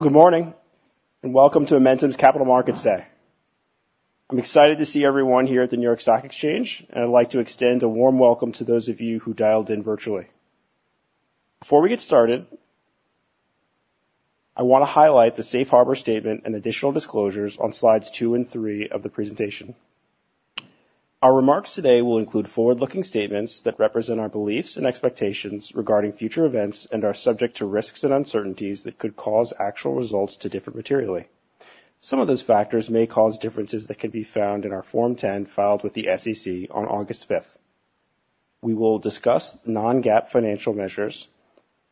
Good morning, and welcome to Amentum's Capital Markets Day. I'm excited to see everyone here at the New York Stock Exchange, and I'd like to extend a warm welcome to those of you who dialed in virtually. Before we get started, I wanna highlight the safe harbor statement and additional disclosures on slides 2 and 3 of the presentation. Our remarks today will include forward-looking statements that represent our beliefs and expectations regarding future events and are subject to risks and uncertainties that could cause actual results to differ materially. Some of those factors may cause differences that can be found in our Form 10, filed with the SEC on August fifth. We will discuss non-GAAP financial measures.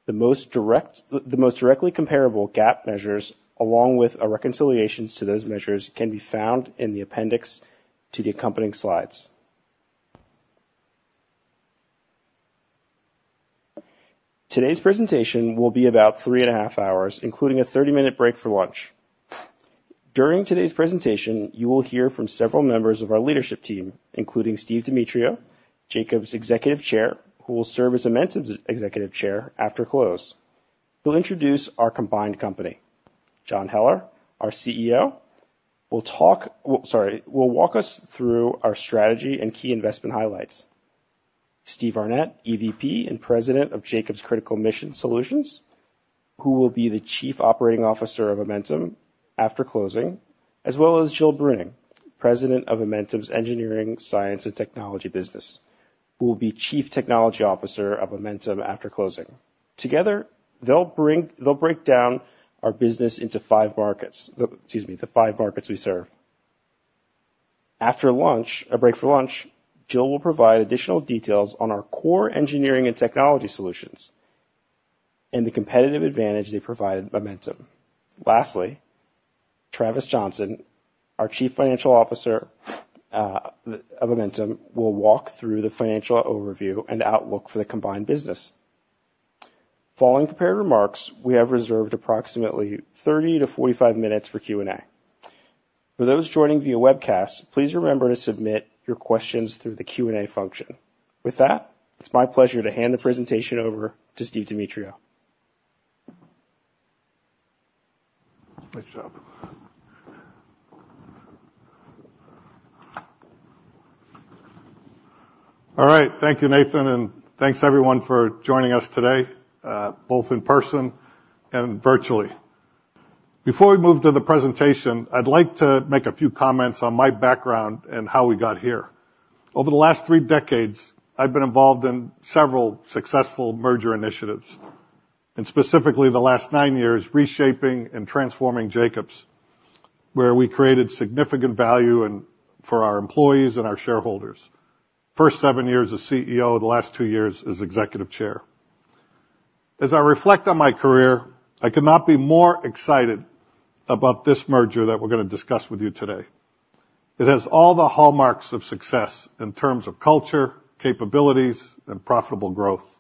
The most directly comparable GAAP measures, along with our reconciliations to those measures, can be found in the appendix to the accompanying slides. Today's presentation will be about 3.5 hours, including a 30-minute break for lunch. During today's presentation, you will hear from several members of our leadership team, including Steve Demetriou, Jacobs' Executive Chair, who will serve as Amentum's Executive Chair after close. He'll introduce our combined company. John Heller, our CEO, will talk... sorry, will walk us through our strategy and key investment highlights. Steve Arnette, EVP and President of Jacobs Critical Mission Solutions, who will be the Chief Operating Officer of Amentum after closing, as well as Jill Bruning, President of Amentum's Engineering, Science and Technology business, who will be Chief Technology Officer of Amentum after closing. Together, they'll break down our business into 5 markets, excuse me, the 5 markets we serve. After lunch, a break for lunch, Jill will provide additional details on our core engineering and technology solutions and the competitive advantage they provide Amentum. Lastly, Travis Johnson, our Chief Financial Officer of Amentum, will walk through the financial overview and outlook for the combined business. Following prepared remarks, we have reserved approximately 30-45 minutes for Q&A. For those joining via webcast, please remember to submit your questions through the Q&A function. With that, it's my pleasure to hand the presentation over to Steve Demetriou. Nice job. All right. Thank you, Nathan, and thanks, everyone, for joining us today, both in person and virtually. Before we move to the presentation, I'd like to make a few comments on my background and how we got here. Over the last three decades, I've been involved in several successful merger initiatives, and specifically the last nine years, reshaping and transforming Jacobs, where we created significant value and for our employees and our shareholders. First seven years as CEO, the last two years as Executive Chair. As I reflect on my career, I could not be more excited about this merger that we're gonna discuss with you today. It has all the hallmarks of success in terms of culture, capabilities, and profitable growth.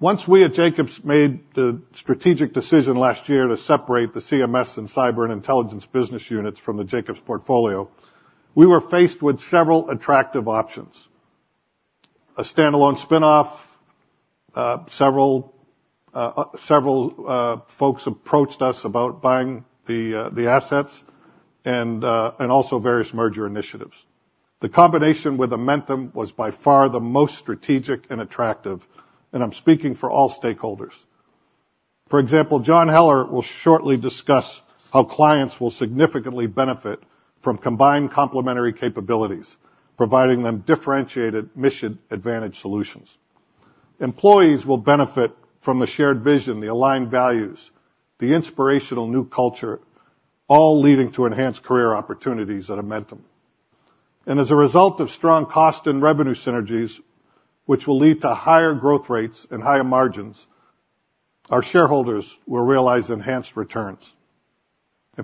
Once we at Jacobs made the strategic decision last year to separate the CMS and Cyber and Intelligence business units from the Jacobs portfolio, we were faced with several attractive options: a standalone spinoff, several folks approached us about buying the assets and also various merger initiatives. The combination with Amentum was by far the most strategic and attractive, and I'm speaking for all stakeholders. For example, John Heller will shortly discuss how clients will significantly benefit from combined complementary capabilities, providing them differentiated mission advantage solutions. Employees will benefit from the shared vision, the aligned values, the inspirational new culture, all leading to enhanced career opportunities at Amentum. As a result of strong cost and revenue synergies, which will lead to higher growth rates and higher margins, our shareholders will realize enhanced returns.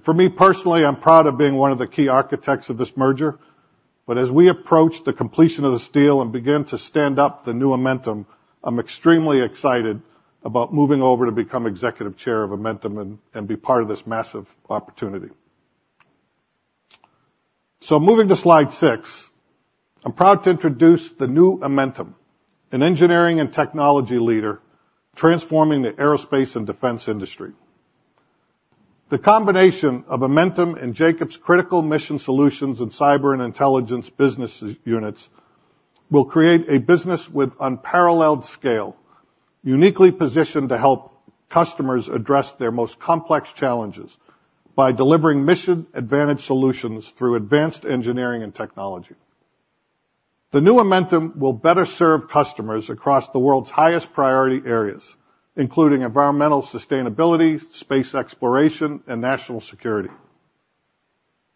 For me personally, I'm proud of being one of the key architects of this merger. But as we approach the completion of this deal and begin to stand up the new Amentum, I'm extremely excited about moving over to become Executive Chair of Amentum and, and be part of this massive opportunity. Moving to slide six, I'm proud to introduce the new Amentum, an engineering and technology leader, transforming the aeroSpace and Defense industry. The combination of Amentum and Jacobs Critical Mission Solutions and Cyber and Intelligence business units will create a business with unparalleled scale, uniquely positioned to help customers address their most complex challenges by delivering mission advantage solutions through advanced engineering and technology. The new Amentum will better serve customers across the world's highest priority areas, including Environmental sustainability, Space exploration, and national security.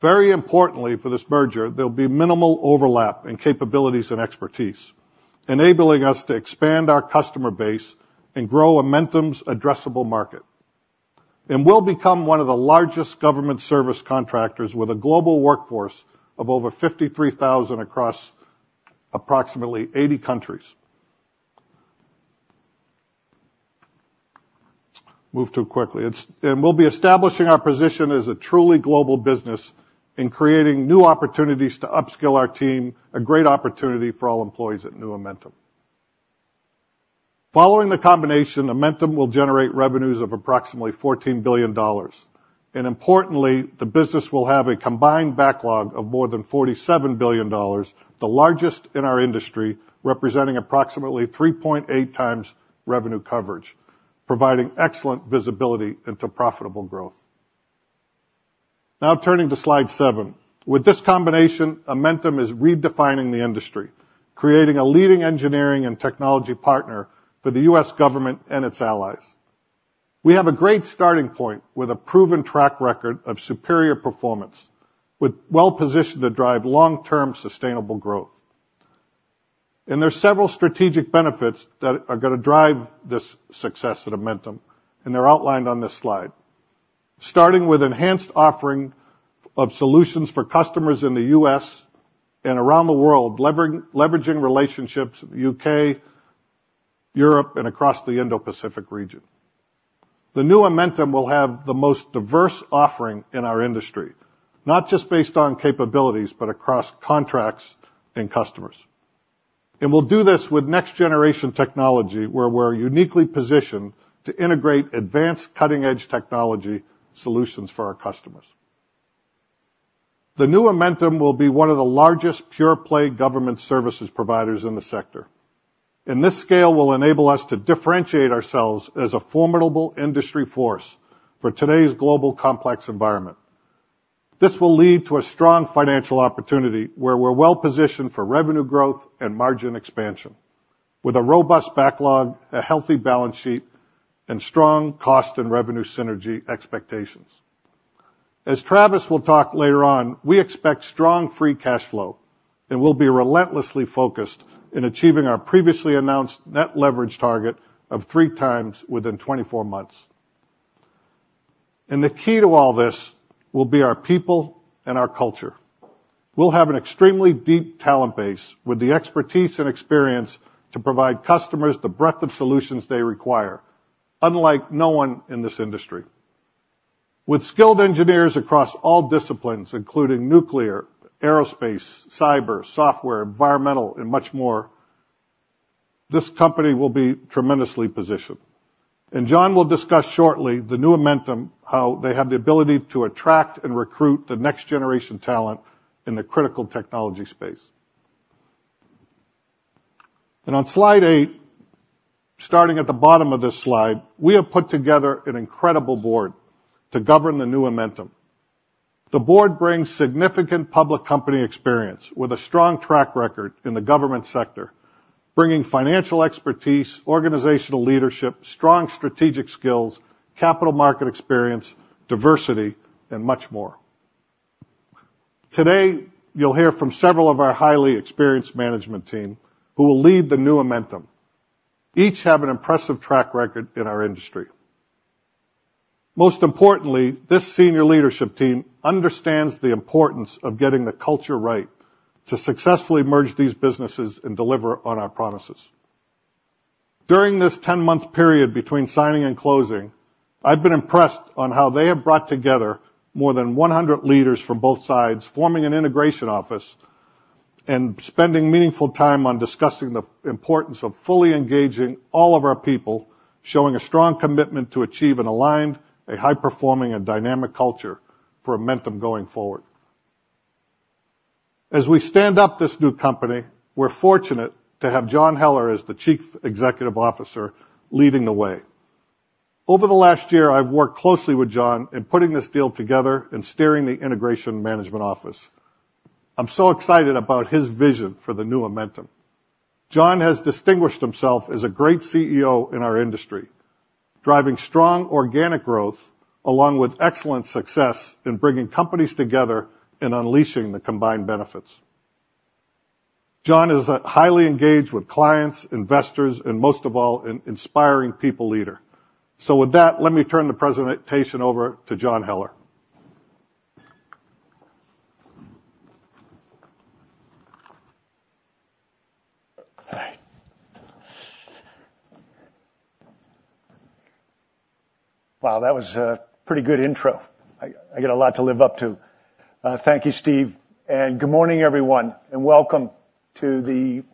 Very importantly, for this merger, there'll be minimal overlap in capabilities and expertise, enabling us to expand our customer base and grow Amentum's addressable market. And we'll become one of the largest government service contractors with a global workforce of over 53,000 across approximately 80 countries. And we'll be establishing our position as a truly global business and creating new opportunities to upskill our team, a great opportunity for all employees at new Amentum. Following the combination, Amentum will generate revenues of approximately $14 billion, and importantly, the business will have a combined backlog of more than $47 billion, the largest in our industry, representing approximately 3.8 times revenue coverage, providing excellent visibility into profitable growth. Now turning to slide 7. With this combination, Amentum is redefining the industry, creating a leading engineering and technology partner for the U.S. government and its allies. We have a great starting point with a proven track record of superior performance, with well-positioned to drive long-term, sustainable growth. And there are several strategic benefits that are gonna drive this success at Amentum, and they're outlined on this slide. Starting with enhanced offering of solutions for customers in the U.S. and around the world, leveraging relationships with U.K., Europe, and across the Indo-Pacific region. The new Amentum will have the most diverse offering in our industry, not just based on capabilities, but across contracts and customers. And we'll do this with next-generation technology, where we're uniquely positioned to integrate advanced, cutting-edge technology solutions for our customers. The new Amentum will be one of the largest pure-play government services providers in the sector, and this scale will enable us to differentiate ourselves as a formidable industry force for today's global, complex Environment. This will lead to a strong financial opportunity, where we're well-positioned for revenue growth and margin expansion, with a robust backlog, a healthy balance sheet, and strong cost and revenue synergy expectations. As Travis will talk later on, we expect strong free cash flow, and we'll be relentlessly focused in achieving our previously announced net leverage target of 3x within 24 months. And the key to all this will be our people and our culture. We'll have an extremely deep talent base, with the expertise and experience to provide customers the breadth of solutions they require, unlike no one in this industry. With skilled engineers across all disciplines, including nuclear, aeroSpace, cyber, software, Environmental, and much more, this company will be tremendously positioned. John will discuss shortly the new Amentum, how they have the ability to attract and recruit the next-generation talent in the critical technology Space. On slide 8, starting at the bottom of this slide, we have put together an incredible board to govern the new Amentum. The board brings significant public company experience with a strong track record in the government sector, bringing financial expertise, organizational leadership, strong strategic skills, capital market experience, diversity, and much more. Today, you'll hear from several of our highly experienced management team, who will lead the new Amentum. Each have an impressive track record in our industry. Most importantly, this senior leadership team understands the importance of getting the culture right to successfully merge these businesses and deliver on our promises. During this 10-month period between signing and closing, I've been impressed on how they have brought together more than 100 leaders from both sides, forming an integration office and spending meaningful time on discussing the importance of fully engaging all of our people, showing a strong commitment to achieve an aligned, a high-performing, and dynamic culture for Amentum going forward. As we stand up this new company, we're fortunate to have John Heller as the Chief Executive Officer, leading the way. Over the last year, I've worked closely with John in putting this deal together and steering the Integration Management Office. I'm so excited about his vision for the new Amentum. John has distinguished himself as a great CEO in our industry, driving strong organic growth, along with excellent success in bringing companies together and unleashing the combined benefits. John is highly engaged with clients, investors, and most of all, an inspiring people leader. So with that, let me turn the presentation over to John Heller. Hi. Wow, that was a pretty good intro. I get a lot to live up to. Thank you, Steve, and good morning, everyone, and welcome to the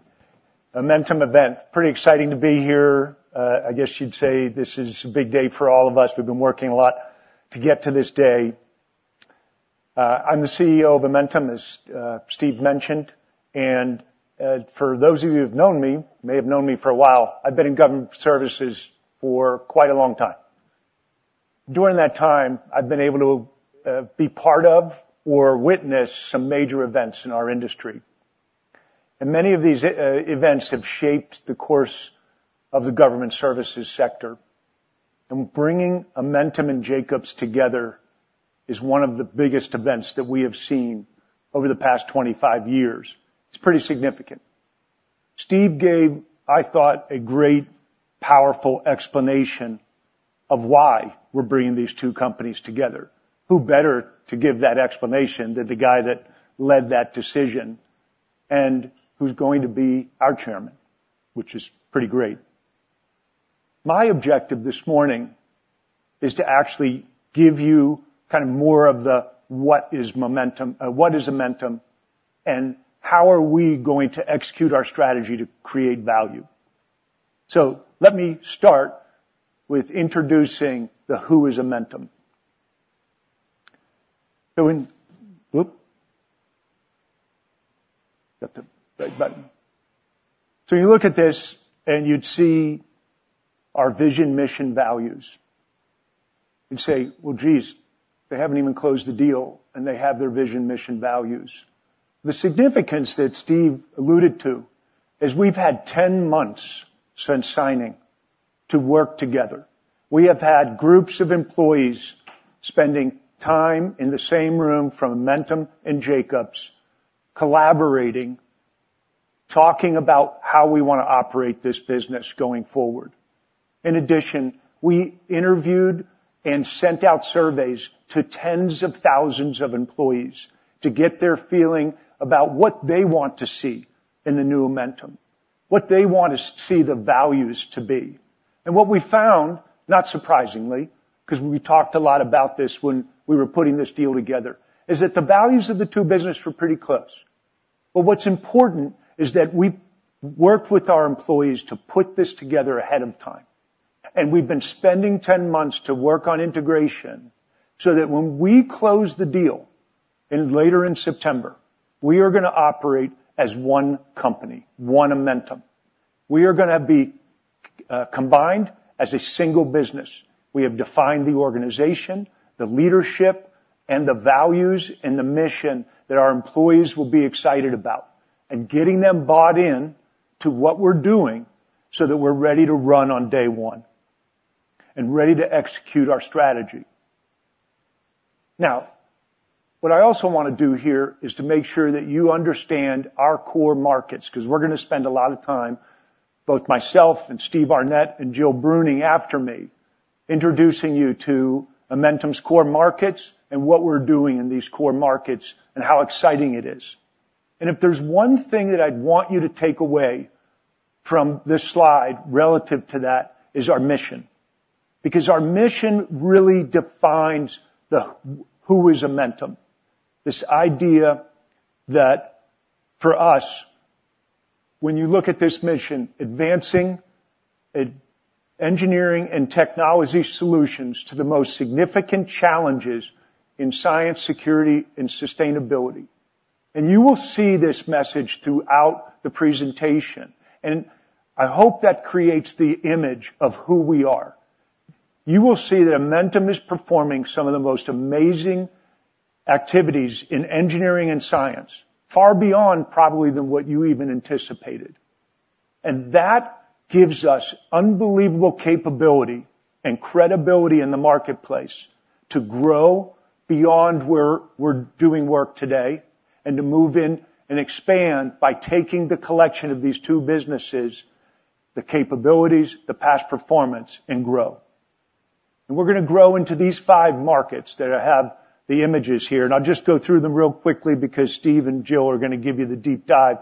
Amentum event. Pretty exciting to be here. I guess you'd say this is a big day for all of us. We've been working a lot to get to this day. I'm the CEO of Amentum, as Steve mentioned, and for those of you who've known me, may have known me for a while, I've been in government services for quite a long time. During that time, I've been able to be part of or witness some major events in our industry, and many of these events have shaped the course of the government services sector. Bringing Amentum and Jacobs together is one of the biggest events that we have seen over the past 25 years. It's pretty significant. Steve gave, I thought, a great, powerful explanation of why we're bringing these two companies together. Who better to give that explanation than the guy that led that decision and who's going to be our chairman, which is pretty great? My objective this morning is to actually give you kind of more of the what is Momentum, what is Amentum, and how are we going to execute our strategy to create value? So let me start with introducing the who is Amentum. Oop! Got the right button. So you look at this, and you'd see our vision, mission, values, and say: "Well, geez, they haven't even closed the deal, and they have their vision, mission, values." The significance that Steve alluded to is we've had 10 months since signing to work together. We have had groups of employees spending time in the same room from Amentum and Jacobs, collaborating, talking about how we wanna operate this business going forward. In addition, we interviewed and sent out surveys to tens of thousands of employees to get their feeling about what they want to see in the new Amentum, what they want is to see the values to be. And what we found, not surprisingly, 'cause we talked a lot about this when we were putting this deal together, is that the values of the two businesses were pretty close. What's important is that we worked with our employees to put this together ahead of time, and we've been spending 10 months to work on integration, so that when we close the deal later in September, we are gonna operate as one company, one Amentum. We are gonna be combined as a single business. We have defined the organization, the leadership, and the values, and the mission that our employees will be excited about, and getting them bought in to what we're doing so that we're ready to run on day one, and ready to execute our strategy. Now, what I also wanna do here is to make sure that you understand our core markets, 'cause we're gonna spend a lot of time, both myself and Steve Arnette and Jill Bruning after me, introducing you to Amentum's core markets and what we're doing in these core markets, and how exciting it is. And if there's one thing that I'd want you to take away from this slide relative to that, is our mission. Because our mission really defines who is Amentum. This idea that for us, when you look at this mission, advancing engineering and technology solutions to the most significant challenges in science, security, and sustainability. And you will see this message throughout the presentation, and I hope that creates the image of who we are. You will see that Amentum is performing some of the most amazing activities in engineering and science, far beyond probably than what you even anticipated. That gives us unbelievable capability and credibility in the marketplace to grow beyond where we're doing work today, and to move in and expand by taking the collection of these two businesses, the capabilities, the past performance, and grow. We're gonna grow into these five markets that I have the images here. I'll just go through them real quickly because Steve and Jill are gonna give you the deep dive.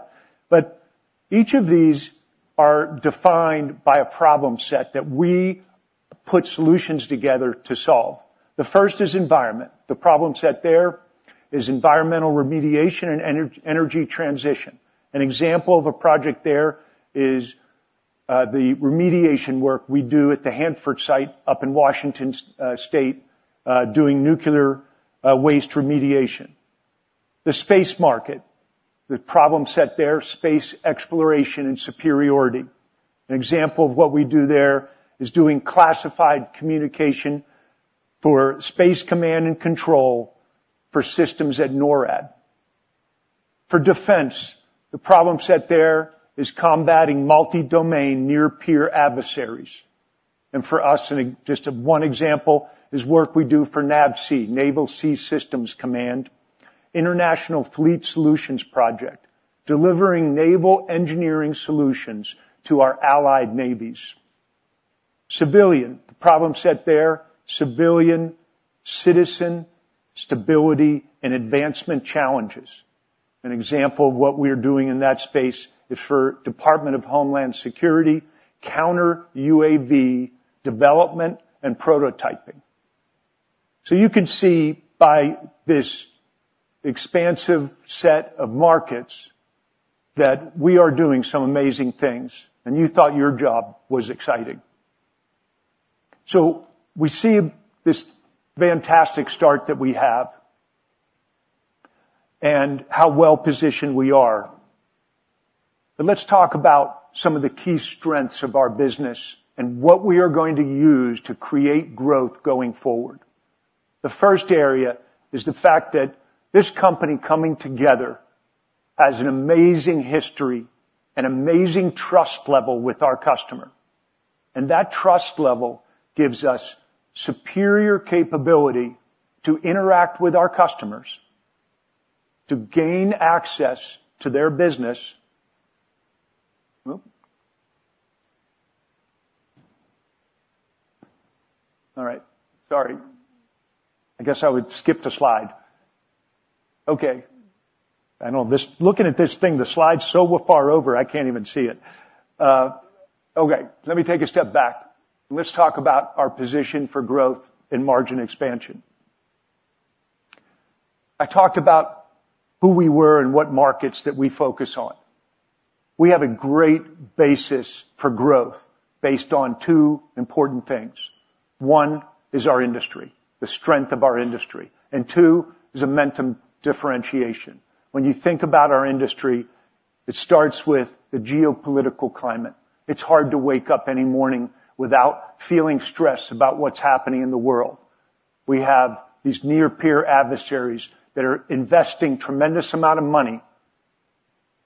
But each of these are defined by a problem set that we put solutions together to solve. The first is Environment. The problem set there is Environmental remediation and energy transition. An example of a project there is, the remediation work we do at the Hanford site up in Washington state, doing nuclear waste remediation. The Space market, the problem set there, Space exploration and superiority. An example of what we do there is doing classified communication for Space command and control for systems at NORAD. For Defense, the problem set there is combating multi-domain, near-peer adversaries. And for us, and just one example, is work we do for NAVSEA, Naval Sea Systems Command. International Fleet Solutions Project, delivering naval engineering solutions to our allied navies. Civilian, the problem set there, civilian, citizen, stability, and advancement challenges. An example of what we are doing in that Space is for Department of Homeland Security, counter-UAV development and prototyping. So you can see by this expansive set of markets, that we are doing some amazing things, and you thought your job was exciting. So we see this fantastic start that we have and how well-positioned we are. But let's talk about some of the key strengths of our business and what we are going to use to create growth going forward. The first area is the fact that this company coming together has an amazing history, an amazing trust level with our customer, and that trust level gives us superior capability to interact with our customers, to gain access to their business. Oop!... All right. Sorry. I guess I would skip the slide. Okay, I know this-- looking at this thing, the slide's so far over, I can't even see it. Okay, let me take a step back, and let's talk about our position for growth and margin expansion. I talked about who we were and what markets that we focus on. We have a great basis for growth based on two important things. One is our industry, the strength of our industry, and two is Amentum differentiation. When you think about our industry, it starts with the geopolitical climate. It's hard to wake up any morning without feeling stressed about what's happening in the world. We have these near-peer adversaries that are investing tremendous amount of money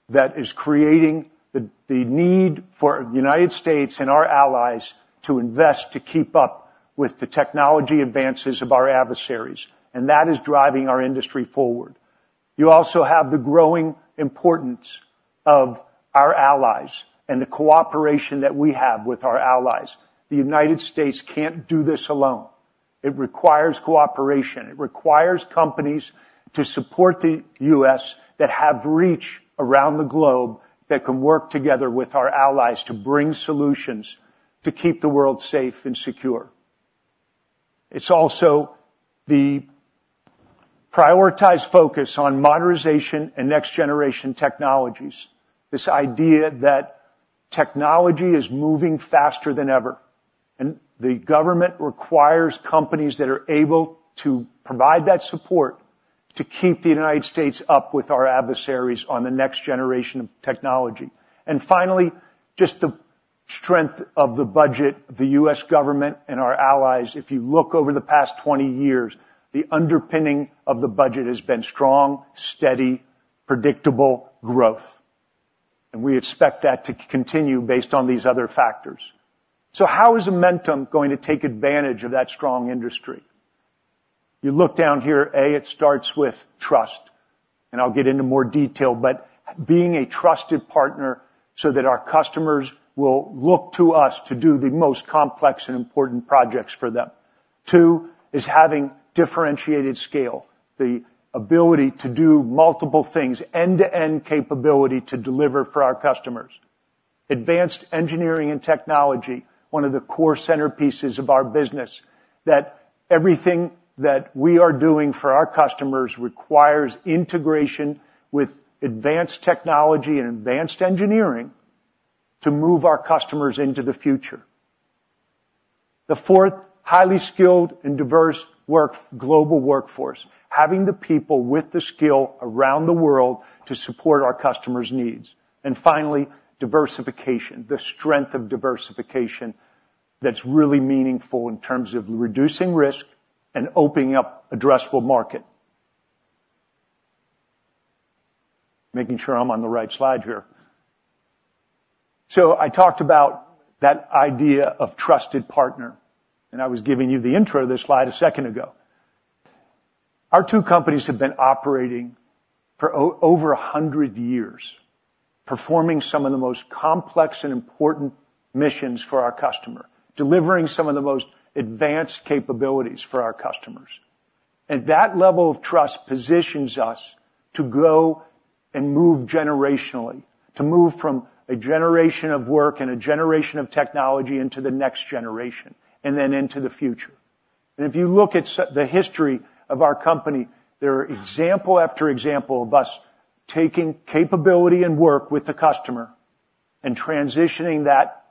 that is creating the need for the United States and our allies to invest to keep up with the technology advances of our adversaries, and that is driving our industry forward. You also have the growing importance of our allies and the cooperation that we have with our allies. The United States can't do this alone. It requires cooperation. It requires companies to support the U.S. that have reach around the globe, that can work together with our allies to bring solutions to keep the world safe and secure. It's also the prioritized focus on modernization and next generation technologies. This idea that technology is moving faster than ever, and the government requires companies that are able to provide that support to keep the United States up with our adversaries on the next generation of technology. And finally, just the strength of the budget of the U.S. government and our allies. If you look over the past 20 years, the underpinning of the budget has been strong, steady, predictable growth, and we expect that to continue based on these other factors. So how is Amentum going to take advantage of that strong industry? You look down here, A, it starts with trust, and I'll get into more detail, but being a trusted partner so that our customers will look to us to do the most complex and important projects for them. Two, is having differentiated scale, the ability to do multiple things, end-to-end capability to deliver for our customers. Advanced engineering and technology, one of the core centerpieces of our business, that everything that we are doing for our customers requires integration with advanced technology and advanced engineering to move our customers into the future. The 4th, highly skilled and diverse workforce, global workforce, having the people with the skills around the world to support our customers' needs. And finally, diversification, the strength of diversification that's really meaningful in terms of reducing risk and opening up addressable market. Making sure I'm on the right slide here. So I talked about that idea of trusted partner, and I was giving you the intro to this slide a second ago. Our two companies have been operating for over 100 years, performing some of the most complex and important missions for our customer, delivering some of the most advanced capabilities for our customers. And that level of trust positions us to go and move generationally, to move from a generation of work and a generation of technology into the next generation, and then into the future. And if you look at the history of our company, there are example after example of us taking capability and work with the customer and transitioning that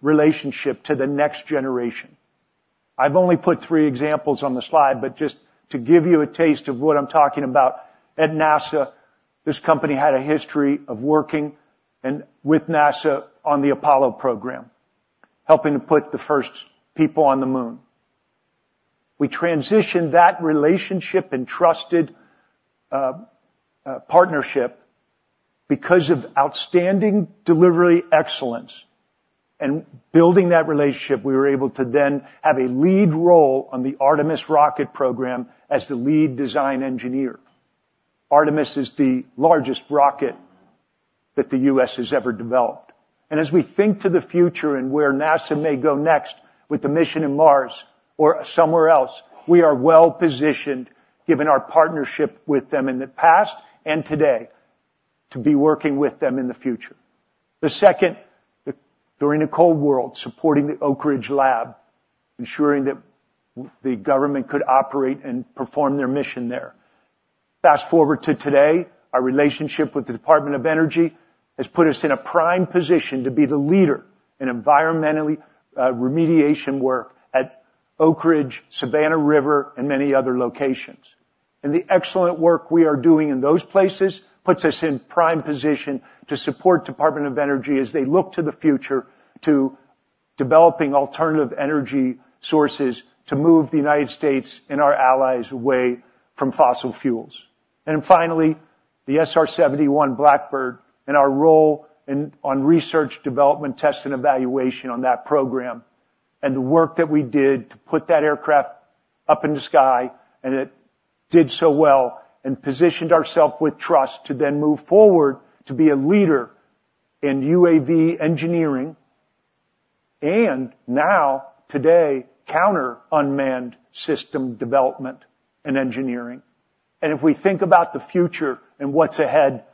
relationship to the next generation. I've only put three examples on the slide, but just to give you a taste of what I'm talking about, at NASA, this company had a history of working with NASA on the Apollo program, helping to put the first people on the moon. We transitioned that relationship and trusted partnership because of outstanding delivery excellence, and building that relationship, we were able to then have a lead role on the Artemis rocket program as the lead design engineer. Artemis is the largest rocket that the U.S. has ever developed, and as we think to the future and where NASA may go next with the mission in Mars or somewhere else, we are well-positioned, given our partnership with them in the past and today, to be working with them in the future. The second, the during the Cold War, supporting the Oak Ridge Lab, ensuring that the government could operate and perform their mission there. Fast-forward to today, our relationship with the Department of Energy has put us in a prime position to be the leader in Environmental remediation work at Oak Ridge, Savannah River, and many other locations. The excellent work we are doing in those places puts us in prime position to support Department of Energy as they look to the future to developing alternative energy sources, to move the United States and our allies away from fossil fuels. And finally, the SR-71 Blackbird and our role in on research development, test, and evaluation on that program, and the work that we did to put that aircraft up in the sky, and it did so well, and positioned ourselves with trust to then move forward to be a leader in UAV engineering, and now, today, counter-unmanned system development and engineering. And if we think about the future and what's ahead,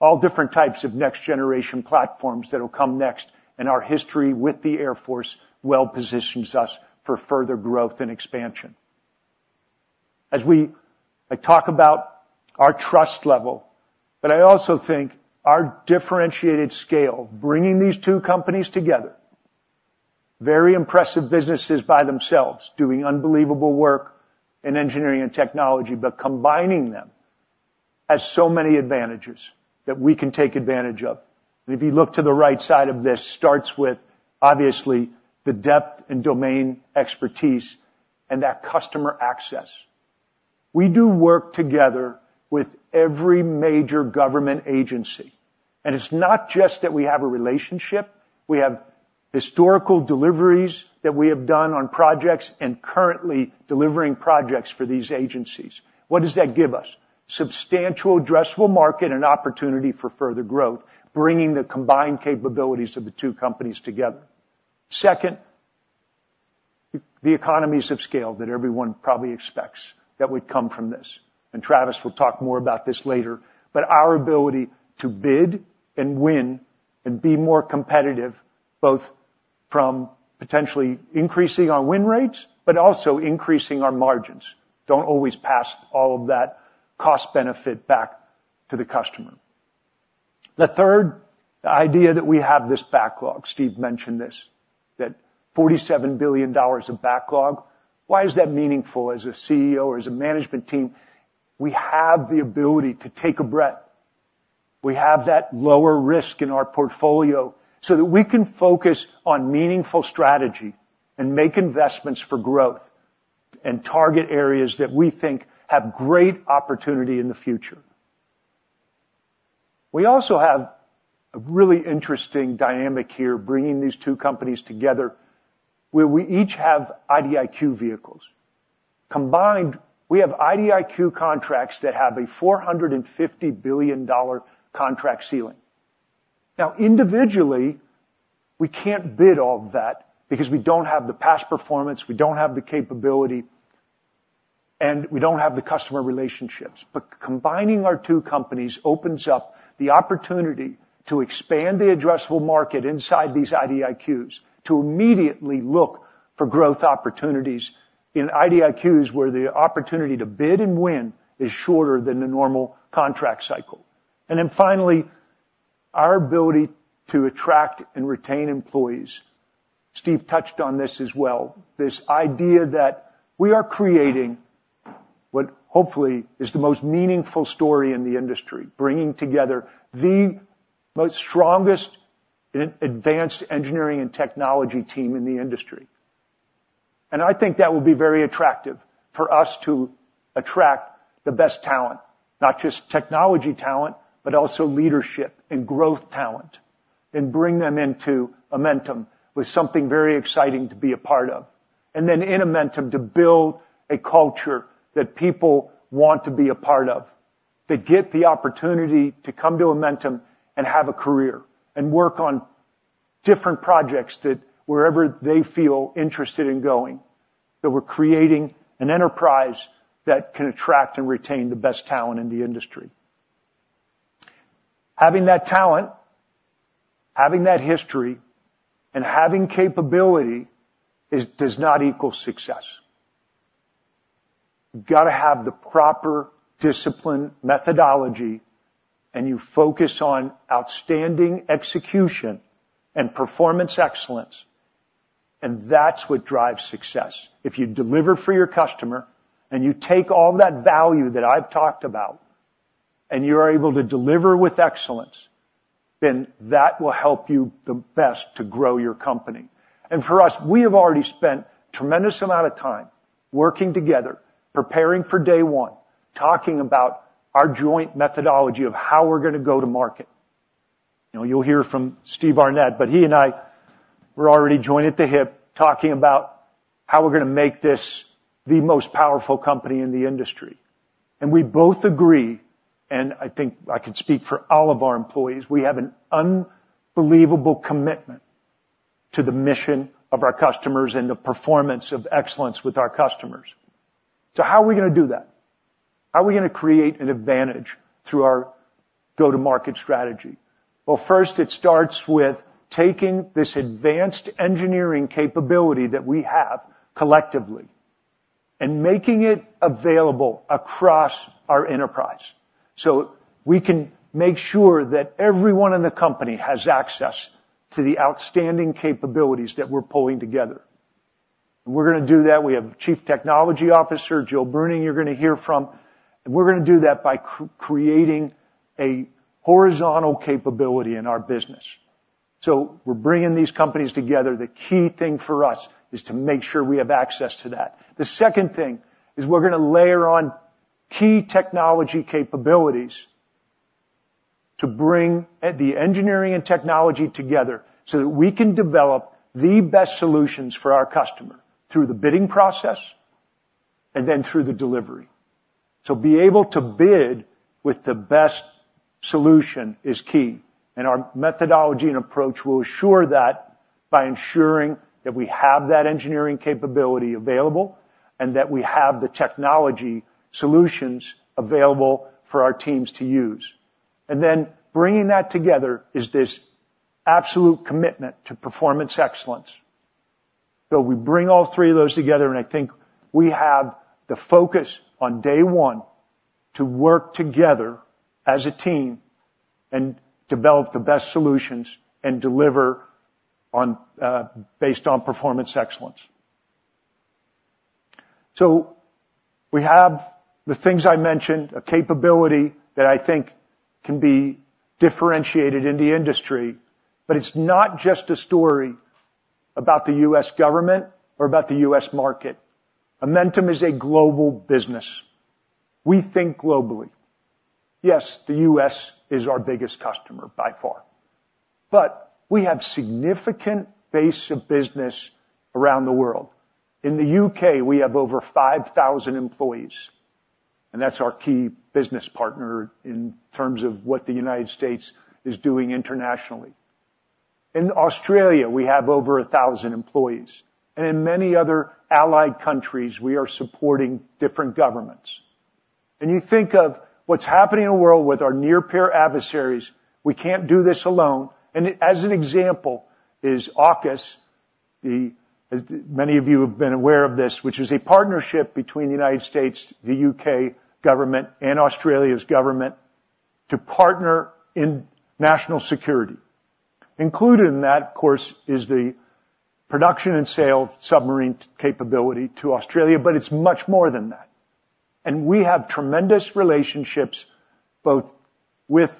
all different types of next generation platforms that will come next, and our history with the Air Force well positions us for further growth and expansion. I talk about our trust level, but I also think our differentiated scale, bringing these two companies together, very impressive businesses by themselves, doing unbelievable work in engineering and technology, but combining them has so many advantages that we can take advantage of. And if you look to the right side of this, it starts with, obviously, the depth and domain expertise and that customer access. We do work together with every major government agency, and it's not just that we have a relationship. We have historical deliveries that we have done on projects, and currently delivering projects for these agencies. What does that give us? Substantial addressable market and opportunity for further growth, bringing the combined capabilities of the two companies together. Second, the economies of scale that everyone probably expects that would come from this, and Travis will talk more about this later. But our ability to bid and win and be more competitive, both from potentially increasing our win rates, but also increasing our margins; don't always pass all of that cost benefit back to the customer. The third, the idea that we have this backlog, Steve mentioned this, that $47 billion of backlog. Why is that meaningful? As a CEO or as a management team, we have the ability to take a breath. We have that lower risk in our portfolio so that we can focus on meaningful strategy and make investments for growth, and target areas that we think have great opportunity in the future. We also have a really interesting dynamic here, bringing these two companies together, where we each have IDIQ vehicles. Combined, we have IDIQ contracts that have a $450 billion contract ceiling. Now, individually, we can't bid all of that because we don't have the past performance, we don't have the capability, and we don't have the customer relationships. But combining our two companies opens up the opportunity to expand the addressable market inside these IDIQs, to immediately look for growth opportunities in IDIQs, where the opportunity to bid and win is shorter than the normal contract cycle. And then finally, our ability to attract and retain employees. Steve touched on this as well, this idea that we are creating what hopefully is the most meaningful story in the industry, bringing together the most strongest in advanced engineering and technology team in the industry. And I think that will be very attractive for us to attract the best talent, not just technology talent, but also leadership and growth talent, and bring them into Amentum with something very exciting to be a part of. And then in Amentum, to build a culture that people want to be a part of, to get the opportunity to come to Amentum and have a career, and work on different projects that wherever they feel interested in going, that we're creating an enterprise that can attract and retain the best talent in the industry. Having that talent, having that history, and having capability does not equal success. You've got to have the proper discipline, methodology, and you focus on outstanding execution and performance excellence, and that's what drives success. If you deliver for your customer, and you take all that value that I've talked about, and you're able to deliver with excellence, then that will help you the best to grow your company. And for us, we have already spent a tremendous amount of time working together, preparing for day one, talking about our joint methodology of how we're gonna go to market. You know, you'll hear from Steve Arnette, but he and I, we're already joined at the hip, talking about how we're gonna make this the most powerful company in the industry. And we both agree, and I think I can speak for all of our employees, we have an unbelievable commitment to the mission of our customers and the performance of excellence with our customers. So how are we gonna do that? How are we gonna create an advantage through our go-to-market strategy? Well, first, it starts with taking this advanced engineering capability that we have collectively and making it available across our enterprise, so we can make sure that everyone in the company has access to the outstanding capabilities that we're pulling together. We're gonna do that. We have Chief Technology Officer, Jill Bruning, you're gonna hear from, and we're gonna do that by creating a horizontal capability in our business. So we're bringing these companies together. The key thing for us is to make sure we have access to that. The second thing is we're gonna layer on key technology capabilities to bring the engineering and technology together, so that we can develop the best solutions for our customer through the bidding process and then through the delivery. So be able to bid with the best solution is key, and our methodology and approach will assure that by ensuring that we have that engineering capability available, and that we have the technology solutions available for our teams to use. And then bringing that together is this absolute commitment to performance excellence. So we bring all three of those together, and I think we have the focus on day one to work together as a team and develop the best solutions and deliver on, based on performance excellence. So we have the things I mentioned, a capability that I think can be differentiated in the industry, but it's not just a story about the U.S. government or about the U.S. market. Amentum is a global business. We think globally. Yes, the U.S. is our biggest customer by far, but we have significant base of business around the world. In the U.K., we have over 5,000 employees, and that's our key business partner in terms of what the United States is doing internationally. In Australia, we have over 1,000 employees, and in many other allied countries, we are supporting different governments. And you think of what's happening in the world with our near-peer adversaries, we can't do this alone. As an example, is AUKUS, the, as many of you have been aware of this, which is a partnership between the United States, the U.K. government, and Australia's government to partner in national security. Included in that, of course, is the production and sale of submarine capability to Australia, but it's much more than that. And we have tremendous relationships, both with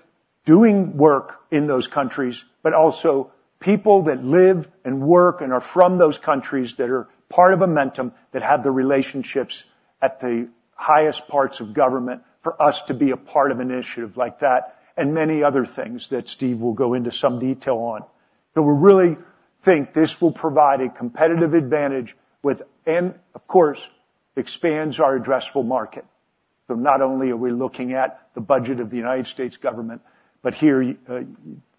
doing work in those countries, but also people that live and work and are from those countries that are part of Amentum, that have the relationships at the highest parts of government for us to be a part of an initiative like that, and many other things that Steve will go into some detail on. So we really think this will provide a competitive advantage with, and of course, expands our addressable market. So not only are we looking at the budget of the United States government, but here,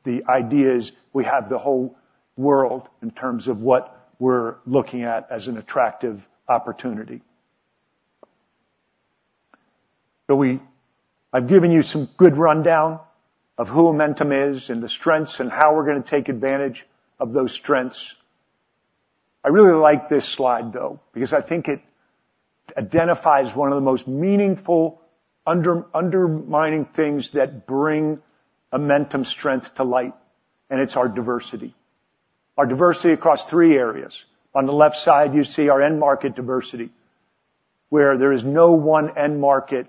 the idea is we have the whole world in terms of what we're looking at as an attractive opportunity. So I've given you some good rundown of who Amentum is and the strengths and how we're gonna take advantage of those strengths. I really like this slide, though, because I think it identifies one of the most meaningful, undermining things that bring Amentum's strength to light, and it's our diversity. Our diversity across three areas. On the left side, you see our end market diversity, where there is no one end market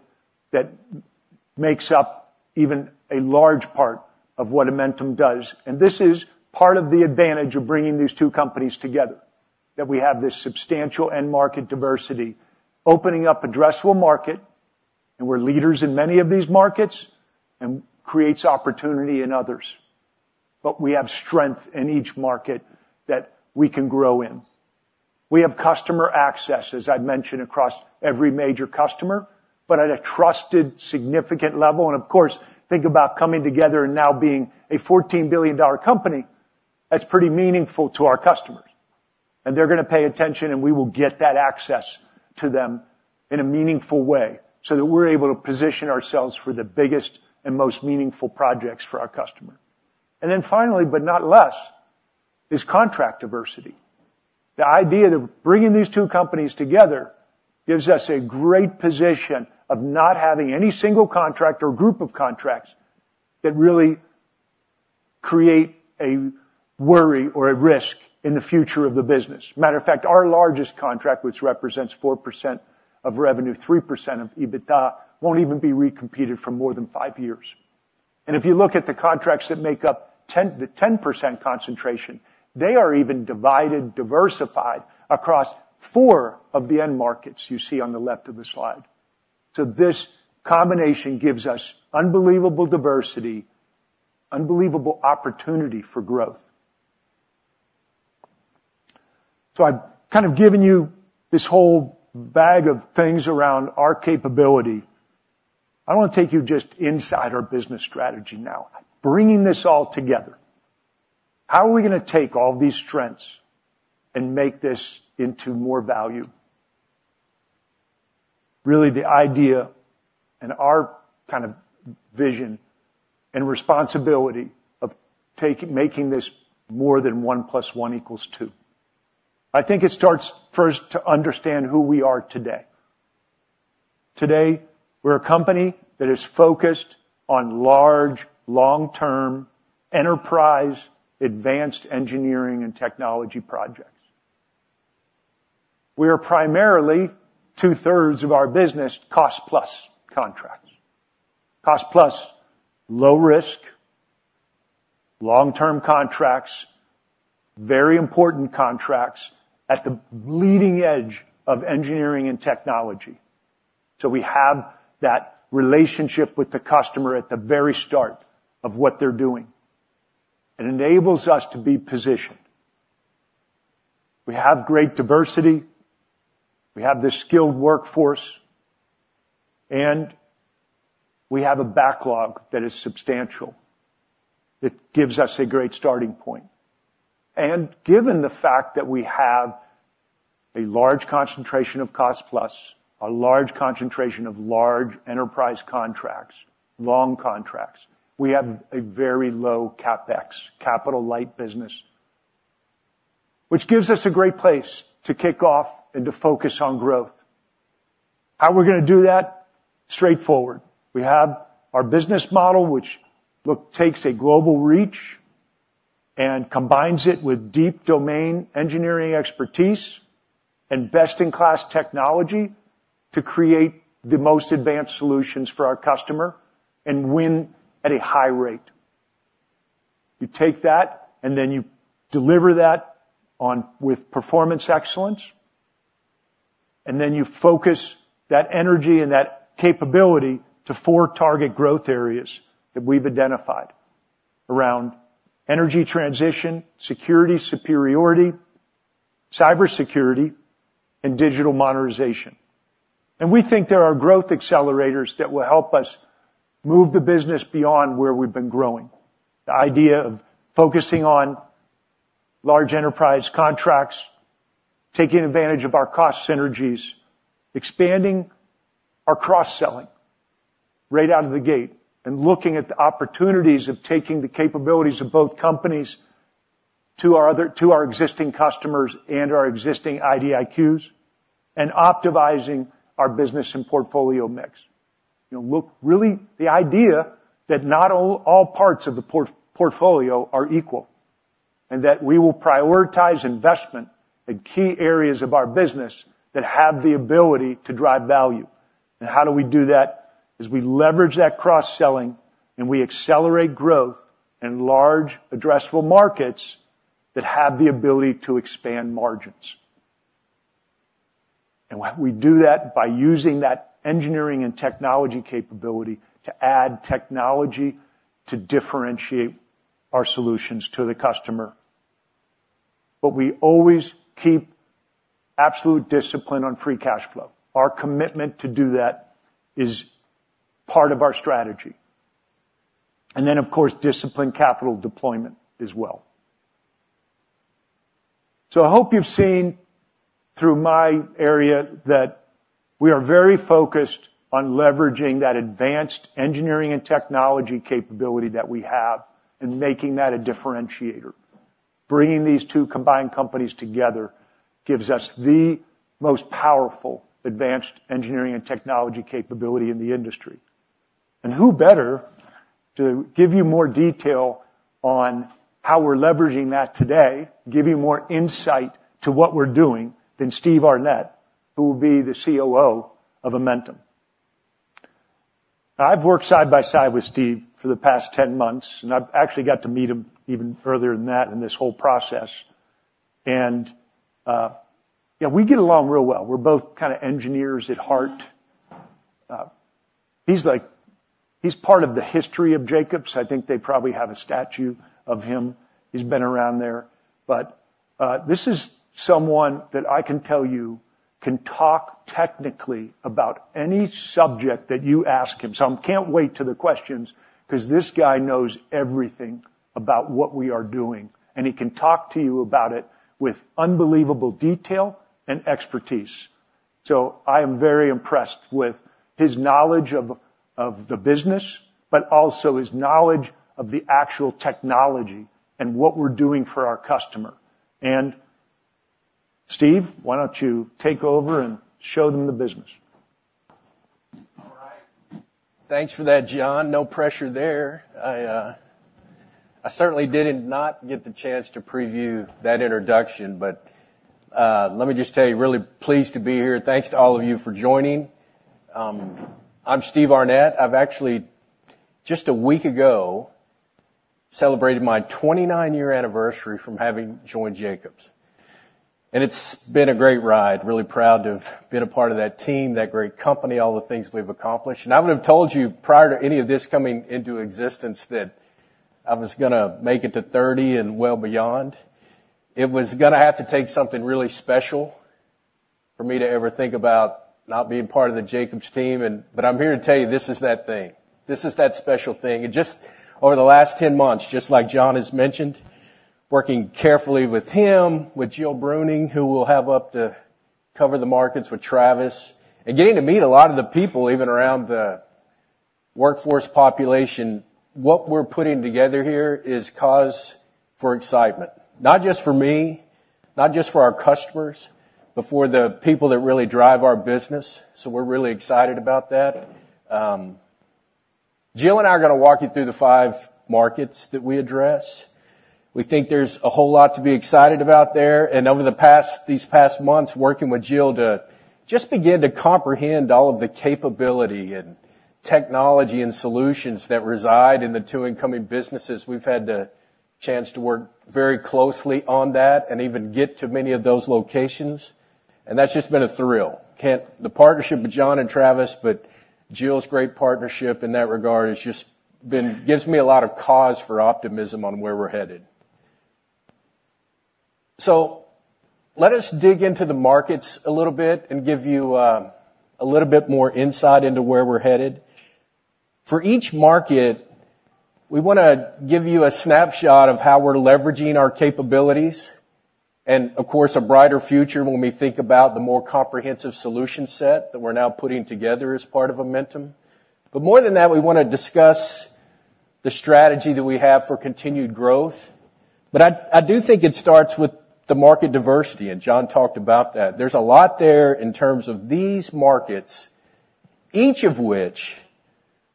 that makes up even a large part of what Amentum does. And this is part of the advantage of bringing these two companies together, that we have this substantial end market diversity, opening up addressable market, and we're leaders in many of these markets, and creates opportunity in others. But we have strength in each market that we can grow in. We have customer access, as I've mentioned, across every major customer, but at a trusted, significant level. And of course, think about coming together and now being a $14 billion company, that's pretty meaningful to our customers. They're gonna pay attention, and we will get that access to them in a meaningful way, so that we're able to position ourselves for the biggest and most meaningful projects for our customer. Finally, but not least, is contract diversity. The idea that bringing these two companies together gives us a great position of not having any single contract or group of contracts that really create a worry or a risk in the future of the business. Matter of fact, our largest contract, which represents 4% of revenue, 3% of EBITDA, won't even be recompeted for more than five years. And if you look at the contracts that make up 10, the 10% concentration, they are even divided, diversified across four of the end markets you see on the left of the slide. So this combination gives us unbelievable diversity, unbelievable opportunity for growth. So I've kind of given you this whole bag of things around our capability. I wanna take you just inside our business strategy now. Bringing this all together, how are we gonna take all these strengths and make this into more value? Really, the idea and our kind of vision and responsibility of making this more than one plus one equals two. I think it starts first to understand who we are today. Today, we're a company that is focused on large, long-term enterprise, advanced engineering and technology projects. We are primarily two-thirds of our cost-plus contracts. cost-plus low-risk, long-term contracts, very important contracts at the leading edge of engineering and technology. So we have that relationship with the customer at the very start of what they're doing.... It enables us to be positioned. We have great diversity, we have the skilled workforce, and we have a backlog that is substantial. It gives us a great starting point. Given the fact that we have a large concentration cost-plus, a large concentration of large enterprise contracts, long contracts, we have a very low CapEx, capital-light business, which gives us a great place to kick off and to focus on growth. How we're gonna do that? Straightforward. We have our business model, which look, takes a global reach and combines it with deep domain engineering expertise and best-in-class technology to create the most advanced solutions for our customer, and win at a high rate. You take that, and then you deliver that on- with performance excellence, and then you focus that energy and that capability to four target growth areas that we've identified around energy transition, security superiority, cybersecurity, and digital modernization. We think there are growth accelerators that will help us move the business beyond where we've been growing. The idea of focusing on large enterprise contracts, taking advantage of our cost synergies, expanding our cross-selling right out of the gate, and looking at the opportunities of taking the capabilities of both companies to our existing customers and our existing IDIQs, and optimizing our business and portfolio mix. You know, look, really, the idea that not all, all parts of the portfolio are equal, and that we will prioritize investment in key areas of our business that have the ability to drive value. How do we do that? Is we leverage that cross-selling, and we accelerate growth in large addressable markets that have the ability to expand margins. And we do that by using that engineering and technology capability to add technology to differentiate our solutions to the customer. But we always keep absolute discipline on free cash flow. Our commitment to do that is part of our strategy, and then, of course, disciplined capital deployment as well. So I hope you've seen through my area that we are very focused on leveraging that advanced engineering and technology capability that we have, and making that a differentiator. Bringing these two combined companies together gives us the most powerful, advanced engineering and technology capability in the industry. And who better to give you more detail on how we're leveraging that today, give you more insight to what we're doing, than Steve Arnette, who will be the COO of Amentum? I've worked side by side with Steve for the past 10 months, and I've actually got to meet him even further than that in this whole process, and, yeah, we get along real well. We're both kind of engineers at heart. He's like, he's part of the history of Jacobs. I think they probably have a statue of him. He's been around there. But, this is someone that I can tell you, can talk technically about any subject that you ask him. So I can't wait to the questions, 'cause this guy knows everything about what we are doing, and he can talk to you about it with unbelievable detail and expertise. So I am very impressed with his knowledge of the business, but also his knowledge of the actual technology and what we're doing for our customer. Steve, why don't you take over and show them the business? All right. Thanks for that, John. No pressure there. I certainly didn't not get the chance to preview that introduction, but let me just tell you, really pleased to be here. Thanks to all of you for joining. I'm Steve Arnette. I've actually, just a week ago, celebrated my 29-year anniversary from having joined Jacobs, and it's been a great ride. Really proud to have been a part of that team, that great company, all the things we've accomplished. And I would have told you, prior to any of this coming into existence, that I was gonna make it to 30 and well beyond. It was gonna have to take something really special for me to ever think about not being part of the Jacobs team, and but I'm here to tell you, this is that thing. This is that special thing. Just over the last 10 months, just like John has mentioned, working carefully with him, with Jill Bruning, who we'll have up to cover the markets, with Travis, and getting to meet a lot of the people even around the workforce population, what we're putting together here is cause for excitement. Not just for me, not just for our customers, but for the people that really drive our business. So we're really excited about that. Jill and I are gonna walk you through the five markets that we address. We think there's a whole lot to be excited about there. And over these past months, working with Jill to just begin to comprehend all of the capability and technology and solutions that reside in the two incoming businesses, we've had the chance to work very closely on that and even get to many of those locations... That's just been a thrill. The partnership with John and Travis, but Jill's great partnership in that regard gives me a lot of cause for optimism on where we're headed. So let us dig into the markets a little bit and give you a little bit more insight into where we're headed. For each market, we wanna give you a snapshot of how we're leveraging our capabilities, and of course, a brighter future when we think about the more comprehensive solution set that we're now putting together as part of Amentum. But more than that, we wanna discuss the strategy that we have for continued growth. But I do think it starts with the market diversity, and John talked about that. There's a lot there in terms of these markets, each of which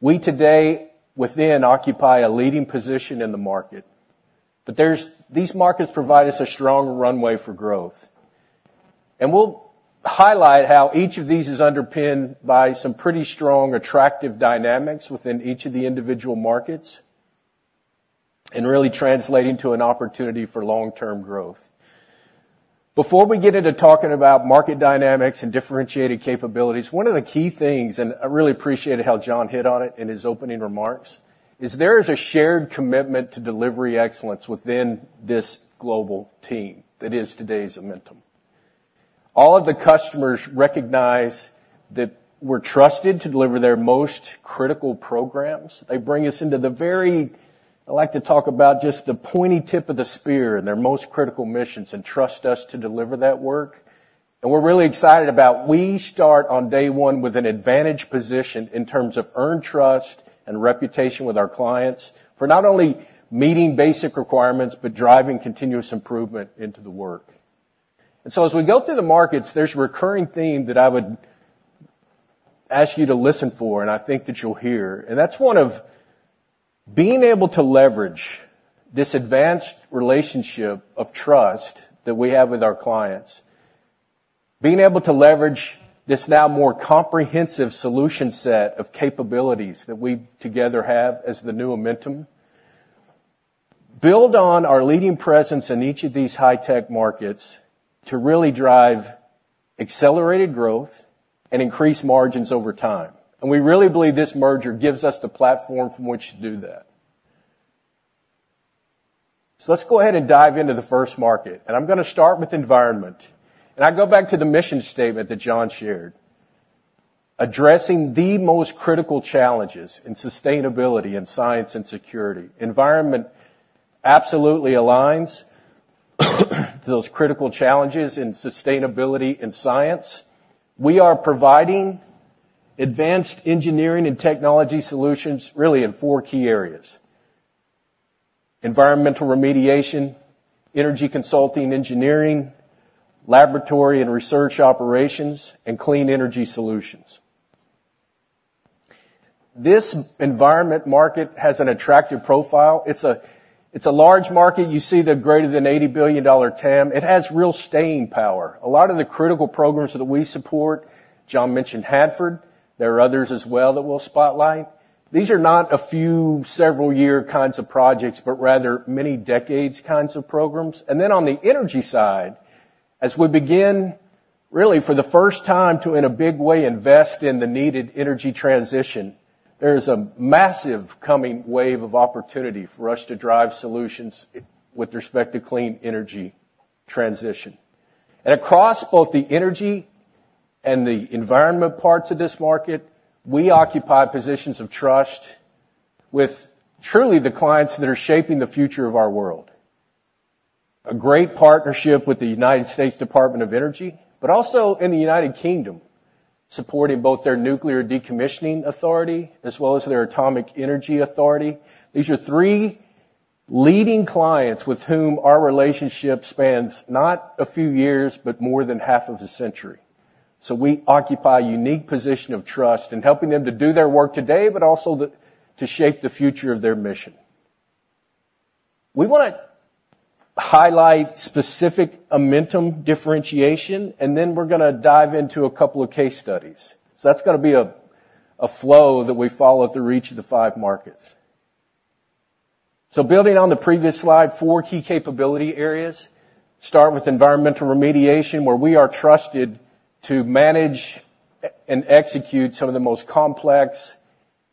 we today within occupy a leading position in the market. But there's these markets provide us a strong runway for growth. We'll highlight how each of these is underpinned by some pretty strong, attractive dynamics within each of the individual markets, and really translating to an opportunity for long-term growth. Before we get into talking about market dynamics and differentiated capabilities, one of the key things, and I really appreciated how John hit on it in his opening remarks, is there is a shared commitment to delivery excellence within this global team that is today's Amentum. All of the customers recognize that we're trusted to deliver their most critical programs. They bring us into the very... I like to talk about just the pointy tip of the spear in their most critical missions, and trust us to deliver that work. We're really excited about we start on day one with an advantage position in terms of earned trust and reputation with our clients, for not only meeting basic requirements, but driving continuous improvement into the work. And so, as we go through the markets, there's a recurring theme that I would ask you to listen for, and I think that you'll hear, and that's one of being able to leverage this advanced relationship of trust that we have with our clients. Being able to leverage this now more comprehensive solution set of capabilities that we together have as the new Amentum, build on our leading presence in each of these high-tech markets to really drive accelerated growth and increase margins over time. And we really believe this merger gives us the platform from which to do that. Let's go ahead and dive into the first market, and I'm gonna start with Environment. I go back to the mission statement that John shared: addressing the most critical challenges in sustainability and science and security. Environment absolutely aligns to those critical challenges in sustainability and science. We are providing advanced engineering and technology solutions really in four key areas: Environmental remediation, energy consulting engineering, laboratory and research operations, and clean energy solutions. This Environment market has an attractive profile. It's a large market. You see the greater than $80 billion TAM. It has real staying power. A lot of the critical programs that we support, John mentioned Hanford, there are others as well that we'll spotlight. These are not a few several year kinds of projects, but rather many decades kinds of programs. And then on the energy side, as we begin, really for the first time, to, in a big way, invest in the needed energy transition, there is a massive coming wave of opportunity for us to drive solutions with respect to clean energy transition. And across both the energy and the Environment parts of this market, we occupy positions of trust with truly the clients that are shaping the future of our world. A great partnership with the United States Department of Energy, but also in the United Kingdom, supporting both their Nuclear Decommissioning Authority as well as their Atomic Energy Authority. These are three leading clients with whom our relationship spans, not a few years, but more than half of a century. So we occupy a unique position of trust in helping them to do their work today, but also to shape the future of their mission. We wanna highlight specific Amentum differentiation, and then we're gonna dive into a couple of case studies. So that's gonna be a flow that we follow through each of the five markets. So building on the previous slide, four key capability areas. Start with Environmental remediation, where we are trusted to manage and execute some of the most complex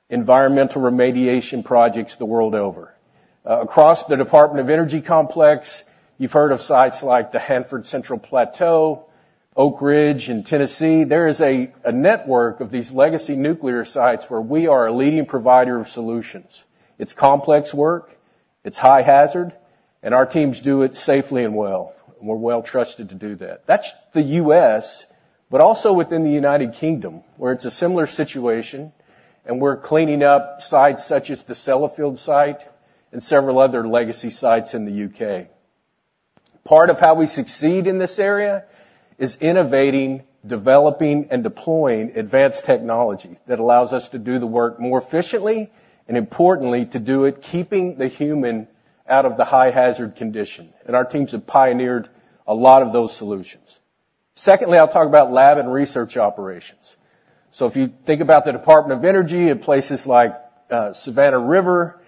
Environmental remediation projects the world over. Across the Department of Energy complex, you've heard of sites like the Hanford Central Plateau, Oak Ridge in Tennessee. There is a network of these legacy nuclear sites where we are a leading provider of solutions. It's complex work, it's high hazard, and our teams do it safely and well. We're well trusted to do that. That's the U.S., but also within the United Kingdom, where it's a similar situation, and we're cleaning up sites such as the Sellafield site and several other legacy sites in the U.K. Part of how we succeed in this area is innovating, developing, and deploying advanced technology that allows us to do the work more efficiently, and importantly, to do it keeping the human out of the high hazard condition. And our teams have pioneered a lot of those solutions. Secondly, I'll talk about lab and research operations. So if you think about the Department of Energy in places like Savannah River,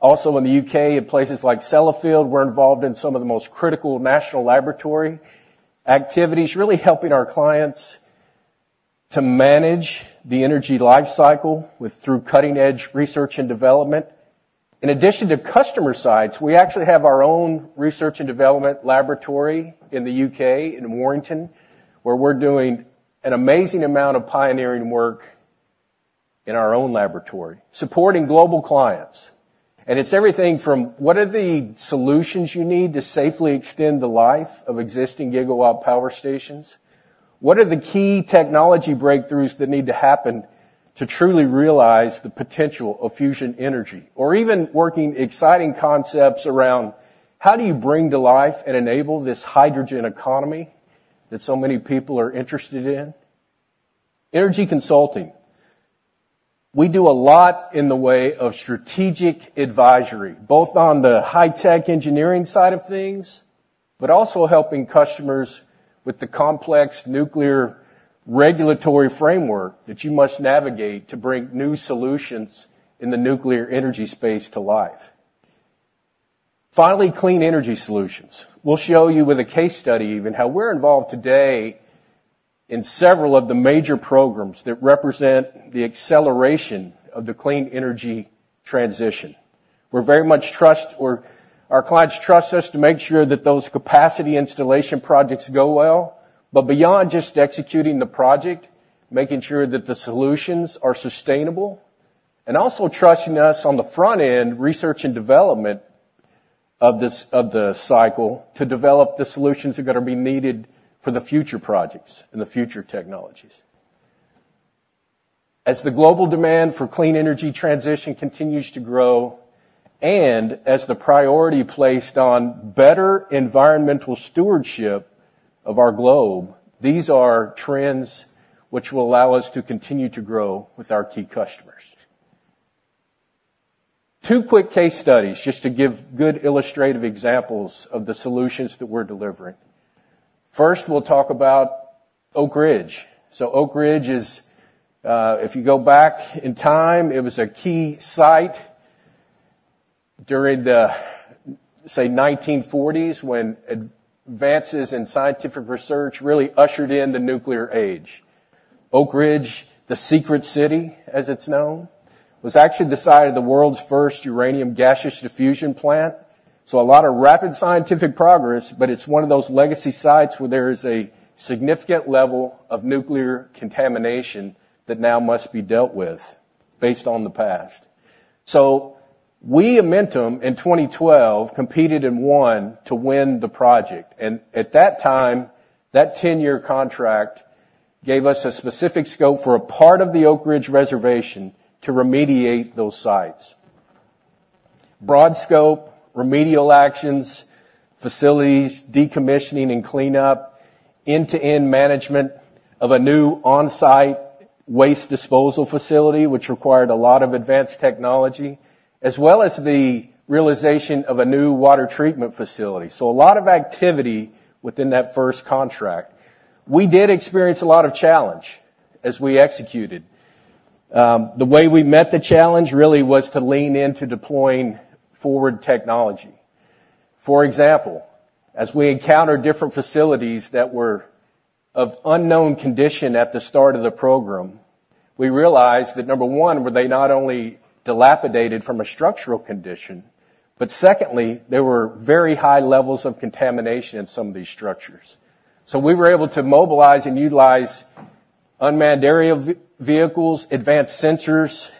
also in the U.K., in places like Sellafield, we're involved in some of the most critical national laboratory activities, really helping our clients to manage the energy life cycle through cutting-edge research and development. In addition to customer sites, we actually have our own research and development laboratory in the U.K., in Warrington, where we're doing an amazing amount of pioneering work in our own laboratory, supporting global clients. And it's everything from, what are the solutions you need to safely extend the life of existing gigawatt power stations? What are the key technology breakthroughs that need to happen to truly realize the potential of fusion energy? Or even working exciting concepts around, how do you bring to life and enable this hydrogen economy that so many people are interested in? Energy consulting. We do a lot in the way of strategic advisory, both on the high-tech engineering side of things, but also helping customers with the complex nuclear regulatory framework that you must navigate to bring new solutions in the nuclear energy Space to life. Finally, clean energy solutions. We'll show you with a case study even, how we're involved today in several of the major programs that represent the acceleration of the clean energy transition. We're very much, or our clients trust us to make sure that those capacity installation projects go well. But beyond just executing the project, making sure that the solutions are sustainable, and also trusting us on the front end, research and development of the cycle, to develop the solutions that are gonna be needed for the future projects and the future technologies. As the global demand for clean energy transition continues to grow, and as the priority placed on better Environmental stewardship of our globe, these are trends which will allow us to continue to grow with our key customers. Two quick case studies, just to give good illustrative examples of the solutions that we're delivering. First, we'll talk about Oak Ridge. So Oak Ridge is, if you go back in time, it was a key site during the, say, 1940s, when advances in scientific research really ushered in the nuclear age. Oak Ridge, the Secret City, as it's known, was actually the site of the world's first uranium gaseous diffusion plant. So a lot of rapid scientific progress, but it's one of those legacy sites where there is a significant level of nuclear contamination that now must be dealt with based on the past. So we, in Amentum, in 2012, competed and won to win the project, and at that time, that 10-year contract gave us a specific scope for a part of the Oak Ridge Reservation to remediate those sites. Broad scope, remedial actions, facilities, decommissioning and cleanup, end-to-end management of a new on-site waste disposal facility, which required a lot of advanced technology, as well as the realization of a new water treatment facility. So a lot of activity within that first contract. We did experience a lot of challenge as we executed. The way we met the challenge, really, was to lean into deploying forward technology. For example, as we encountered different facilities that were of unknown condition at the start of the program, we realized that, number one, were they not only dilapidated from a structural condition, but secondly, there were very high levels of contamination in some of these structures. So we were able to mobilize and utilize unmanned aerial vehicles, advanced sensors,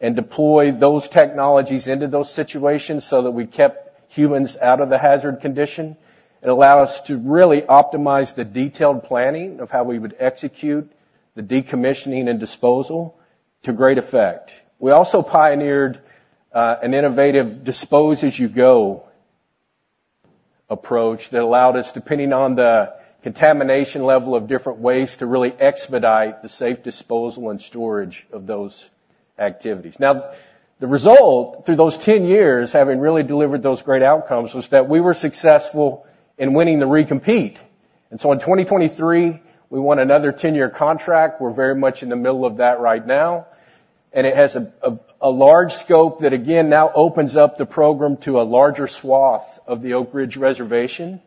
and deploy those technologies into those situations so that we kept humans out of the hazard condition. It allowed us to really optimize the detailed planning of how we would execute the decommissioning and disposal to great effect. We also pioneered an innovative dispose-as-you-go approach that allowed us, depending on the contamination level of different waste, to really expedite the safe disposal and storage of those activities. Now, the result, through those 10 years, having really delivered those great outcomes, was that we were successful in winning the re-compete. And so in 2023, we won another 10-year contract. We're very much in the middle of that right now, and it has a large scope that, again, now opens up the program to a larger swath of the Oak Ridge Reservation.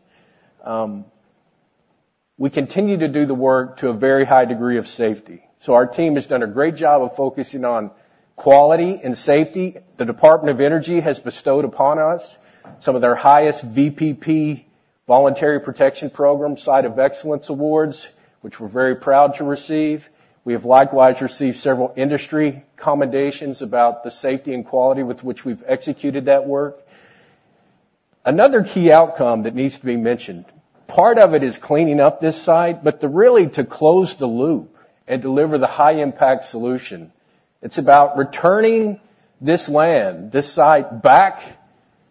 We continue to do the work to a very high degree of safety. So our team has done a great job of focusing on quality and safety. The Department of Energy has bestowed upon us some of their highest VPP, Voluntary Protection Program, Site of Excellence awards, which we're very proud to receive. We have likewise received several industry commendations about the safety and quality with which we've executed that work. Another key outcome that needs to be mentioned, part of it is cleaning up this site, but to really to close the loop and deliver the high-impact solution, it's about returning this land, this site, back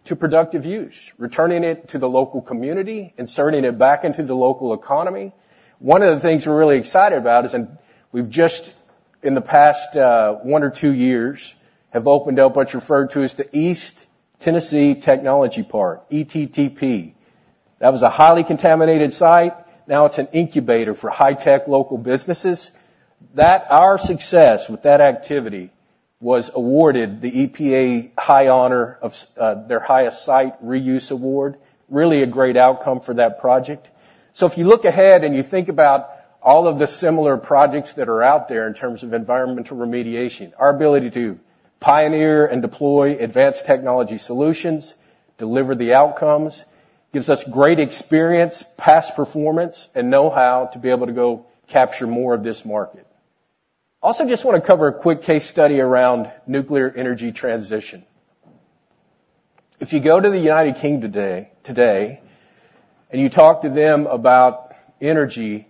to productive use, returning it to the local community, inserting it back into the local economy. One of the things we're really excited about is, and we've just, in the past, one or two years, have opened up what's referred to as the East Tennessee Technology Park, ETTP. That was a highly contaminated site. Now it's an incubator for high-tech local businesses. That our success with that activity was awarded the EPA high honor of their highest site reuse award. Really a great outcome for that project. So if you look ahead and you think about all of the similar projects that are out there in terms of Environmental remediation, our ability to pioneer and deploy advanced technology solutions, deliver the outcomes, gives us great experience, past performance, and know-how to be able to go capture more of this market. Also, I just wanna cover a quick case study around nuclear energy transition. If you go to the United Kingdom today, today, and you talk to them about energy,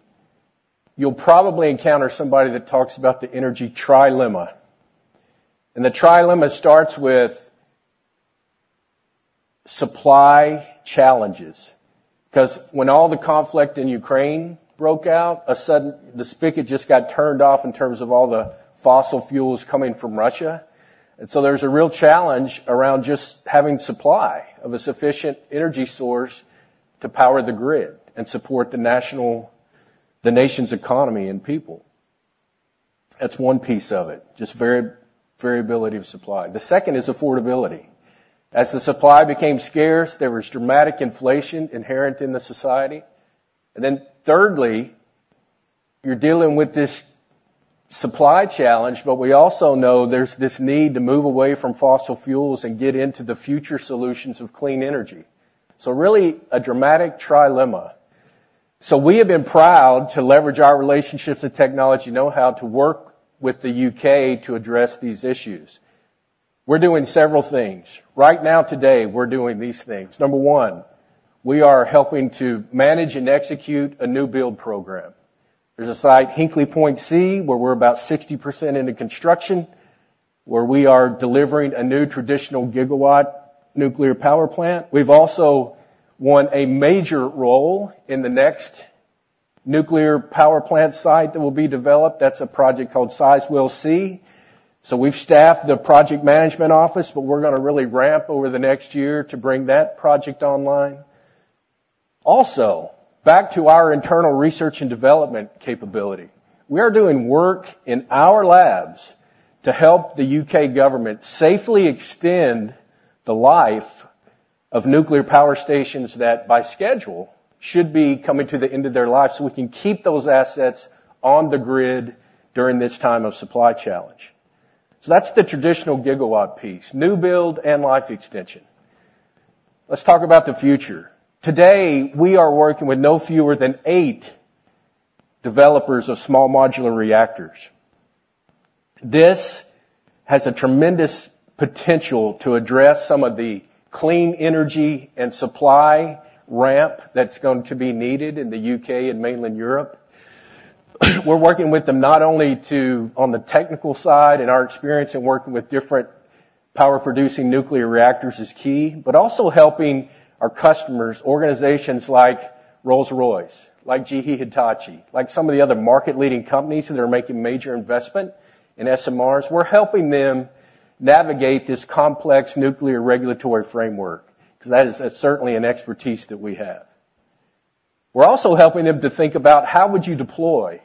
you'll probably encounter somebody that talks about the energy trilemma. The trilemma starts with supply challenges, 'cause when all the conflict in Ukraine broke out, a sudden, the spigot just got turned off in terms of all the fossil fuels coming from Russia. And so there's a real challenge around just having supply of a sufficient energy source to power the grid and support the national, the nation's economy and people. That's one piece of it, just variability of supply. The second is affordability. As the supply became scarce, there was dramatic inflation inherent in the society. And then thirdly, you're dealing with this supply challenge, but we also know there's this need to move away from fossil fuels and get into the future solutions of clean energy. So really, a dramatic trilemma. So we have been proud to leverage our relationships and technology know-how to work with the UK to address these issues. We're doing several things. Right now, today, we're doing these things. Number one, we are helping to manage and execute a new build program. There's a site, Hinkley Point C, where we're about 60% into construction, where we are delivering a new traditional gigawatt nuclear power plant. We've also won a major role in the next nuclear power plant site that will be developed. That's a project called Sizewell C. So we've staffed the project management office, but we're gonna really ramp over the next year to bring that project online. Also, back to our internal research and development capability. We are doing work in our labs to help the U.K. government safely extend the life of nuclear power stations that, by schedule, should be coming to the end of their life, so we can keep those assets on the grid during this time of supply challenge. So that's the traditional gigawatt piece, new build and life extension. Let's talk about the future. Today, we are working with no fewer than eight developers of small modular reactors. This has a tremendous potential to address some of the clean energy and supply ramp that's going to be needed in the U.K. and mainland Europe. We're working with them not only on the technical side, and our experience in working with different power-producing nuclear reactors is key, but also helping our customers, organizations like Rolls-Royce, like GE Hitachi, like some of the other market-leading companies that are making major investment in SMRs. We're helping them navigate this complex nuclear regulatory framework, because that is certainly an expertise that we have. We're also helping them to think about how would you deploy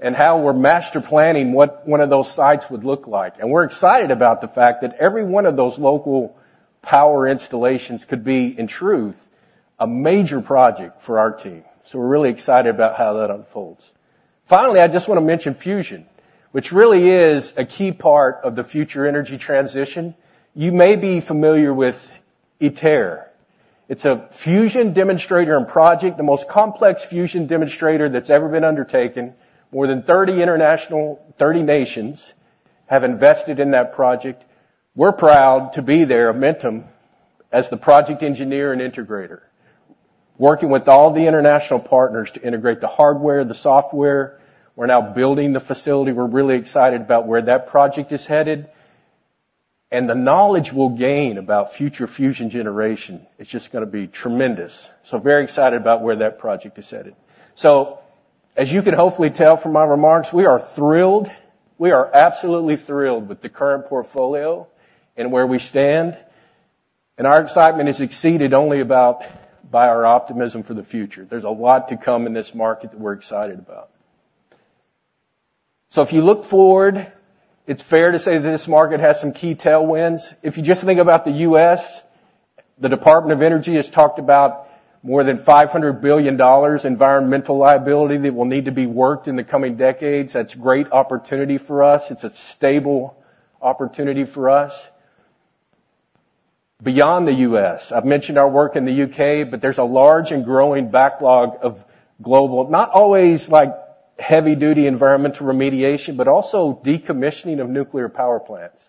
and how we're master planning, what one of those sites would look like. We're excited about the fact that every one of those local power installations could be, in truth, a major project for our team. We're really excited about how that unfolds. Finally, I just want to mention fusion, which really is a key part of the future energy transition. You may be familiar with ITER. It's a fusion demonstrator and project, the most complex fusion demonstrator that's ever been undertaken. More than 30 international nations have invested in that project. We're proud to be their main team as the project engineer and integrator, working with all the international partners to integrate the hardware, the software. We're now building the facility. We're really excited about where that project is headed. The knowledge we'll gain about future fusion generation is just gonna be tremendous. Very excited about where that project is headed. So as you can hopefully tell from my remarks, we are thrilled. We are absolutely thrilled with the current portfolio and where we stand, and our excitement is exceeded only about by our optimism for the future. There's a lot to come in this market that we're excited about. So if you look forward, it's fair to say that this market has some key tailwinds. If you just think about the U.S., the Department of Energy has talked about more than $500 billion Environmental liability that will need to be worked in the coming decades. That's great opportunity for us. It's a stable opportunity for us. Beyond the U.S., I've mentioned our work in the U.K., but there's a large and growing backlog of global, not always like heavy-duty Environmental remediation, but also decommissioning of nuclear power plants.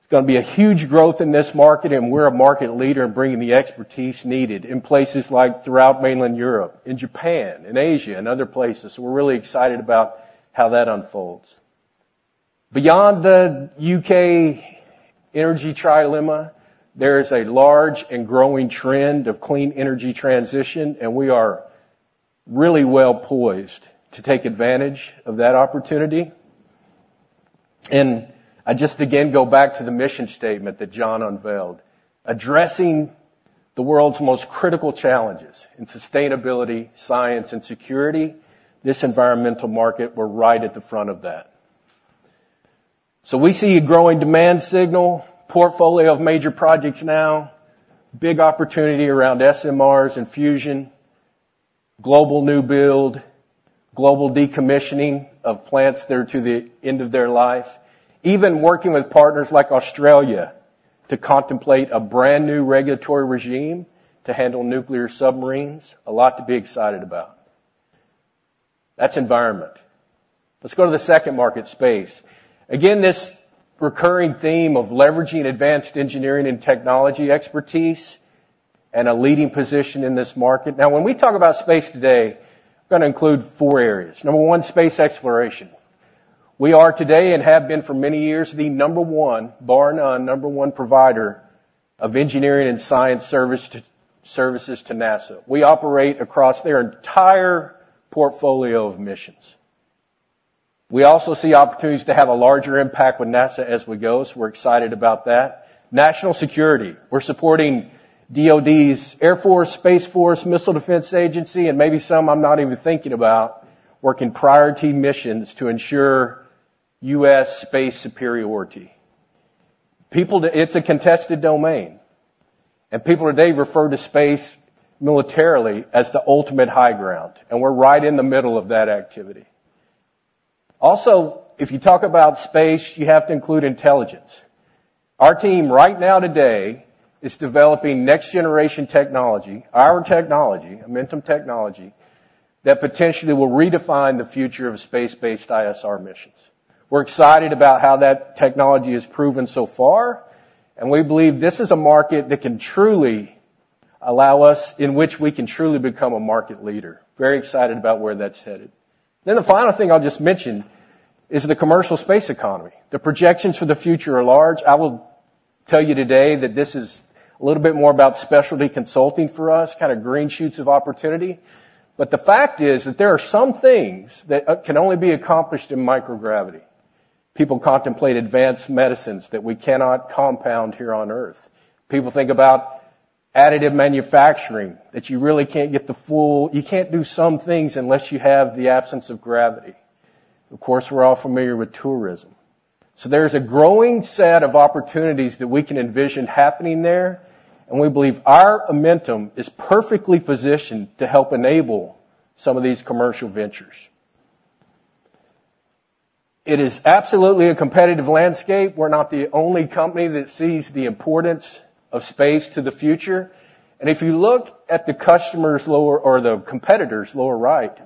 It's gonna be a huge growth in this market, and we're a market leader in bringing the expertise needed in places like throughout mainland Europe, in Japan and Asia, and other places. So we're really excited about how that unfolds. Beyond the U.K. energy trilemma, there is a large and growing trend of clean energy transition, and we are really well poised to take advantage of that opportunity.... And I just, again, go back to the mission statement that John unveiled, addressing the world's most critical challenges in sustainability, science, and security. This Environmental market, we're right at the front of that. So we see a growing demand signal, portfolio of major projects now, big opportunity around SMRs and fusion, global new build, global decommissioning of plants that are to the end of their life. Even working with partners like Australia to contemplate a brand-new regulatory regime to handle nuclear submarines, a lot to be excited about. That's Environment. Let's go to the second market, Space. Again, this recurring theme of leveraging advanced engineering and technology expertise and a leading position in this market. Now, when we talk about Space today, I'm gonna include four areas. Number one, Space exploration. We are today, and have been for many years, the number one, bar none, number one provider of engineering and science services to NASA. We operate across their entire portfolio of missions. We also see opportunities to have a larger impact with NASA as we go, so we're excited about that. National security. We're supporting DoD's Air Force, Space Force, Missile Defense Agency, and maybe some I'm not even thinking about, working priority missions to ensure U.S. Space superiority. It's a contested domain, and people today refer to Space militarily as the ultimate high ground, and we're right in the middle of that activity. Also, if you talk about Space, you have to include intelligence. Our team, right now, today, is developing next-generation technology, our technology, Amentum technology, that potentially will redefine the future of Space-based ISR missions. We're excited about how that technology has proven so far, and we believe this is a market that can truly allow us... in which we can truly become a market leader. Very excited about where that's headed. Then the final thing I'll just mention is the commercial Space economy. The projections for the future are large. I will tell you today that this is a little bit more about specialty consulting for us, kind of green shoots of opportunity. But the fact is that there are some things that can only be accomplished in microgravity. People contemplate advanced medicines that we cannot compound here on Earth. People think about additive manufacturing, that you really can't get the full—you can't do some things unless you have the absence of gravity. Of course, we're all familiar with tourism. So there's a growing set of opportunities that we can envision happening there, and we believe our Amentum is perfectly positioned to help enable some of these commercial ventures. It is absolutely a competitive landscape. We're not the only company that sees the importance of Space to the future. And if you look at the customers' lower—or the competitors, lower right,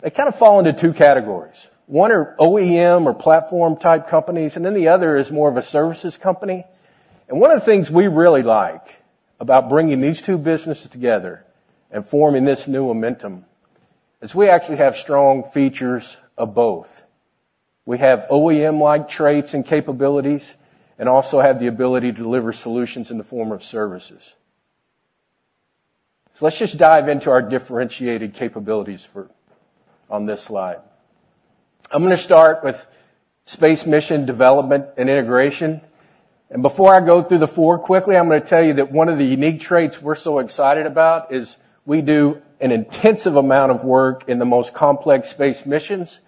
they kind of fall into two categories. One are OEM or platform-type companies, and then the other is more of a services company. One of the things we really like about bringing these two businesses together and forming this new Amentum is we actually have strong features of both. We have OEM-like traits and capabilities, and also have the ability to deliver solutions in the form of services. So let's just dive into our differentiated capabilities for, on this slide. I'm gonna start with Space mission development and integration. Before I go through the four, quickly, I'm gonna tell you that one of the unique traits we're so excited about is we do an intensive amount of work in the most complex Space missions,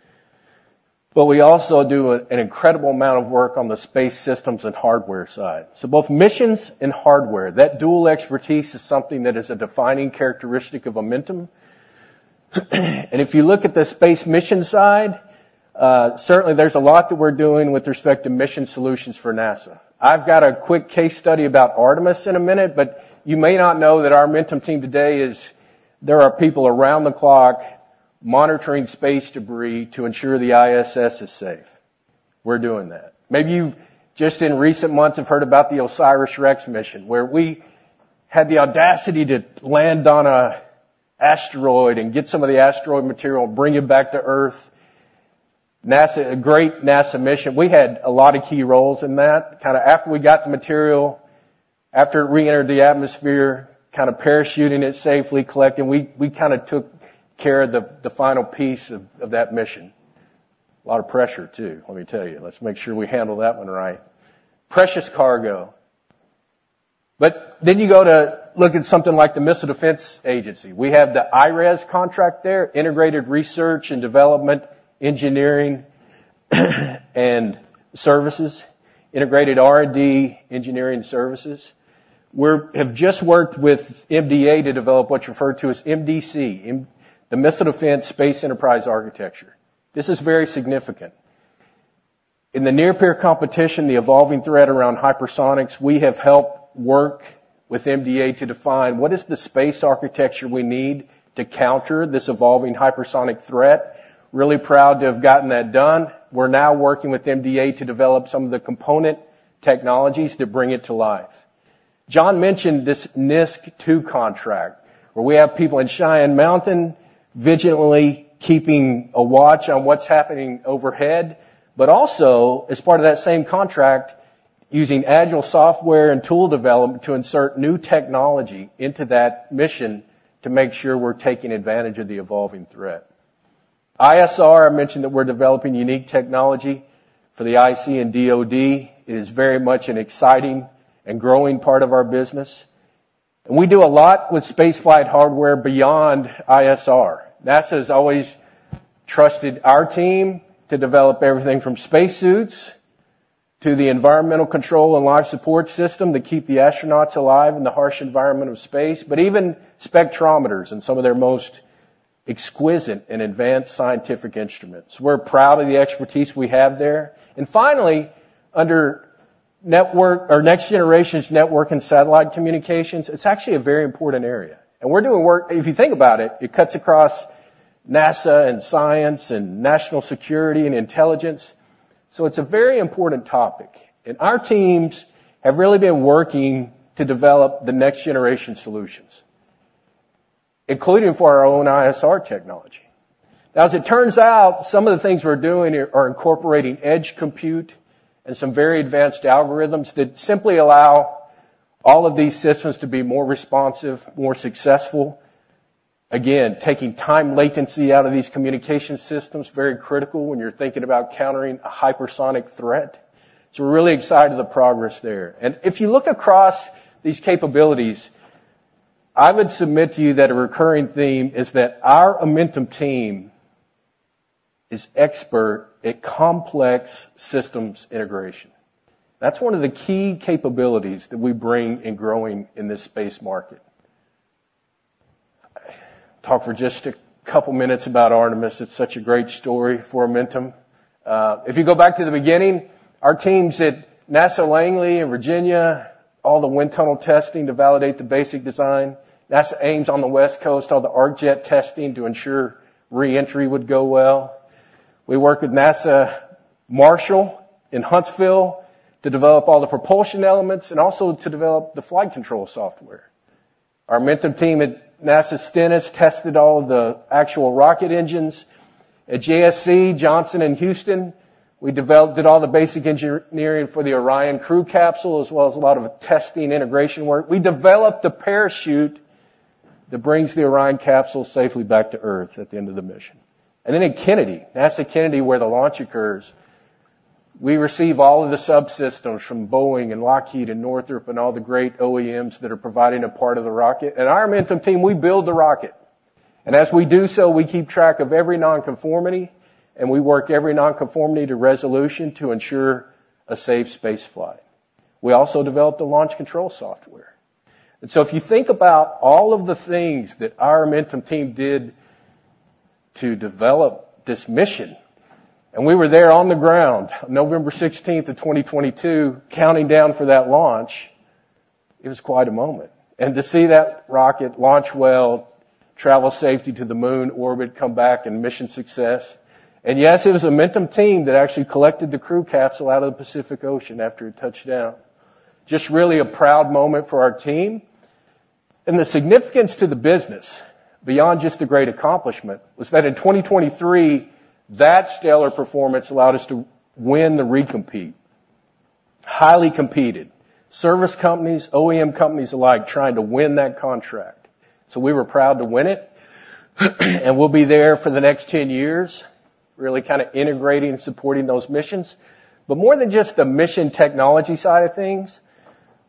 but we also do an incredible amount of work on the Space systems and hardware side. So both missions and hardware, that dual expertise is something that is a defining characteristic of Amentum. If you look at the Space mission side, certainly there's a lot that we're doing with respect to mission solutions for NASA. I've got a quick case study about Artemis in a minute, but you may not know that our Amentum team today is, there are people around the clock monitoring Space debris to ensure the ISS is safe. We're doing that. Maybe you've, just in recent months, have heard about the OSIRIS-REx mission, where we had the audacity to land on an asteroid and get some of the asteroid material, bring it back to Earth. NASA. A great NASA mission. We had a lot of key roles in that. Kinda after we got the material, after it reentered the atmosphere, kinda parachuting it safely, collecting, we kinda took care of the final piece of that mission. A lot of pressure, too, let me tell you. Let's make sure we handle that one right. Precious cargo. But then you go to look at something like the Missile Defense Agency. We have the IRES contract there, Integrated Research and Development, Engineering, and Services. Integrated R&D Engineering and Services. We have just worked with MDA to develop what's referred to as MDSEA, the Missile Defense Space Enterprise Architecture. This is very significant. In the near-peer competition, the evolving threat around hypersonics, we have helped work with MDA to define what is the Space architecture we need to counter this evolving hypersonic threat? Really proud to have gotten that done. We're now working with MDA to develop some of the component technologies to bring it to life. John mentioned this NISSC II contract, where we have people in Cheyenne Mountain, vigilantly keeping a watch on what's happening overhead. But also, as part of that same contract, using agile software and tool development to insert new technology into that mission to make sure we're taking advantage of the evolving threat. ISR, I mentioned that we're developing unique technology for the IC and DoD. It is very much an exciting and growing part of our business. And we do a lot with Spaceflight hardware beyond ISR. NASA's always trusted our team to develop everything from Spacesuits to the Environmental control and life support system to keep the astronauts alive in the harsh Environment of Space, but even spectrometers and some of their most exquisite and advanced scientific instruments. We're proud of the expertise we have there. And finally, under network or next-generation network and satellite communications, it's actually a very important area, and we're doing work. If you think about it, it cuts across NASA, and science, and national security, and intelligence. So it's a very important topic, and our teams have really been working to develop the next-generation solutions, including for our own ISR technology. Now, as it turns out, some of the things we're doing here are incorporating edge compute and some very advanced algorithms that simply allow all of these systems to be more responsive, more successful. Again, taking time latency out of these communication systems, very critical when you're thinking about countering a hypersonic threat. So we're really excited about the progress there. And if you look across these capabilities, I would submit to you that a recurring theme is that our Amentum team is expert at complex systems integration. That's one of the key capabilities that we bring in growing in this Space market. Talk for just a couple minutes about Artemis. It's such a great story for Amentum. If you go back to the beginning, our teams at NASA Langley in Virginia, all the wind tunnel testing to validate the basic design. NASA Ames on the West Coast, all the arc jet testing to ensure re-entry would go well. We worked with NASA Marshall in Huntsville to develop all the propulsion elements and also to develop the flight control software. Our Amentum team at NASA Stennis tested all of the actual rocket engines. At JSC, Johnson in Houston, we did all the basic engineering for the Orion crew capsule, as well as a lot of the testing integration work. We developed the parachute that brings the Orion capsule safely back to Earth at the end of the mission. Then in Kennedy, NASA Kennedy, where the launch occurs, we receive all of the subsystems from Boeing and Lockheed and Northrop, and all the great OEMs that are providing a part of the rocket. Our Amentum team, we build the rocket, and as we do so, we keep track of every nonconformity, and we work every nonconformity to resolution to ensure a safe Space flight. We also developed the launch control software. So if you think about all of the things that our Amentum team did to develop this mission, and we were there on the ground, November sixteenth of 2022, counting down for that launch, it was quite a moment. To see that rocket launch well, travel safely to the Moon orbit, come back, and mission success. Yes, it was an Amentum team that actually collected the crew capsule out of the Pacific Ocean after it touched down. Just really a proud moment for our team. The significance to the business, beyond just a great accomplishment, was that in 2023, that stellar performance allowed us to win the recompete. Highly competed. Service companies, OEM companies alike, trying to win that contract, so we were proud to win it, and we'll be there for the next 10 years, really kind of integrating and supporting those missions. But more than just the mission technology side of things,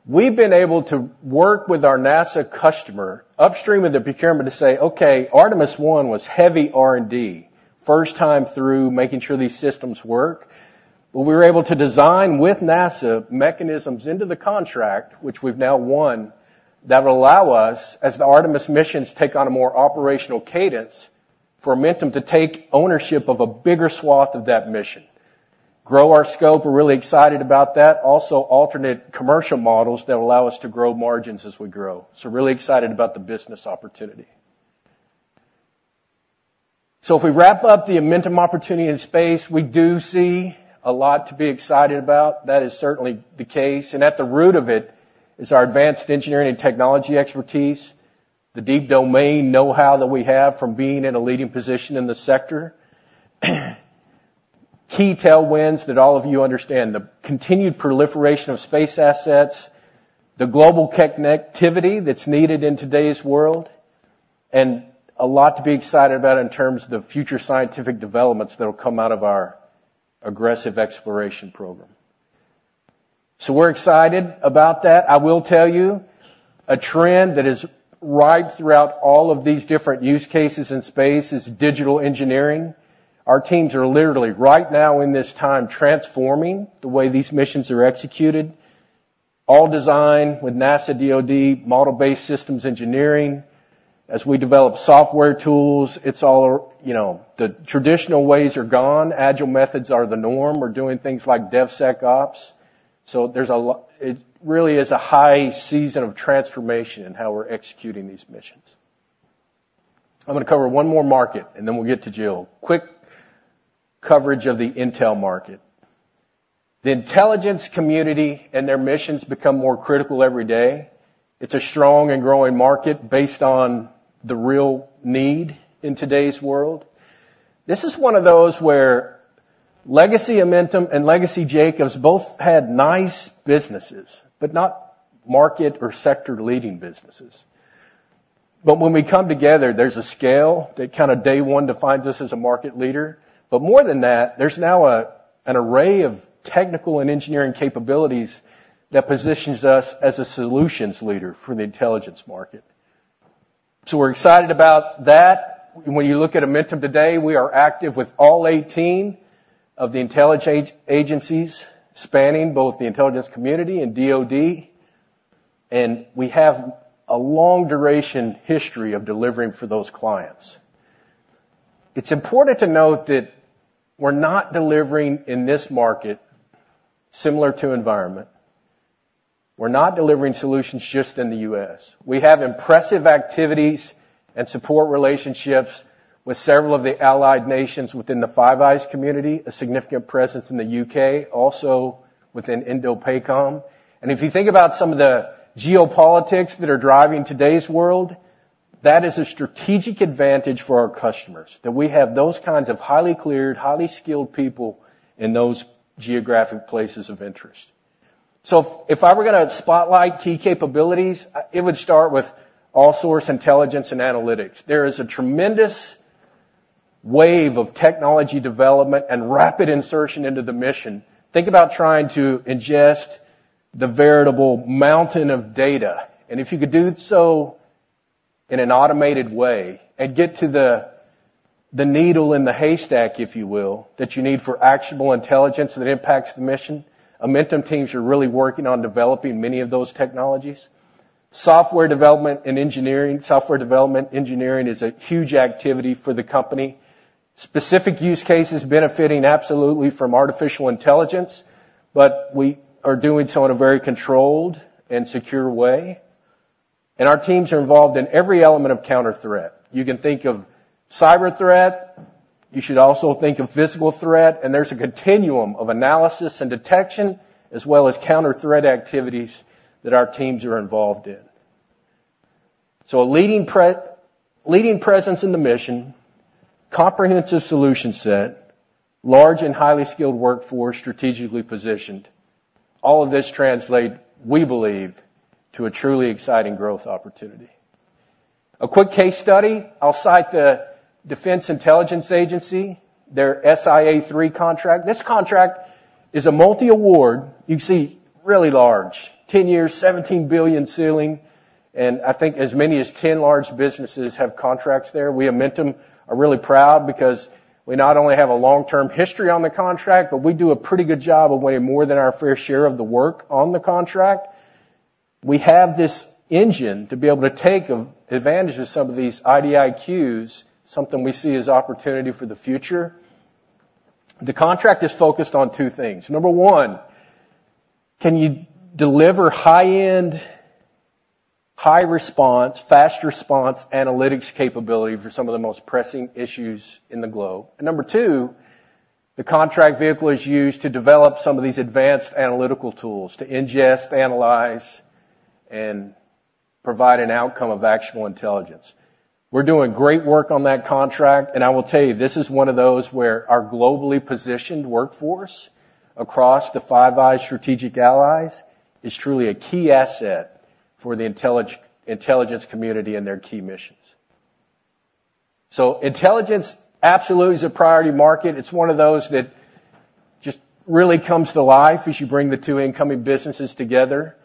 we've been able to work with our NASA customer upstream in the procurement to say, "Okay, Artemis I was heavy R&D. First time through, making sure these systems work." But we were able to design, with NASA, mechanisms into the contract, which we've now won, that will allow us, as the Artemis missions take on a more operational cadence, for Amentum to take ownership of a bigger swath of that mission. Grow our scope, we're really excited about that. Also, alternate commercial models that allow us to grow margins as we grow. So really excited about the business opportunity. So if we wrap up the Amentum opportunity in Space, we do see a lot to be excited about. That is certainly the case, and at the root of it is our advanced engineering and technology expertise, the deep domain know-how that we have from being in a leading position in the sector, key tailwinds that all of you understand, the continued proliferation of Space assets, the global connectivity that's needed in today's world, and a lot to be excited about in terms of the future scientific developments that'll come out of our aggressive exploration program. So we're excited about that. I will tell you, a trend that is right throughout all of these different use cases in Space is digital engineering. Our teams are literally, right now, in this time, transforming the way these missions are executed, all designed with NASA DoD model-based systems engineering. As we develop software tools, it's all... You know, the traditional ways are gone. Agile methods are the norm. We're doing things like DevSecOps, so there's a lot. It really is a high season of transformation in how we're executing these missions. I'm gonna cover one more market, and then we'll get to Jill. Quick coverage of the intel market. The intelligence community and their missions become more critical every day.... It's a strong and growing market based on the real need in today's world. This is one of those where legacy Amentum and legacy Jacobs both had nice businesses, but not market or sector-leading businesses. But when we come together, there's a scale that kinda day one defines us as a market leader. But more than that, there's now an array of technical and engineering capabilities that positions us as a solutions leader for the intelligence market. So we're excited about that. When you look at Amentum today, we are active with all 18 of the intelligence agencies, spanning both the Intelligence Community and DoD, and we have a long duration history of delivering for those clients. It's important to note that we're not delivering in this market similar to Environment. We're not delivering solutions just in the U.S. We have impressive activities and support relationships with several of the allied nations within the Five Eyes community, a significant presence in the U.K., also within INDOPACOM. And if you think about some of the geopolitics that are driving today's world, that is a strategic advantage for our customers, that we have those kinds of highly cleared, highly skilled people in those geographic places of interest. So if, if I were gonna spotlight key capabilities, it would start with all-source intelligence and analytics. There is a tremendous wave of technology development and rapid insertion into the mission. Think about trying to ingest the veritable mountain of data, and if you could do so in an automated way and get to the, the needle in the haystack, if you will, that you need for actionable intelligence that impacts the mission, Amentum teams are really working on developing many of those technologies. Software development and engineering, software development engineering is a huge activity for the company. Specific use cases benefiting absolutely from artificial intelligence, but we are doing so in a very controlled and secure way, and our teams are involved in every element of counter threat. You can think of cyber threat, you should also think of physical threat, and there's a continuum of analysis and detection, as well as counter threat activities that our teams are involved in. So a leading presence in the mission, comprehensive solution set, large and highly skilled workforce, strategically positioned. All of this translates, we believe, to a truly exciting growth opportunity. A quick case study, I'll cite the Defense Intelligence Agency, their SIA III contract. This contract is a multi-award. You can see really large, 10 years, $17 billion ceiling, and I think as many as 10 large businesses have contracts there. We Amentum are really proud because we not only have a long-term history on the contract, but we do a pretty good job of way more than our fair share of the work on the contract. We have this engine to be able to take advantage of some of these IDIQs, something we see as opportunity for the future. The contract is focused on two things: number one, can you deliver high-end, high response, fast response, analytics capability for some of the most pressing issues in the globe? Number two, the contract vehicle is used to develop some of these advanced analytical tools to ingest, analyze, and provide an outcome of actual intelligence. We're doing great work on that contract, and I will tell you, this is one of those where our globally positioned workforce across the Five Eyes strategic allies is truly a key asset for the Intelligence Community and their key missions. Intelligence absolutely is a priority market. It's one of those that just really comes to life as you bring the two incoming businesses together,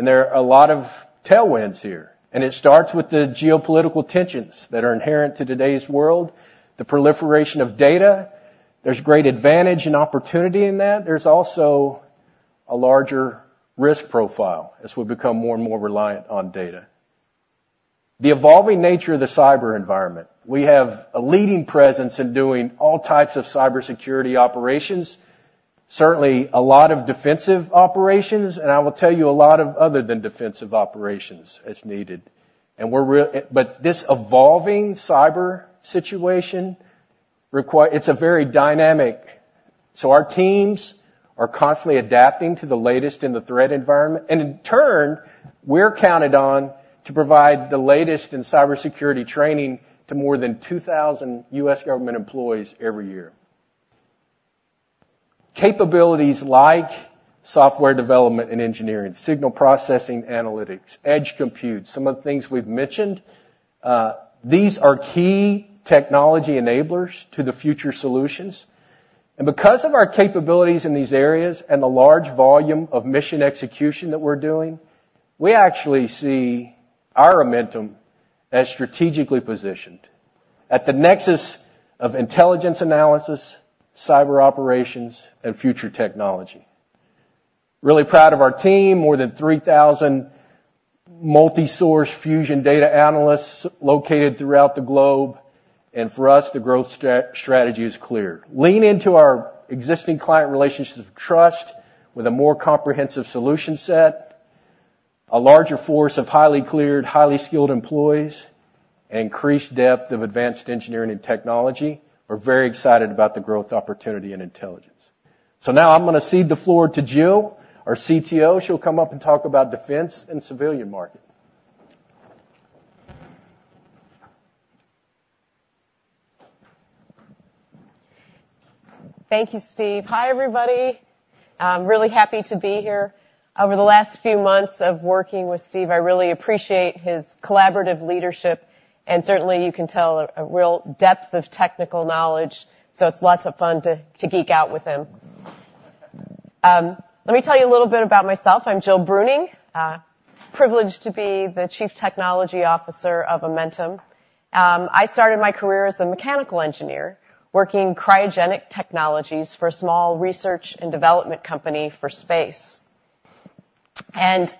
and there are a lot of tailwinds here, and it starts with the geopolitical tensions that are inherent to today's world, the proliferation of data. There's great advantage and opportunity in that. There's also a larger risk profile as we become more and more reliant on data. The evolving nature of the cyber Environment. We have a leading presence in doing all types of cybersecurity operations, certainly a lot of defensive operations, and I will tell you, a lot of other than defensive operations as needed. But this evolving cyber situation, it's a very dynamic. So our teams are constantly adapting to the latest in the threat Environment, and in turn, we're counted on to provide the latest in cybersecurity training to more than 2,000 U.S. government employees every year. Capabilities like software development and engineering, signal processing analytics, edge compute, some of the things we've mentioned, these are key technology enablers to the future solutions. And because of our capabilities in these areas and the large volume of mission execution that we're doing, we actually see our Amentum as strategically positioned at the nexus of intelligence analysis, cyber operations, and future technology. Really proud of our team. More than 3,000 multi-source fusion data analysts located throughout the globe, and for us, the growth strategy is clear. Lean into our existing client relationships of trust with a more comprehensive solution set, a larger force of highly cleared, highly skilled employees.... increased depth of advanced engineering and technology, we're very excited about the growth opportunity in intelligence. So now I'm gonna cede the floor to Jill, our CTO. She'll come up and talk about Defense and civilian market. Thank you, Steve. Hi, everybody. I'm really happy to be here. Over the last few months of working with Steve, I really appreciate his collaborative leadership, and certainly, you can tell a real depth of technical knowledge, so it's lots of fun to geek out with him. Let me tell you a little bit about myself. I'm Jill Bruning. Privileged to be the Chief Technology Officer of Amentum. I started my career as a mechanical engineer, working cryogenic technologies for a small research and development company for Space. And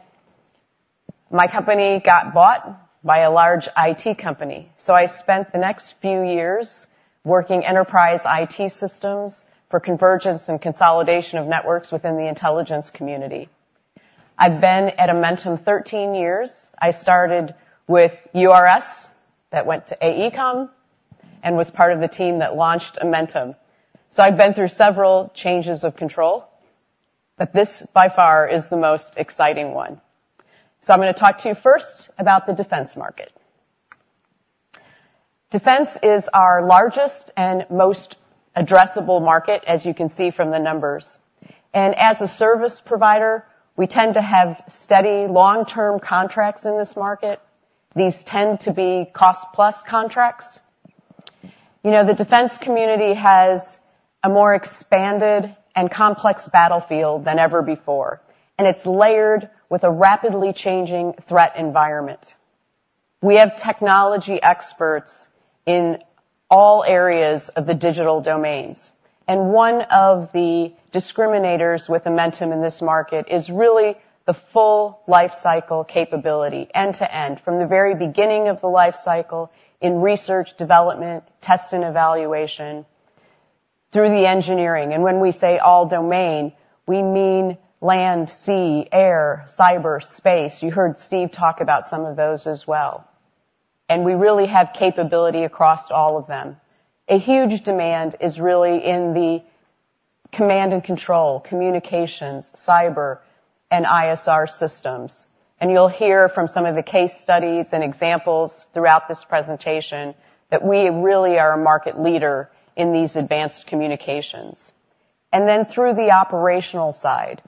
my company got bought by a large IT company, so I spent the next few years working enterprise IT systems for convergence and consolidation of networks within the Intelligence Community. I've been at Amentum 13 years. I started with URS, that went to AECOM, and was part of the team that launched Amentum. So I've been through several changes of control, but this, by far, is the most exciting one. So I'm gonna talk to you first about the Defense market. Defense is our largest and most addressable market, as you can see from the numbers, and as a service provider, we tend to have steady, long-term contracts in this market. These tend to be cost-plus contracts. You know, the Defense community has a more expanded and complex battlefield than ever before, and it's layered with a rapidly changing threat Environment. We have technology experts in all areas of the digital domains, and one of the discriminators with Amentum in this market is really the full life cycle capability, end-to-end, from the very beginning of the life cycle in research, development, test and evaluation through the engineering. And when we say all domain, we mean land, sea, air, cyber, Space. You heard Steve talk about some of those as well, and we really have capability across all of them. A huge demand is really in the command and control, communications, cyber, and ISR systems. You'll hear from some of the case studies and examples throughout this presentation that we really are a market leader in these advanced communications. Then through the operational side,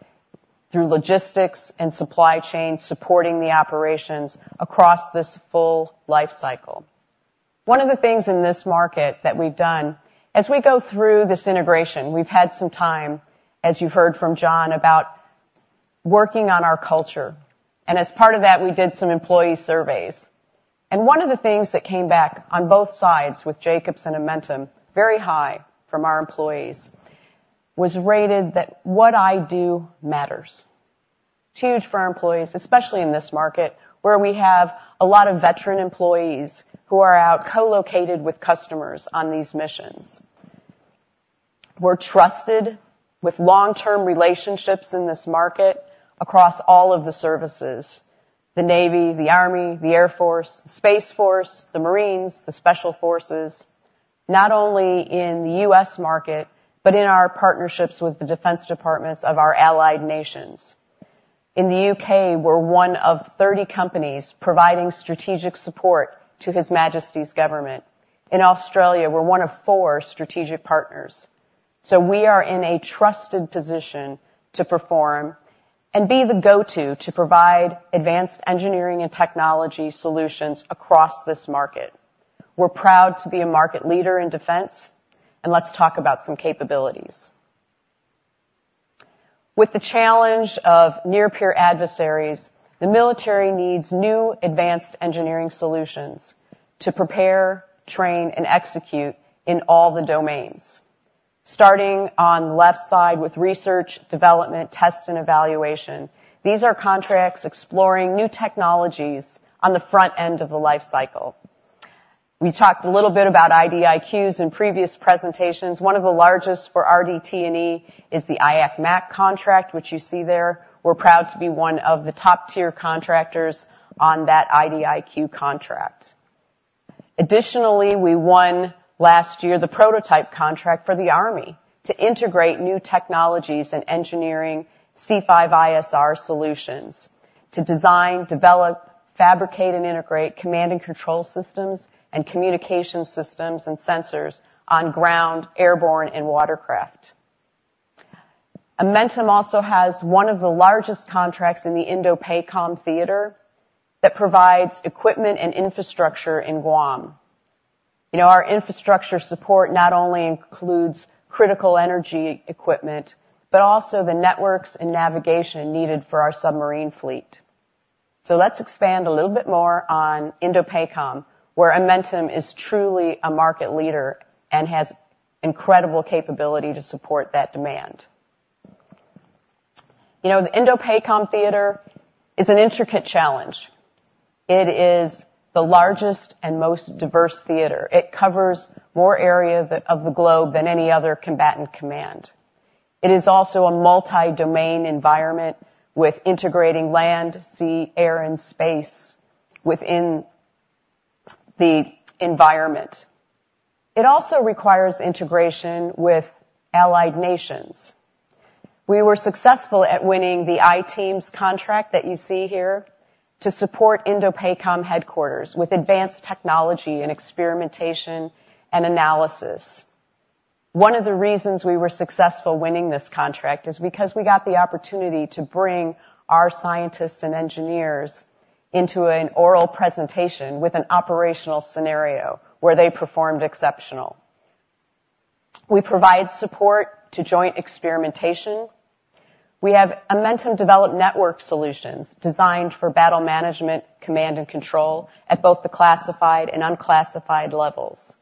through logistics and supply chain, supporting the operations across this full life cycle. One of the things in this market that we've done as we go through this integration, we've had some time, as you've heard from John, about working on our culture, and as part of that, we did some employee surveys. One of the things that came back on both sides with Jacobs and Amentum, very high from our employees, was rated that what I do matters. It's huge for our employees, especially in this market, where we have a lot of veteran employees who are out co-located with customers on these missions. We're trusted with long-term relationships in this market across all of the services: the Navy, the Army, the Air Force, the Space Force, the Marines, the Special Forces, not only in the U.S. market, but in our partnerships with the Defense departments of our allied nations. In the U.K., we're one of 30 companies providing strategic support to His Majesty's government. In Australia, we're one of four strategic partners. So we are in a trusted position to perform and be the go-to to provide advanced engineering and technology solutions across this market. We're proud to be a market leader in Defense, and let's talk about some capabilities. With the challenge of near-peer adversaries, the military needs new advanced engineering solutions to prepare, train, and execute in all the domains. Starting on the left side with research, development, test, and evaluation, these are contracts exploring new technologies on the front end of the life cycle. We talked a little bit about IDIQs in previous presentations. One of the largest for RDT&E is the IAC MAC contract, which you see there. We're proud to be one of the top-tier contractors on that IDIQ contract. Additionally, we won last year, the prototype contract for the Army to integrate new technologies and engineering C5ISR solutions to design, develop, fabricate, and integrate command and control systems and communication systems and sensors on ground, airborne, and watercraft. Amentum also has one of the largest contracts in the INDOPACOM theater that provides equipment and infrastructure in Guam. You know, our infrastructure support not only includes critical energy equipment, but also the networks and navigation needed for our submarine fleet. So let's expand a little bit more on INDOPACOM, where Amentum is truly a market leader and has incredible capability to support that demand. You know, the INDOPACOM theater is an intricate challenge. It is the largest and most diverse theater. It covers more area of the globe than any other combatant command. It is also a multi-domain Environment with integrating land, sea, air, and Space within the Environment. It also requires integration with allied nations. We were successful at winning the I-TEAMS contract that you see here, to support INDOPACOM headquarters with advanced technology and experimentation and analysis. One of the reasons we were successful winning this contract is because we got the opportunity to bring our scientists and engineers into an oral presentation with an operational scenario where they performed exceptional. We provide support to joint experimentation. We have Amentum-developed network solutions designed for battle management, command, and control at both the classified and unclassified levels.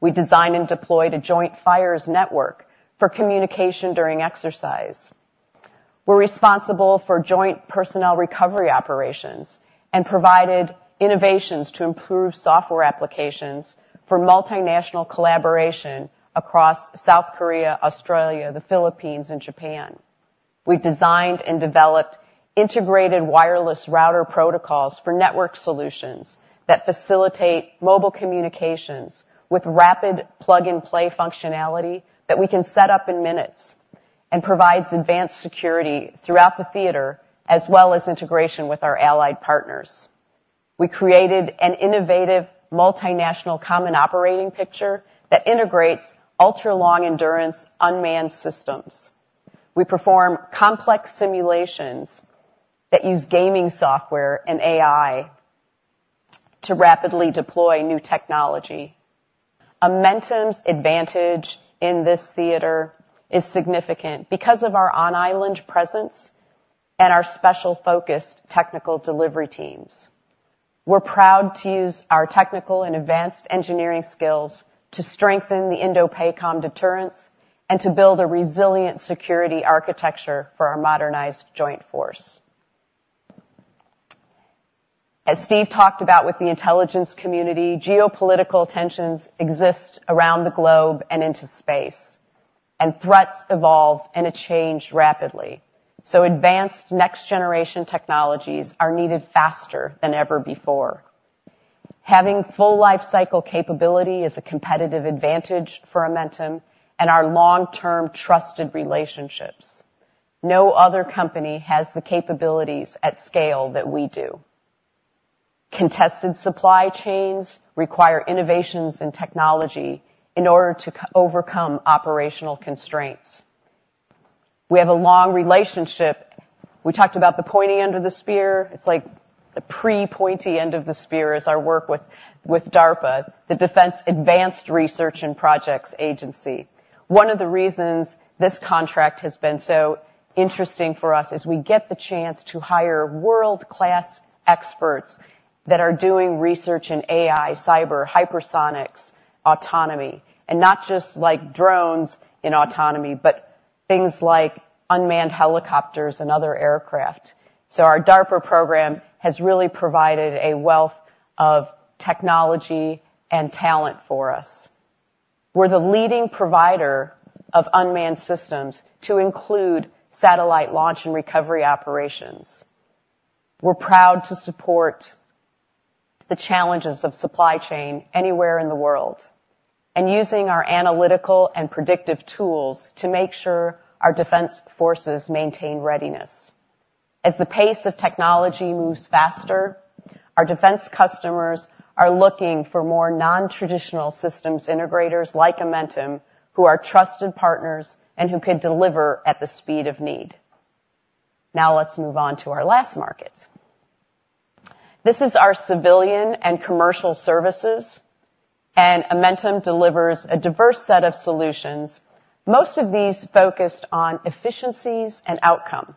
We designed and deployed a Joint Fires Network for communication during exercise. We're responsible for joint personnel recovery operations and provided innovations to improve software applications for multinational collaboration across South Korea, Australia, the Philippines, and Japan. We designed and developed integrated wireless router protocols for network solutions that facilitate mobile communications with rapid plug-and-play functionality that we can set up in minutes, and provides advanced security throughout the theater, as well as integration with our allied partners. We created an innovative, multinational, common operating picture that integrates ultra-long endurance unmanned systems. We perform complex simulations that use gaming software and AI to rapidly deploy new technology. Amentum's advantage in this theater is significant because of our on-island presence and our special-focused technical delivery teams. We're proud to use our technical and advanced engineering skills to strengthen the INDOPACOM deterrence and to build a resilient security architecture for our modernized joint force. As Steve talked about with the Intelligence Community, geopolitical tensions exist around the globe and into Space, and threats evolve and change rapidly, so advanced next-generation technologies are needed faster than ever before. Having full lifecycle capability is a competitive advantage for Amentum and our long-term trusted relationships. No other company has the capabilities at scale that we do. Contested supply chains require innovations in technology in order to overcome operational constraints. We have a long relationship. We talked about the pointy end of the spear. It's like the pre-pointy end of the spear is our work with, with DARPA, the Defense Advanced Research Projects Agency. One of the reasons this contract has been so interesting for us is we get the chance to hire world-class experts that are doing research in AI, cyber, hypersonics, autonomy, and not just like drones in autonomy, but things like unmanned helicopters and other aircraft. So our DARPA program has really provided a wealth of technology and talent for us. We're the leading provider of unmanned systems to include satellite launch and recovery operations. We're proud to support the challenges of supply chain anywhere in the world, and using our analytical and predictive tools to make sure our Defense forces maintain readiness. As the pace of technology moves faster, our Defense customers are looking for more non-traditional systems integrators like Amentum, who are trusted partners and who can deliver at the speed of need. Now, let's move on to our last market. This is our civilian and commercial services, and Amentum delivers a diverse set of solutions, most of these focused on efficiencies and outcome.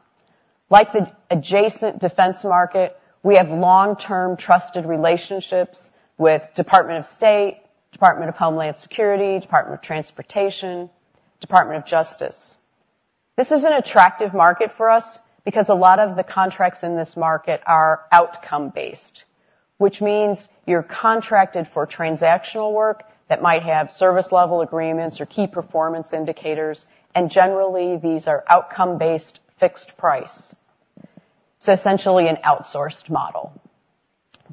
Like the adjacent Defense market, we have long-term, trusted relationships with Department of State, Department of Homeland Security, Department of Transportation, Department of Justice. This is an attractive market for us because a lot of the contracts in this market are outcome-based, which means you're contracted for transactional work that might have service-level agreements or key performance indicators, and generally, these are outcome-based, fixed price. So essentially an outsourced model.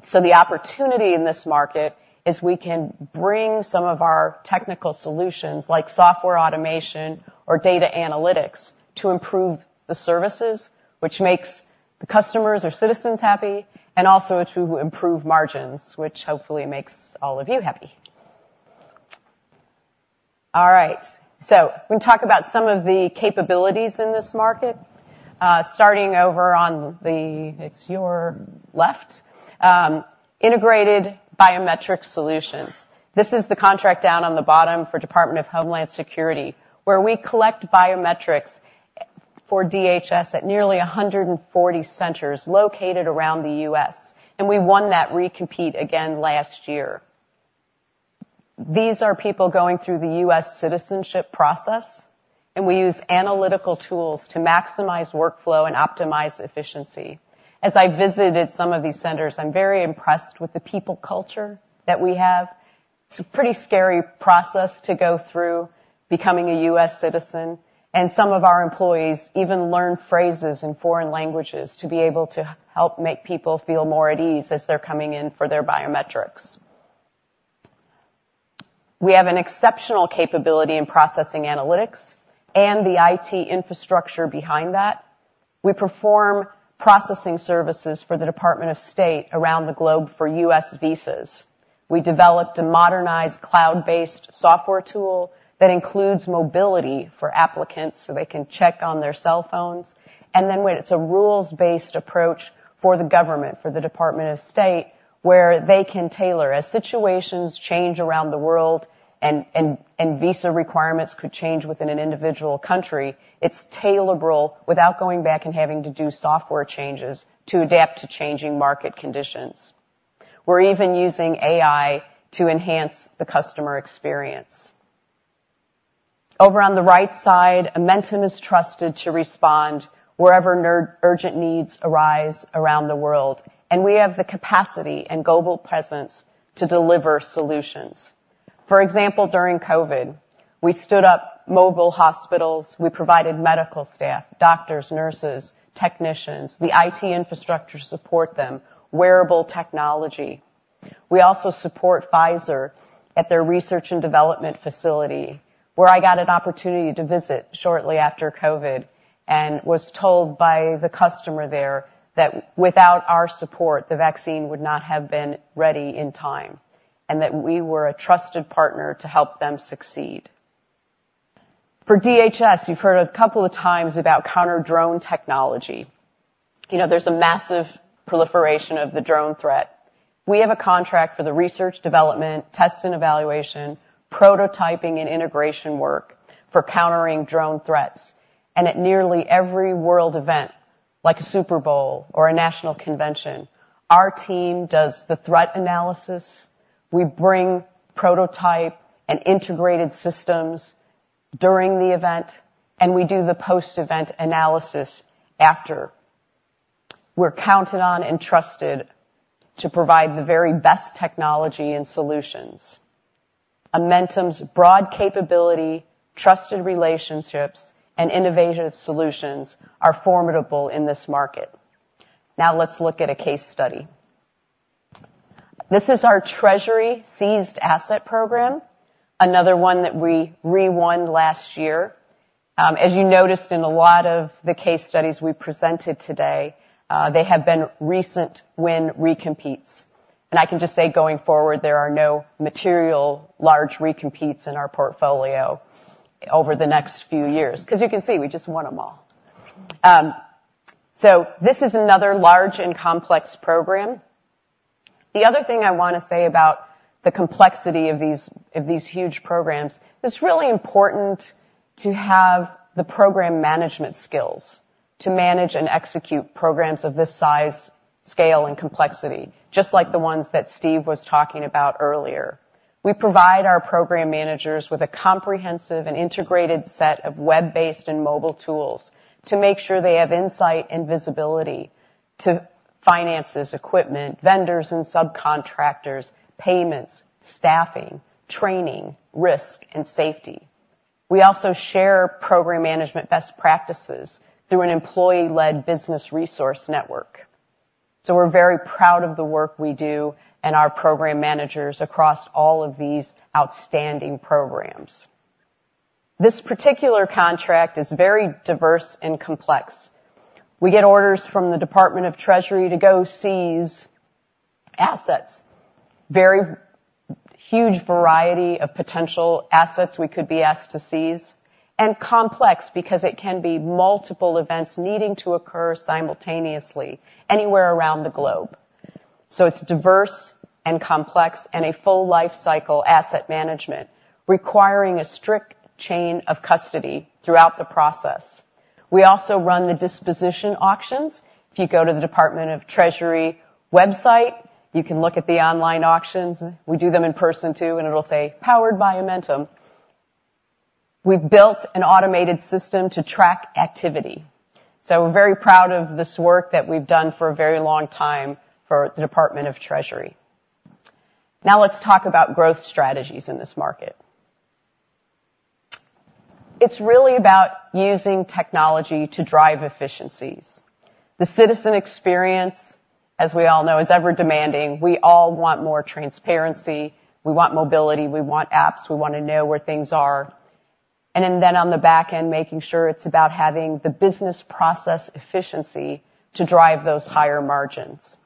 So the opportunity in this market is we can bring some of our technical solutions, like software automation or data analytics, to improve the services, which makes the customers or citizens happy, and also to improve margins, which hopefully makes all of you happy. All right, so we can talk about some of the capabilities in this market. Starting over on the... It's your left. Integrated biometric solutions. This is the contract down on the bottom for Department of Homeland Security, where we collect biometrics for DHS at nearly 140 centers located around the U.S., and we won that recompete again last year. These are people going through the U.S. citizenship process, and we use analytical tools to maximize workflow and optimize efficiency. As I visited some of these centers, I'm very impressed with the people culture that we have.... It's a pretty scary process to go through, becoming a U.S. citizen, and some of our employees even learn phrases in foreign languages to be able to help make people feel more at ease as they're coming in for their biometrics. We have an exceptional capability in processing analytics and the IT infrastructure behind that. We perform processing services for the Department of State around the globe for U.S. visas. We developed a modernized cloud-based software tool that includes mobility for applicants so they can check on their cell phones, and then when it's a rules-based approach for the government, for the Department of State, where they can tailor. As situations change around the world and visa requirements could change within an individual country, it's tailorable without going back and having to do software changes to adapt to changing market conditions. We're even using AI to enhance the customer experience. Over on the right side, Amentum is trusted to respond wherever urgent needs arise around the world, and we have the capacity and global presence to deliver solutions. For example, during COVID, we stood up mobile hospitals, we provided medical staff, doctors, nurses, technicians, the IT infrastructure to support them, wearable technology. We also support Pfizer at their research and development facility, where I got an opportunity to visit shortly after COVID, and was told by the customer there that without our support, the vaccine would not have been ready in time, and that we were a trusted partner to help them succeed. For DHS, you've heard a couple of times about counter-drone technology. You know, there's a massive proliferation of the drone threat. We have a contract for the research development, test and evaluation, prototyping and integration work for countering drone threats. At nearly every world event, like a Super Bowl or a national convention, our team does the threat analysis. We bring prototype and integrated systems during the event, and we do the post-event analysis after. We're counted on and trusted to provide the very best technology and solutions. Amentum's broad capability, trusted relationships, and innovative solutions are formidable in this market. Now, let's look at a case study. This is our Treasury Seized Asset Program, another one that we re-won last year. As you noticed in a lot of the case studies we presented today, they have been recent win recompetes. I can just say, going forward, there are no material large recompetes in our portfolio over the next few years, 'cause you can see, we just won them all. This is another large and complex program. The other thing I want to say about the complexity of these, of these huge programs, it's really important to have the program management skills to manage and execute programs of this size, scale, and complexity, just like the ones that Steve was talking about earlier. We provide our program managers with a comprehensive and integrated set of web-based and mobile tools to make sure they have insight and visibility to finances, equipment, vendors and subcontractors, payments, staffing, training, risk, and safety. We also share program management best practices through an employee-led business resource network. So we're very proud of the work we do and our program managers across all of these outstanding programs. This particular contract is very diverse and complex. We get orders from the Department of the Treasury to go seize assets. Very huge variety of potential assets we could be asked to seize, and complex because it can be multiple events needing to occur simultaneously anywhere around the globe. So it's diverse and complex and a full lifecycle asset management, requiring a strict chain of custody throughout the process. We also run the disposition auctions. If you go to the Department of the Treasury website, you can look at the online auctions. We do them in person, too, and it'll say, "Powered by Amentum." We've built an automated system to track activity, so we're very proud of this work that we've done for a very long time for the Department of the Treasury. Now, let's talk about growth strategies in this market. It's really about using technology to drive efficiencies. The citizen experience, as we all know, is ever demanding. We all want more transparency, we want mobility, we want apps, we want to know where things are. And then on the back end, making sure it's about having the business process efficiency to drive those higher margins.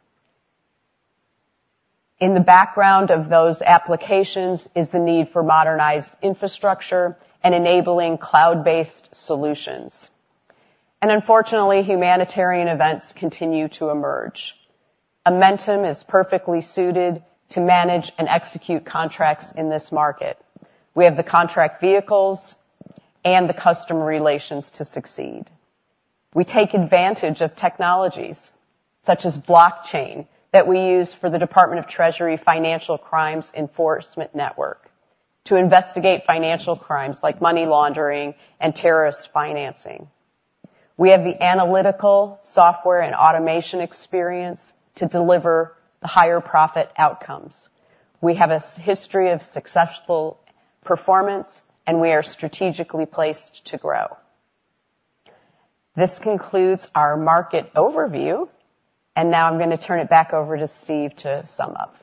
In the background of those applications is the need for modernized infrastructure and enabling cloud-based solutions. Unfortunately, humanitarian events continue to emerge. Amentum is perfectly suited to manage and execute contracts in this market. We have the contract vehicles and the customer relations to succeed. We take advantage of technologies such as blockchain, that we use for the Department of the Treasury Financial Crimes Enforcement Network to investigate financial crimes like money laundering and terrorist financing. We have the analytical software and automation experience to deliver the higher profit outcomes. We have a strong history of successful performance, and we are strategically placed to grow. This concludes our market overview, and now I'm gonna turn it back over to Steve to sum up.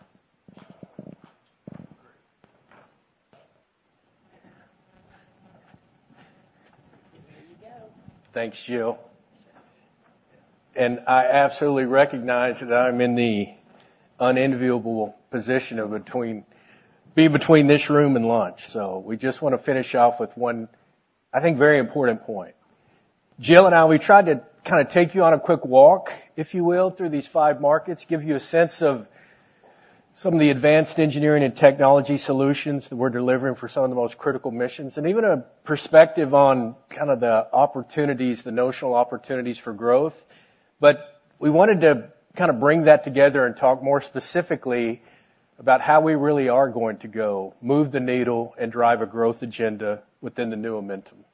Thanks, Jill. And I absolutely recognize that I'm in the unenviable position of being between this room and lunch. So we just wanna finish off with one, I think, very important point. Jill and I, we tried to kind of take you on a quick walk, if you will, through these five markets, give you a sense of some of the advanced engineering and technology solutions that we're delivering for some of the most critical missions, and even a perspective on kind of the opportunities, the notional opportunities for growth. But we wanted to kind of bring that together and talk more specifically about how we really are going to go move the needle and drive a growth agenda within the new Amentum.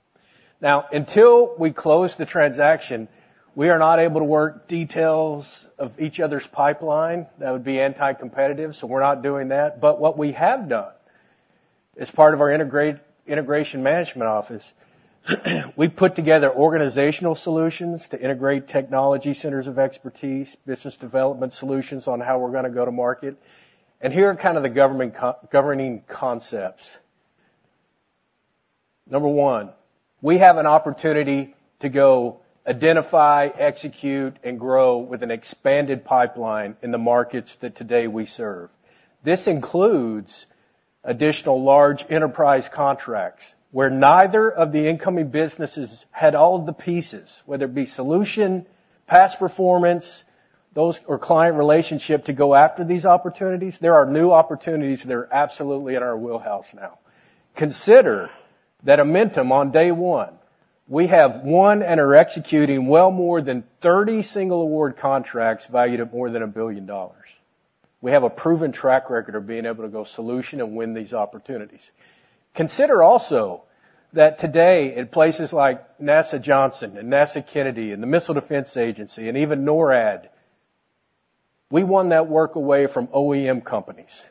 Now, until we close the transaction, we are not able to work details of each other's pipeline. That would be anti-competitive, so we're not doing that. But what we have done, as part of our Integration Management Office, we've put together organizational solutions to integrate technology centers of expertise, business development solutions on how we're gonna go to market. And here are kind of the governing concepts. Number one, we have an opportunity to go identify, execute, and grow with an expanded pipeline in the markets that today we serve. This includes additional large enterprise contracts, where neither of the incoming businesses had all of the pieces, whether it be solution, past performance, those... or client relationship, to go after these opportunities. There are new opportunities that are absolutely in our wheelhouse now. Consider that Amentum, on day one, we have one and are executing well more than 30 single award contracts valued at more than $1 billion. We have a proven track record of being able to go solution and win these opportunities. Consider also that today, in places like NASA Johnson and NASA Kennedy and the Missile Defense Agency and even NORAD, we won that work away from OEM companies.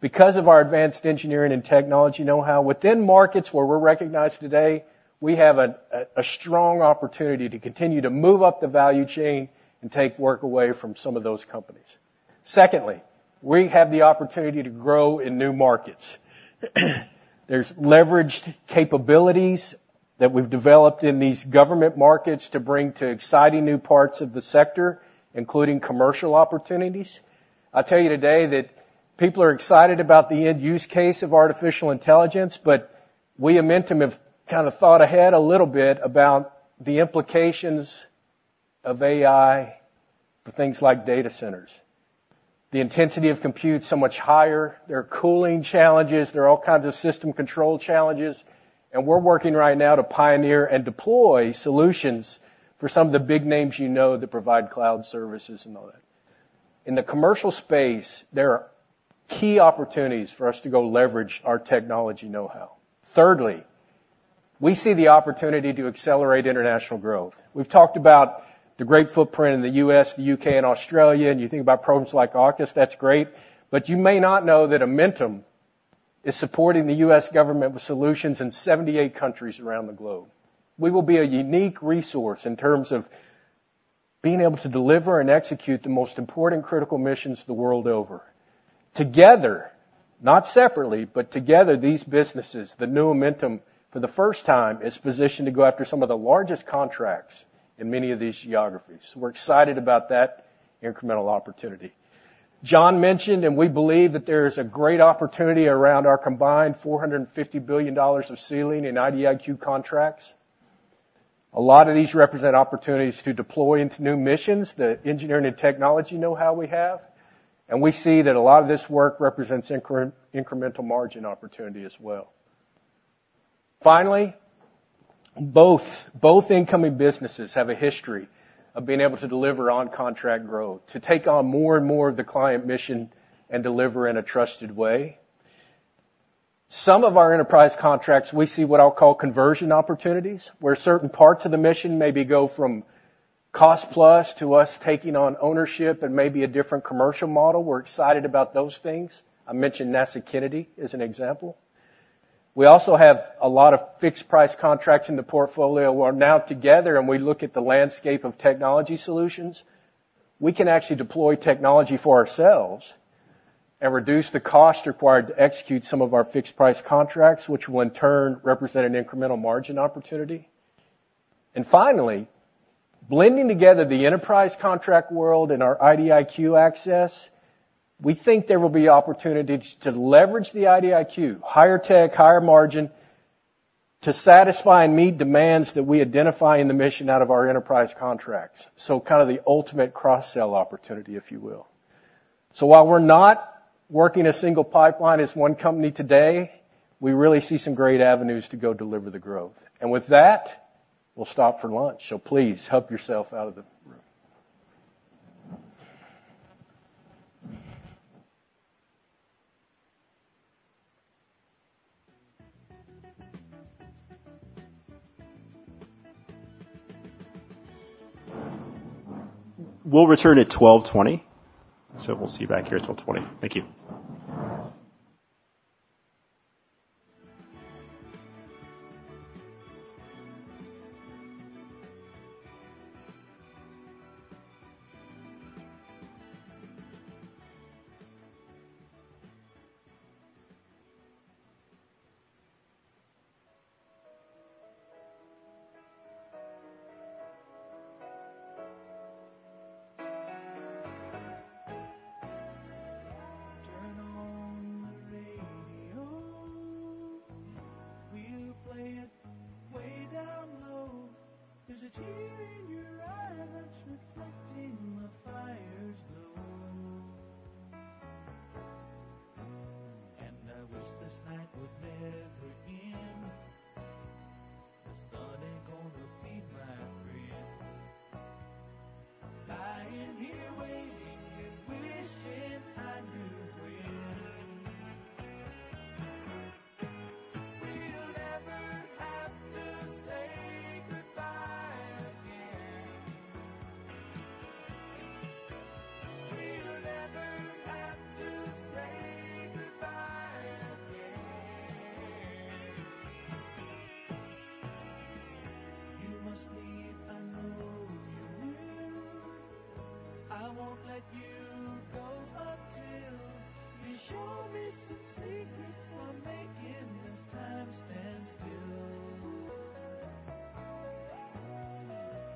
Because of our advanced engineering and technology know-how, within markets where we're recognized today, we have a strong opportunity to continue to move up the value chain and take work away from some of those companies. Secondly, we have the opportunity to grow in new markets. There's leveraged capabilities that we've developed in these government markets to bring to exciting new parts of the sector, including commercial opportunities. I'll tell you today that people are excited about the end use case of artificial intelligence, but we Amentum have kind of thought ahead a little bit about the implications of AI for things like data centers. The intensity of compute is so much higher. There are cooling challenges. There are all kinds of system control challenges, and we're working right now to pioneer and deploy solutions for some of the big names you know that provide cloud services and all that. In the commercial Space, there are key opportunities for us to go leverage our technology know-how. Thirdly, we see the opportunity to accelerate international growth. We've talked about the great footprint in the U.S., the U.K., and Australia, and you think about programs like AUKUS, that's great. But you may not know that Amentum is supporting the U.S. government with solutions in 78 countries around the globe. We will be a unique resource in terms of being able to deliver and execute the most important critical missions the world over. Together, not separately, but together, these businesses, the new Amentum, for the first time, is positioned to go after some of the largest contracts in many of these geographies. We're excited about that incremental opportunity. John mentioned, and we believe, that there's a great opportunity around our combined $450 billion of ceiling in IDIQ contracts. A lot of these represent opportunities to deploy into new missions, the engineering and technology know-how we have, and we see that a lot of this work represents incremental margin opportunity as well. Finally, both incoming businesses have a history of being able to deliver on contract growth, to take on more and more of the client mission and deliver in a trusted way. Some of our enterprise contracts, we see what I'll call conversion opportunities, where certain parts of the mission maybe go cost-plus to us taking on ownership and maybe a different commercial model. We're excited about those things. I mentioned NASA Kennedy as an example. We also have a lot of fixed price contracts in the portfolio, where now together, and we look at the landscape of technology solutions, we can actually deploy technology for ourselves and reduce the cost required to execute some of our fixed price contracts, which will in turn represent an incremental margin opportunity. Finally, blending together the enterprise contract world and our IDIQ access, we think there will be opportunities to leverage the IDIQ, higher tech, higher margin, to satisfy and meet demands that we identify in the mission out of our enterprise contracts. So kind of the ultimate cross-sell opportunity, if you will. So while we're not working a single pipeline as one company today, we really see some great avenues to go deliver the growth. And with that, we'll stop for lunch, so please, help yourself out of the-... We'll return at 12:20 P.M. We'll see you back here at 12:20 P.M. Thank you. Turn on the radio. We'll play it way down low. There's a tear in your eye that's reflecting the fire's glow.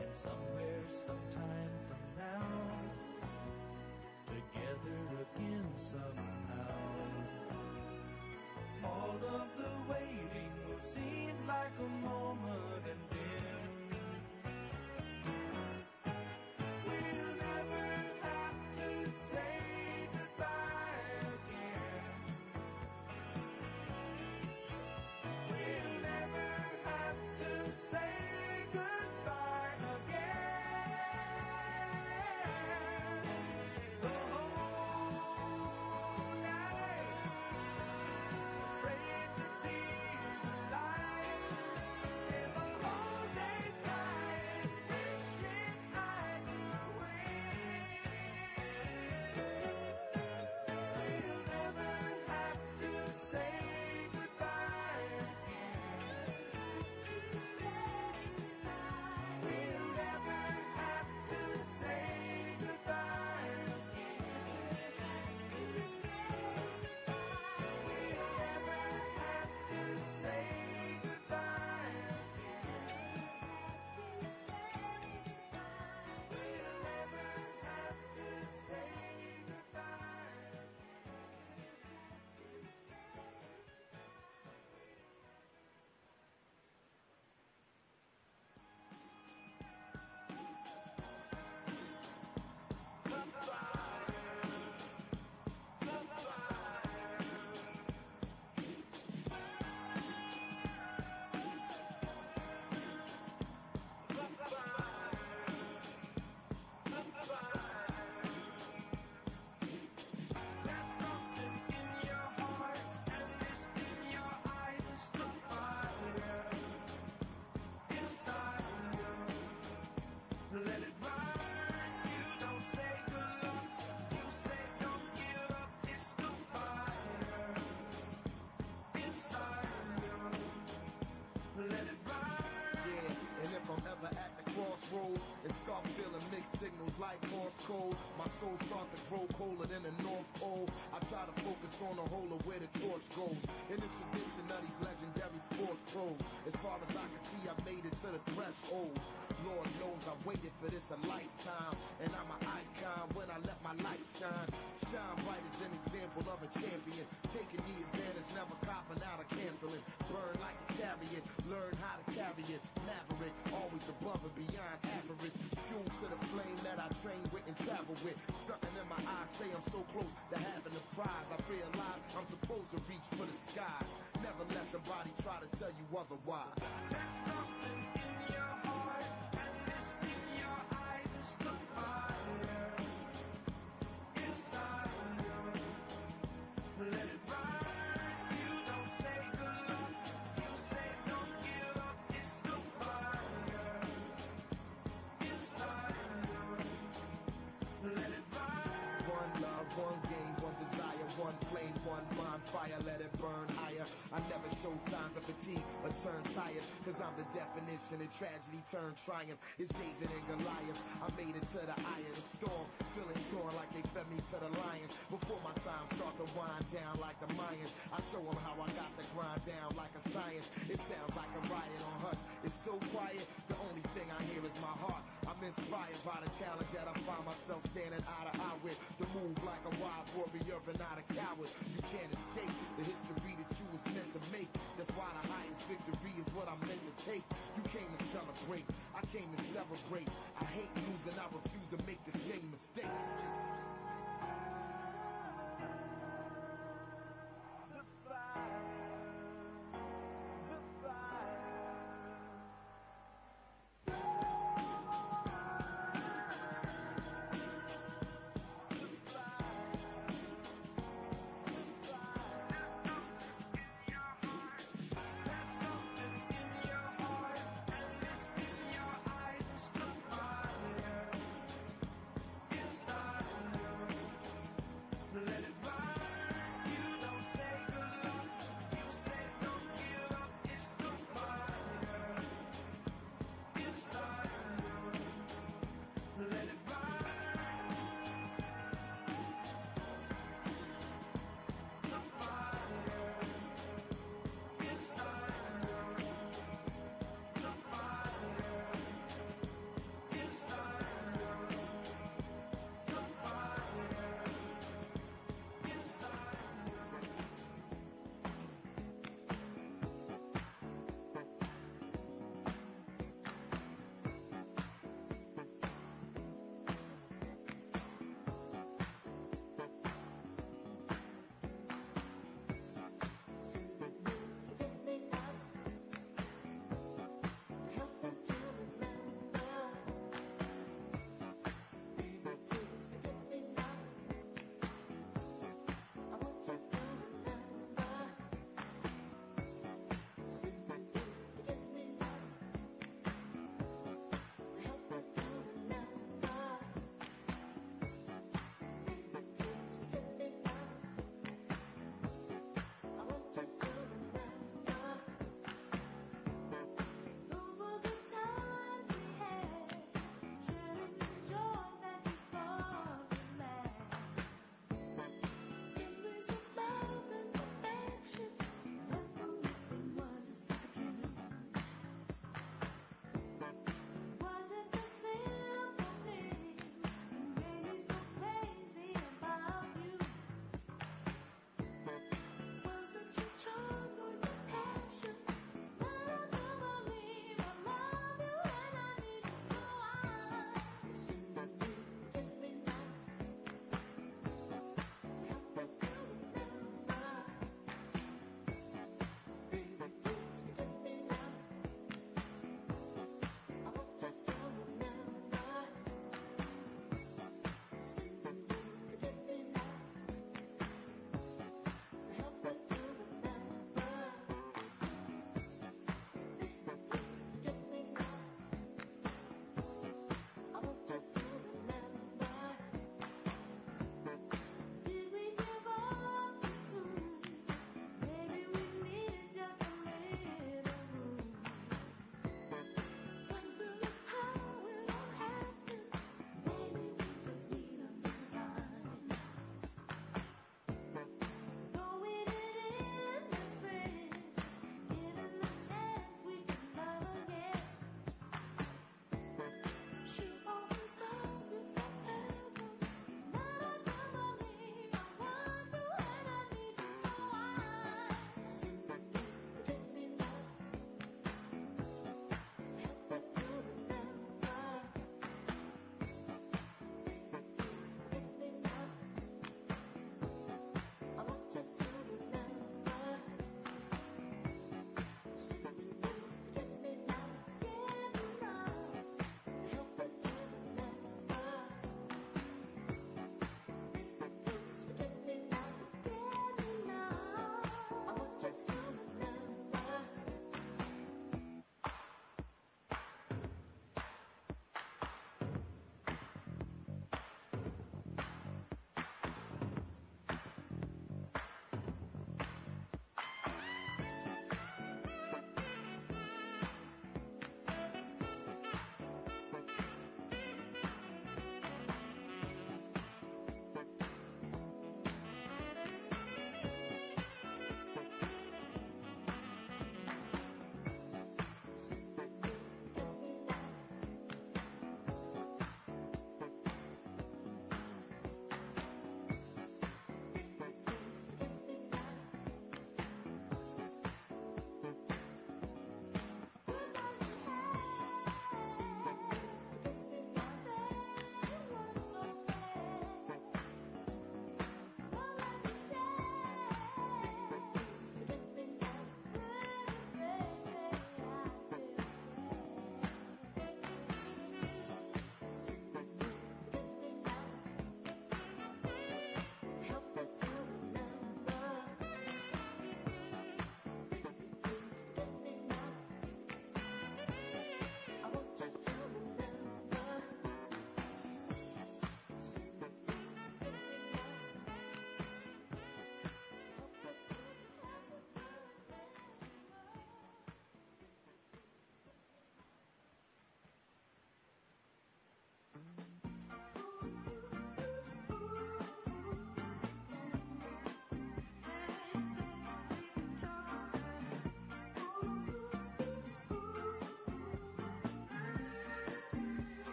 And I wish this night would never end. The sun ain't gonna be my friend. Lying here waiting and wishing I could win. We'll never have to say goodbye again. We'll never have to say goodbye again. You must leave, I know you will. I won't let you go until you show me some secret for making this time stand still. And somewhere, sometime from now, together again somehow, all of the travel with. Something in my eyes say I'm so close to having the prize. I feel alive. I'm supposed to reach for the sky. Never let somebody try to tell you otherwise. There's something in your heart and it's in your eyes. It's the fire inside you. Let it burn. You don't say good luck, you say, "Don't give up." It's the fire inside you. Let it burn. One love, one game, one desire, one flame, one bonfire, let it burn higher. I never show signs of fatigue or turn tired, 'cause I'm the definition of tragedy turned triumph. It's David and Goliath. I made it to the eye of the storm, feeling torn like they fed me to the lions. Before my time start to wind down like the Mayans, I show them how I got the grind down like a science. It sounds like a riot on hush, it's so quiet. The only thing I hear is my heart.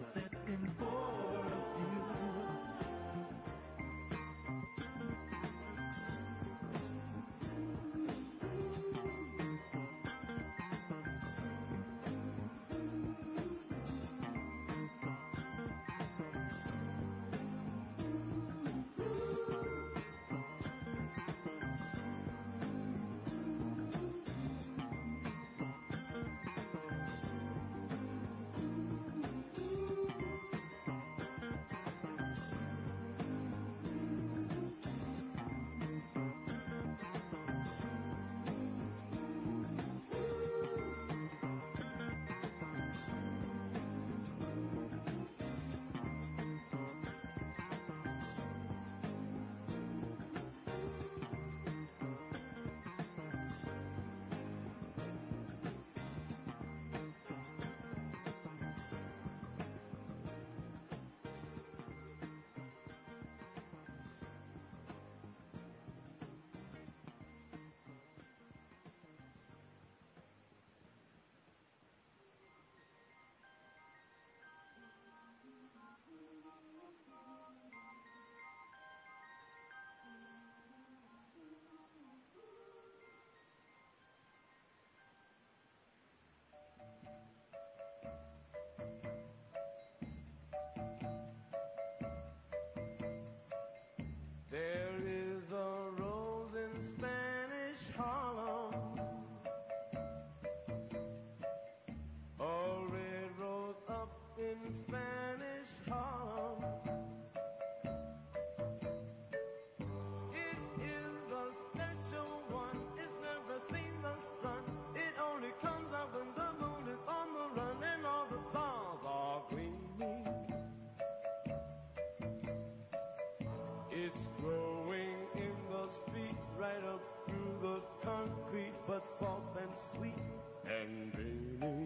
Or is it cool?" If you arrive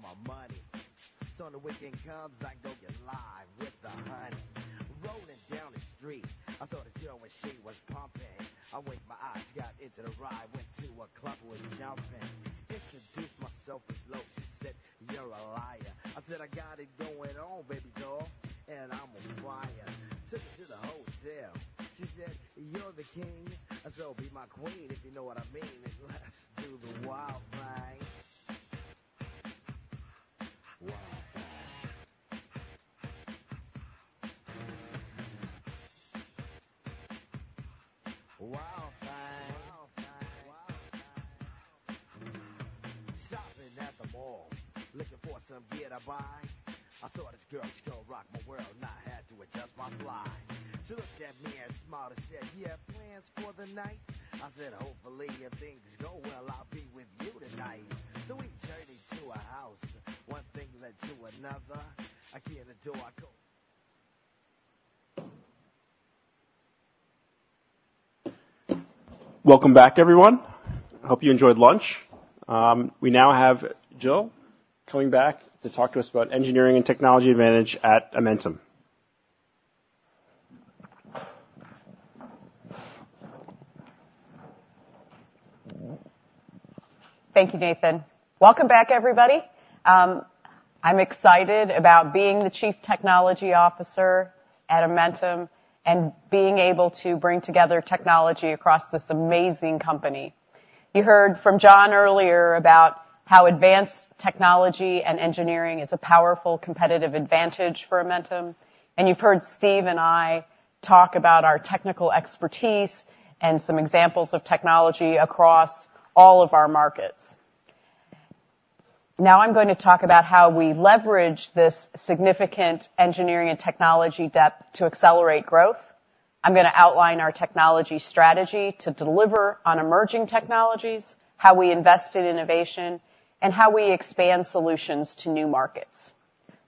my money. So when the weekend comes, I go get live with the honey. Rolling down the street, I saw this girl, and she was pumping. I winked my eye, she got into the ride, went to a club, it was jumping. Introduced myself with Loc, she said, "You're a liar." I said, "I got it going on, baby girl, and I'm a flyer." Took her to the hotel. She said, "You're the king." I said, "Well, be my queen, if you know what I mean, and let's do the wild thing." Wild thing. Wild thing. Shopping at the mall, looking for some gear to buy. I saw this girl, she gonna rock my world, and I had to adjust my fly. She looked at me and smiled and said, "You have plans for the night?" I said, "Hopefully, if things go well, I'll be with you tonight." So we turned into her house. One thing led to another. I came in the door, I go- Welcome back, everyone. I hope you enjoyed lunch. We now have Jill coming back to talk to us about engineering and technology advantage at Amentum. Thank you, Nathan. Welcome back, everybody. I'm excited about being the Chief Technology Officer at Amentum and being able to bring together technology across this amazing company. You heard from John earlier about how advanced technology and engineering is a powerful competitive advantage for Amentum, and you've heard Steve and I talk about our technical expertise and some examples of technology across all of our markets. Now I'm going to talk about how we leverage this significant engineering and technology depth to accelerate growth. I'm gonna outline our technology strategy to deliver on emerging technologies, how we invest in innovation, and how we expand solutions to new markets.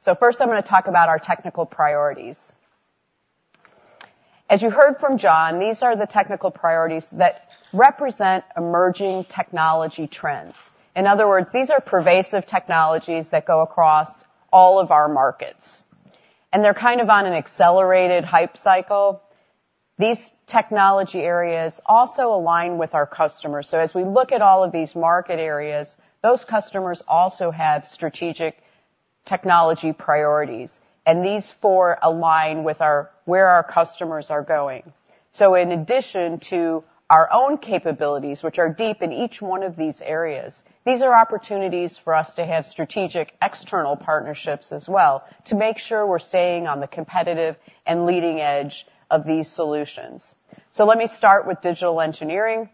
So first, I'm gonna talk about our technical priorities. As you heard from John, these are the technical priorities that represent emerging technology trends. In other words, these are pervasive technologies that go across all of our markets, and they're kind of on an accelerated hype cycle. These technology areas also align with our customers. So as we look at all of these market areas, those customers also have strategic technology priorities, and these four align with our... where our customers are going. So in addition to our own capabilities, which are deep in each one of these areas, these are opportunities for us to have strategic external partnerships as well, to make sure we're staying on the competitive and leading edge of these solutions. So let me start with digital engineering.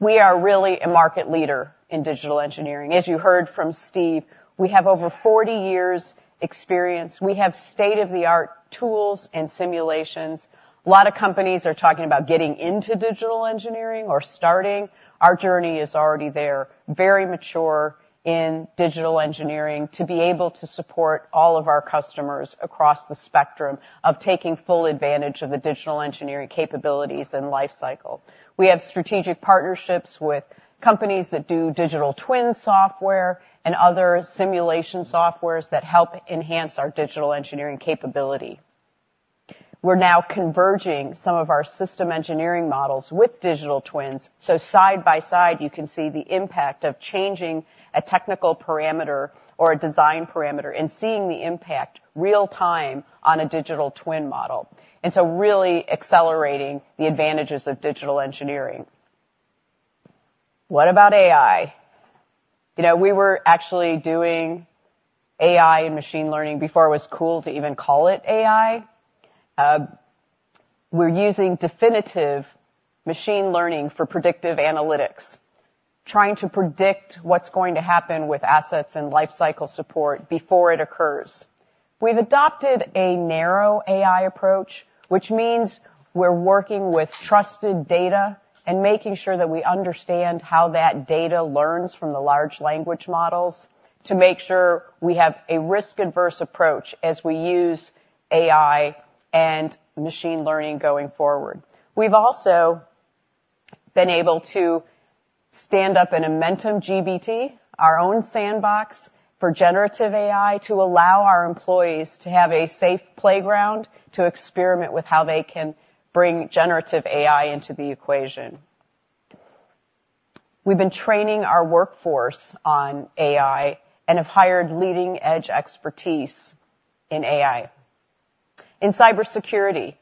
We are really a market leader in digital engineering. As you heard from Steve, we have over 40 years experience. We have state-of-the-art tools and simulations. A lot of companies are talking about getting into digital engineering or starting. Our journey is already there, very mature in digital engineering, to be able to support all of our customers across the spectrum of taking full advantage of the digital engineering capabilities and lifecycle. We have strategic partnerships with companies that do digital twin software and other simulation softwares that help enhance our digital engineering capability. We're now converging some of our system engineering models with digital twins. So side by side, you can see the impact of changing a technical parameter or a design parameter and seeing the impact real-time on a digital twin model, and so really accelerating the advantages of digital engineering. What about AI? You know, we were actually doing AI and machine learning before it was cool to even call it AI. We're using definitive machine learning for predictive analytics, trying to predict what's going to happen with assets and lifecycle support before it occurs. We've adopted a narrow AI approach, which means we're working with trusted data and making sure that we understand how that data learns from the large language models, to make sure we have a risk-averse approach as we use AI and machine learning going forward. We've also been able to stand up an AmentumGPT, our own sandbox for generative AI, to allow our employees to have a safe playground to experiment with how they can bring generative AI into the equation.... We've been training our workforce on AI and have hired leading-edge expertise in AI. In cybersecurity,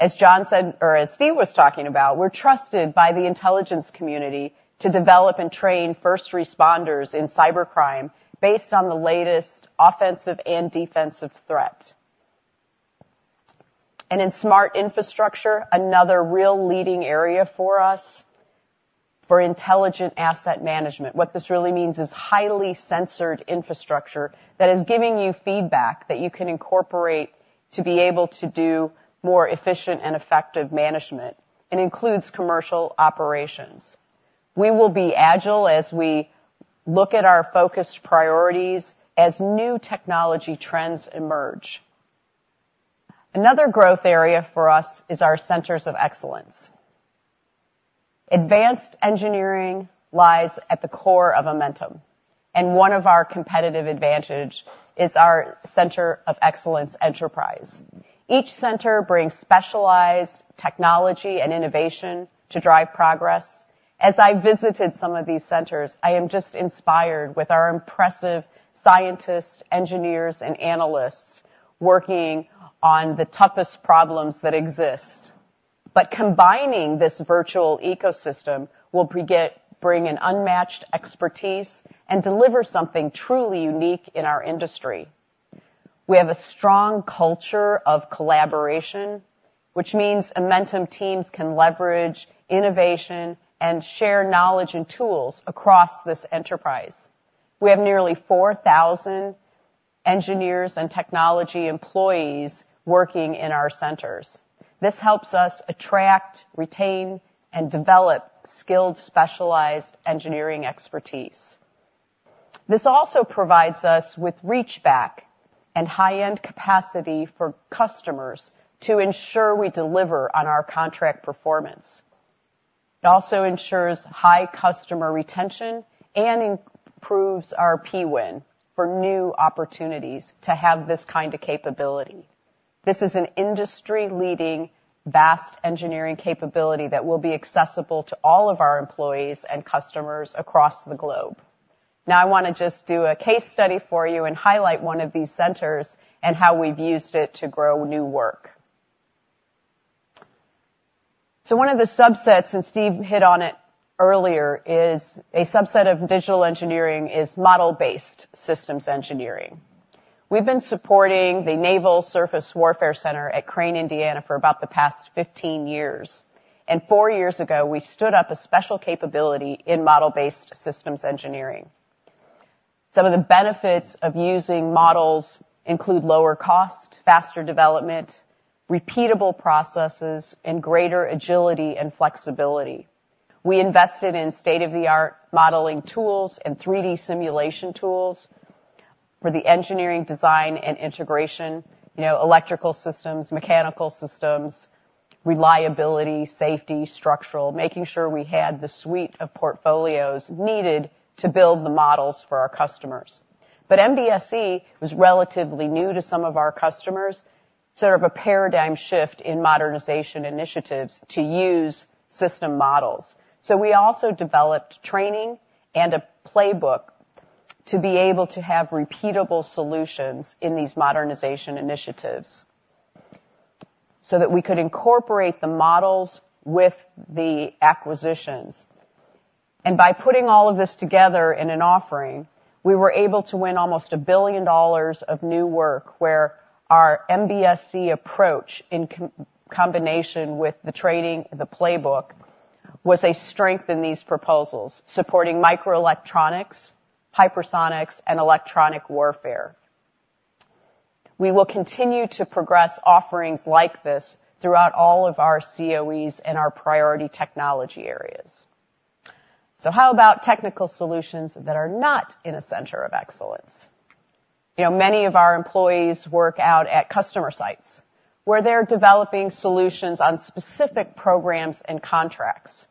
as John said, or as Steve was talking about, we're trusted by the Intelligence Community to develop and train first responders in cybercrime based on the latest offensive and defensive threats. And in smart infrastructure, another real leading area for us, for intelligent asset management. What this really means is highly sensored infrastructure that is giving you feedback that you can incorporate to be able to do more efficient and effective management, and includes commercial operations. We will be agile as we look at our focused priorities as new technology trends emerge. Another growth area for us is our Centers of Excellence. Advanced engineering lies at the core of Amentum, and one of our competitive advantage is our center of excellence enterprise. Each center brings specialized technology and innovation to drive progress. As I visited some of these centers, I am just inspired with our impressive scientists, engineers, and analysts working on the toughest problems that exist. But combining this virtual ecosystem will bring an unmatched expertise and deliver something truly unique in our industry. We have a strong culture of collaboration, which means Amentum teams can leverage innovation and share knowledge and tools across this enterprise. We have nearly 4,000 engineers and technology employees working in our centers. This helps us attract, retain, and develop skilled, specialized engineering expertise. This also provides us with reach back and high-end capacity for customers to ensure we deliver on our contract performance. It also ensures high customer retention and improves our Pwin for new opportunities to have this kind of capability. This is an industry-leading, vast engineering capability that will be accessible to all of our employees and customers across the globe. Now, I want to just do a case study for you and highlight one of these centers and how we've used it to grow new work. So one of the subsets, and Steve hit on it earlier, is a subset of digital engineering, is model-based systems engineering. We've been supporting the Naval Surface Warfare Center at Crane, Indiana, for about the past 15 years, and four years ago, we stood up a special capability in model-based systems engineering. Some of the benefits of using models include lower cost, faster development, repeatable processes, and greater agility and flexibility. We invested in state-of-the-art modeling tools and 3D simulation tools for the engineering, design, and integration, you know, electrical systems, mechanical systems, reliability, safety, structural, making sure we had the suite of portfolios needed to build the models for our customers. But MBSE was relatively new to some of our customers, sort of a paradigm shift in modernization initiatives to use system models. So we also developed training and a playbook to be able to have repeatable solutions in these modernization initiatives so that we could incorporate the models with the acquisitions. And by putting all of this together in an offering, we were able to win almost $1 billion of new work, where our MBSE approach, in combination with the training, the playbook, was a strength in these proposals, supporting microelectronics, hypersonics, and electronic warfare. We will continue to progress offerings like this throughout all of our COEs and our priority technology areas. So how about technical solutions that are not in a center of excellence? You know, many of our employees work out at customer sites, where they're developing solutions on specific programs and contracts.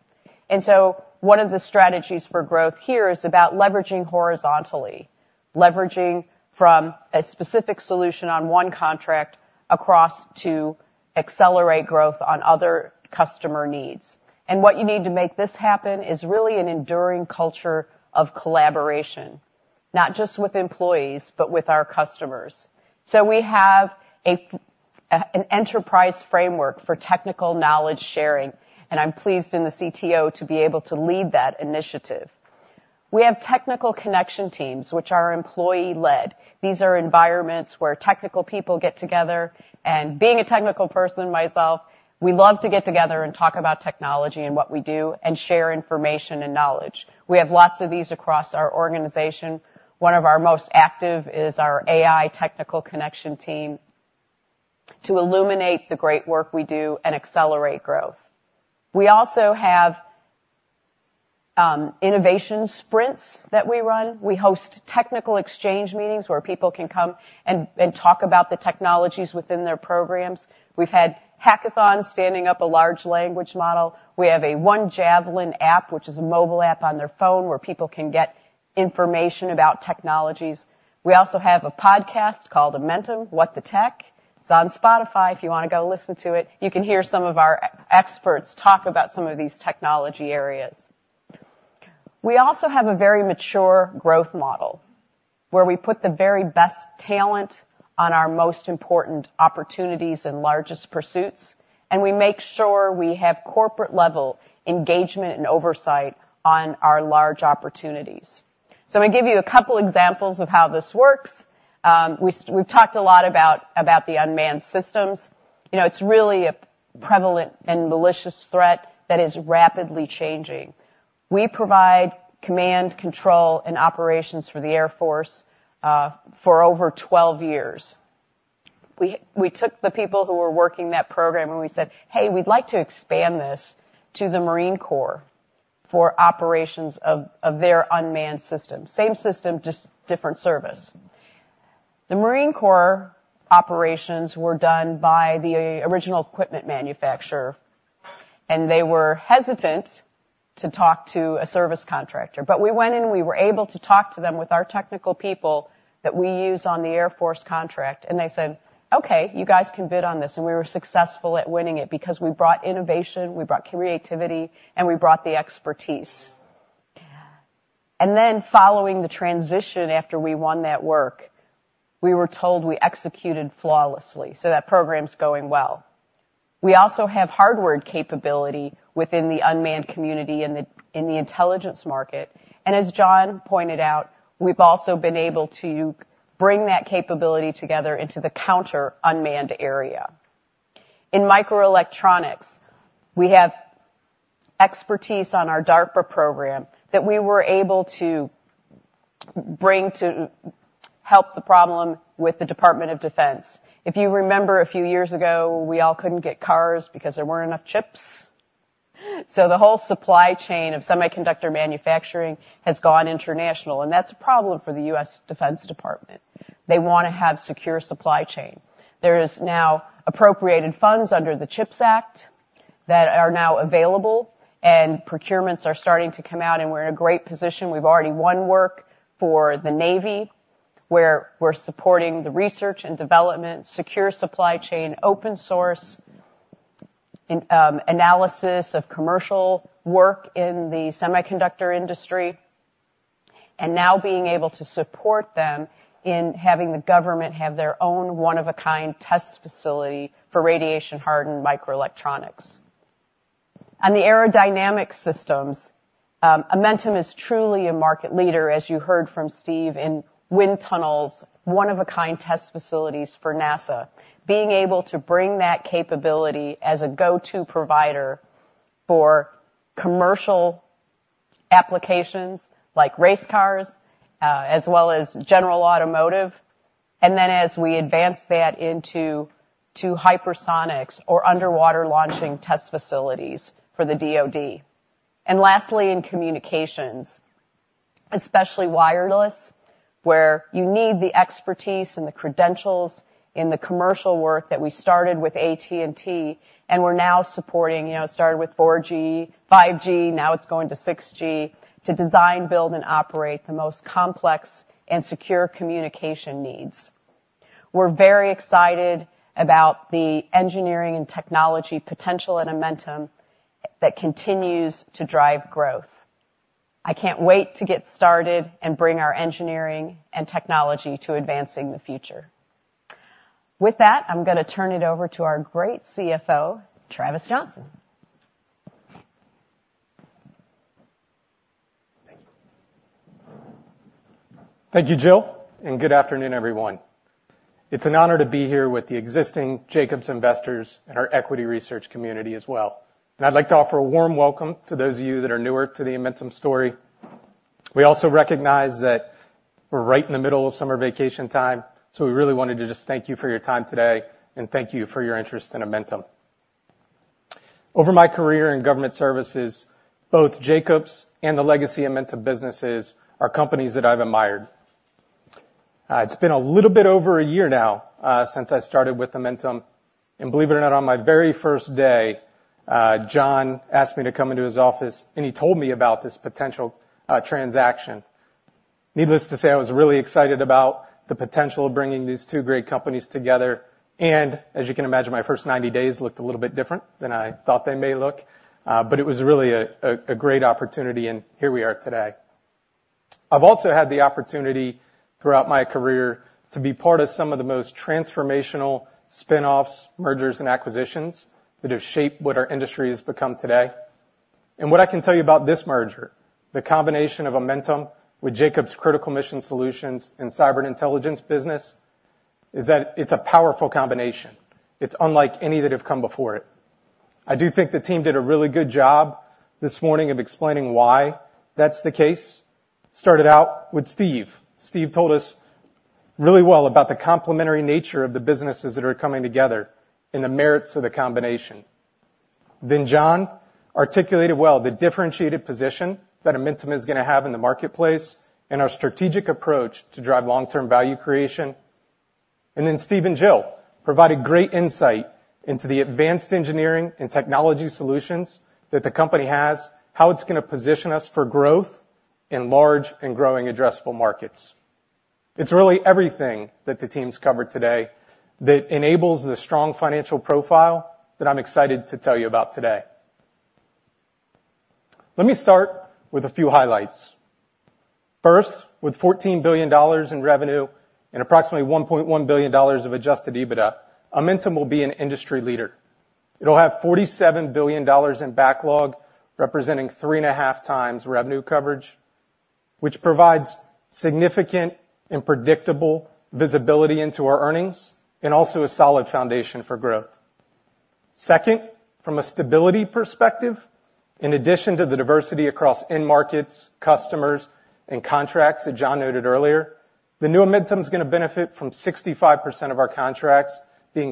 One of the strategies for growth here is about leveraging horizontally, leveraging from a specific solution on one contract across to accelerate growth on other customer needs. What you need to make this happen is really an enduring culture of collaboration, not just with employees, but with our customers. We have an enterprise framework for technical knowledge sharing, and I'm pleased as the CTO to be able to lead that initiative. We have Technical Connection Teams, which are employee-led. These are Environments where technical people get together, and being a technical person myself, we love to get together and talk about technology and what we do and share information and knowledge. We have lots of these across our organization. One of our most active is our AI Technical Connection Team to illuminate the great work we do and accelerate growth. We also have innovation sprints that we run. We host technical exchange meetings where people can come and talk about the technologies within their programs. We've had hackathons standing up a large language model. We have a OneJavelin app, which is a mobile app on their phone, where people can get information about technologies. We also have a podcast called Amentum: What the Tech? It's on Spotify if you wanna go listen to it. You can hear some of our experts talk about some of these technology areas. We also have a very mature growth model, where we put the very best talent on our most important opportunities and largest pursuits, and we make sure we have corporate-level engagement and oversight on our large opportunities. So I'm gonna give you a couple examples of how this works. We've talked a lot about the unmanned systems. You know, it's really a prevalent and malicious threat that is rapidly changing. We provide command, control, and operations for the Air Force for over 12 years. We took the people who were working that program, and we said, "Hey, we'd like to expand this to the Marine Corps for operations of their unmanned system." Same system, just different service. The Marine Corps operations were done by the original equipment manufacturer, and they were hesitant to talk to a service contractor. But we went in, and we were able to talk to them with our technical people that we use on the Air Force contract, and they said, "Okay, you guys can bid on this." And we were successful at winning it because we brought innovation, we brought creativity, and we brought the expertise. And then, following the transition after we won that work, we were told we executed flawlessly, so that program's going well. We also have hardware capability within the unmanned community in the intelligence market, and as John pointed out, we've also been able to bring that capability together into the counter-unmanned area. In microelectronics, we have expertise on our DARPA program that we were able to bring to help the problem with the Department of Defense. If you remember, a few years ago, we all couldn't get cars because there weren't enough chips. So the whole supply chain of semiconductor manufacturing has gone international, and that's a problem for the U.S. Department of Defense. They wanna have secure supply chain. There is now appropriated funds under the CHIPS Act that are now available, and procurements are starting to come out, and we're in a great position. We've already won work for the Navy, where we're supporting the research and development, secure supply chain, open source, analysis of commercial work in the semiconductor industry, and now being able to support them in having the government have their own one-of-a-kind test facility for radiation-hardened microelectronics. On the aerodynamic systems, Amentum is truly a market leader, as you heard from Steve, in wind tunnels, one-of-a-kind test facilities for NASA, being able to bring that capability as a go-to provider for commercial applications like race cars, as well as general automotive, and then as we advance that into hypersonics or underwater launching test facilities for the DoD. And lastly, in communications, especially wireless, where you need the expertise and the credentials in the commercial work that we started with AT&T, and we're now supporting, you know, it started with 4G, 5G, now it's going to 6G, to design, build, and operate the most complex and secure communication needs. We're very excited about the engineering and technology potential at Amentum that continues to drive growth. I can't wait to get started and bring our engineering and technology to advancing the future. With that, I'm gonna turn it over to our great CFO, Travis Johnson. Thank you. Thank you, Jill, and good afternoon, everyone. It's an honor to be here with the existing Jacobs investors and our equity research community as well. I'd like to offer a warm welcome to those of you that are newer to the Amentum story. We also recognize that we're right in the middle of summer vacation time, so we really wanted to just thank you for your time today and thank you for your interest in Amentum. Over my career in government services, both Jacobs and the legacy Amentum businesses are companies that I've admired. It's been a little bit over a year now, since I started with Amentum, and believe it or not, on my very first day, John asked me to come into his office, and he told me about this potential, transaction. Needless to say, I was really excited about the potential of bringing these two great companies together, and as you can imagine, my first 90 days looked a little bit different than I thought they may look, but it was really a great opportunity, and here we are today. I've also had the opportunity throughout my career to be part of some of the most transformational spin-offs, mergers, and acquisitions that have shaped what our industry has become today. What I can tell you about this merger, the combination of Amentum with Jacobs Critical Mission Solutions and Cyber Intelligence business, is that it's a powerful combination. It's unlike any that have come before it. I do think the team did a really good job this morning of explaining why that's the case. Started out with Steve. Steve told us really well about the complementary nature of the businesses that are coming together and the merits of the combination. Then John articulated well the differentiated position that Amentum is gonna have in the marketplace and our strategic approach to drive long-term value creation. And then Steve and Jill provided great insight into the advanced engineering and technology solutions that the company has, how it's gonna position us for growth... in large and growing addressable markets. It's really everything that the teams covered today that enables the strong financial profile that I'm excited to tell you about today. Let me start with a few highlights. First, with $14 billion in revenue and approximately $1.1 billion of Adjusted EBITDA, Amentum will be an industry leader. It'll have $47 billion in backlog, representing 3.5 times revenue coverage, which provides significant and predictable visibility into our earnings and also a solid foundation for growth. Second, from a stability perspective, in addition to the diversity across end markets, customers, and contracts that John noted earlier, the new Amentum is gonna benefit from 65% of our contracts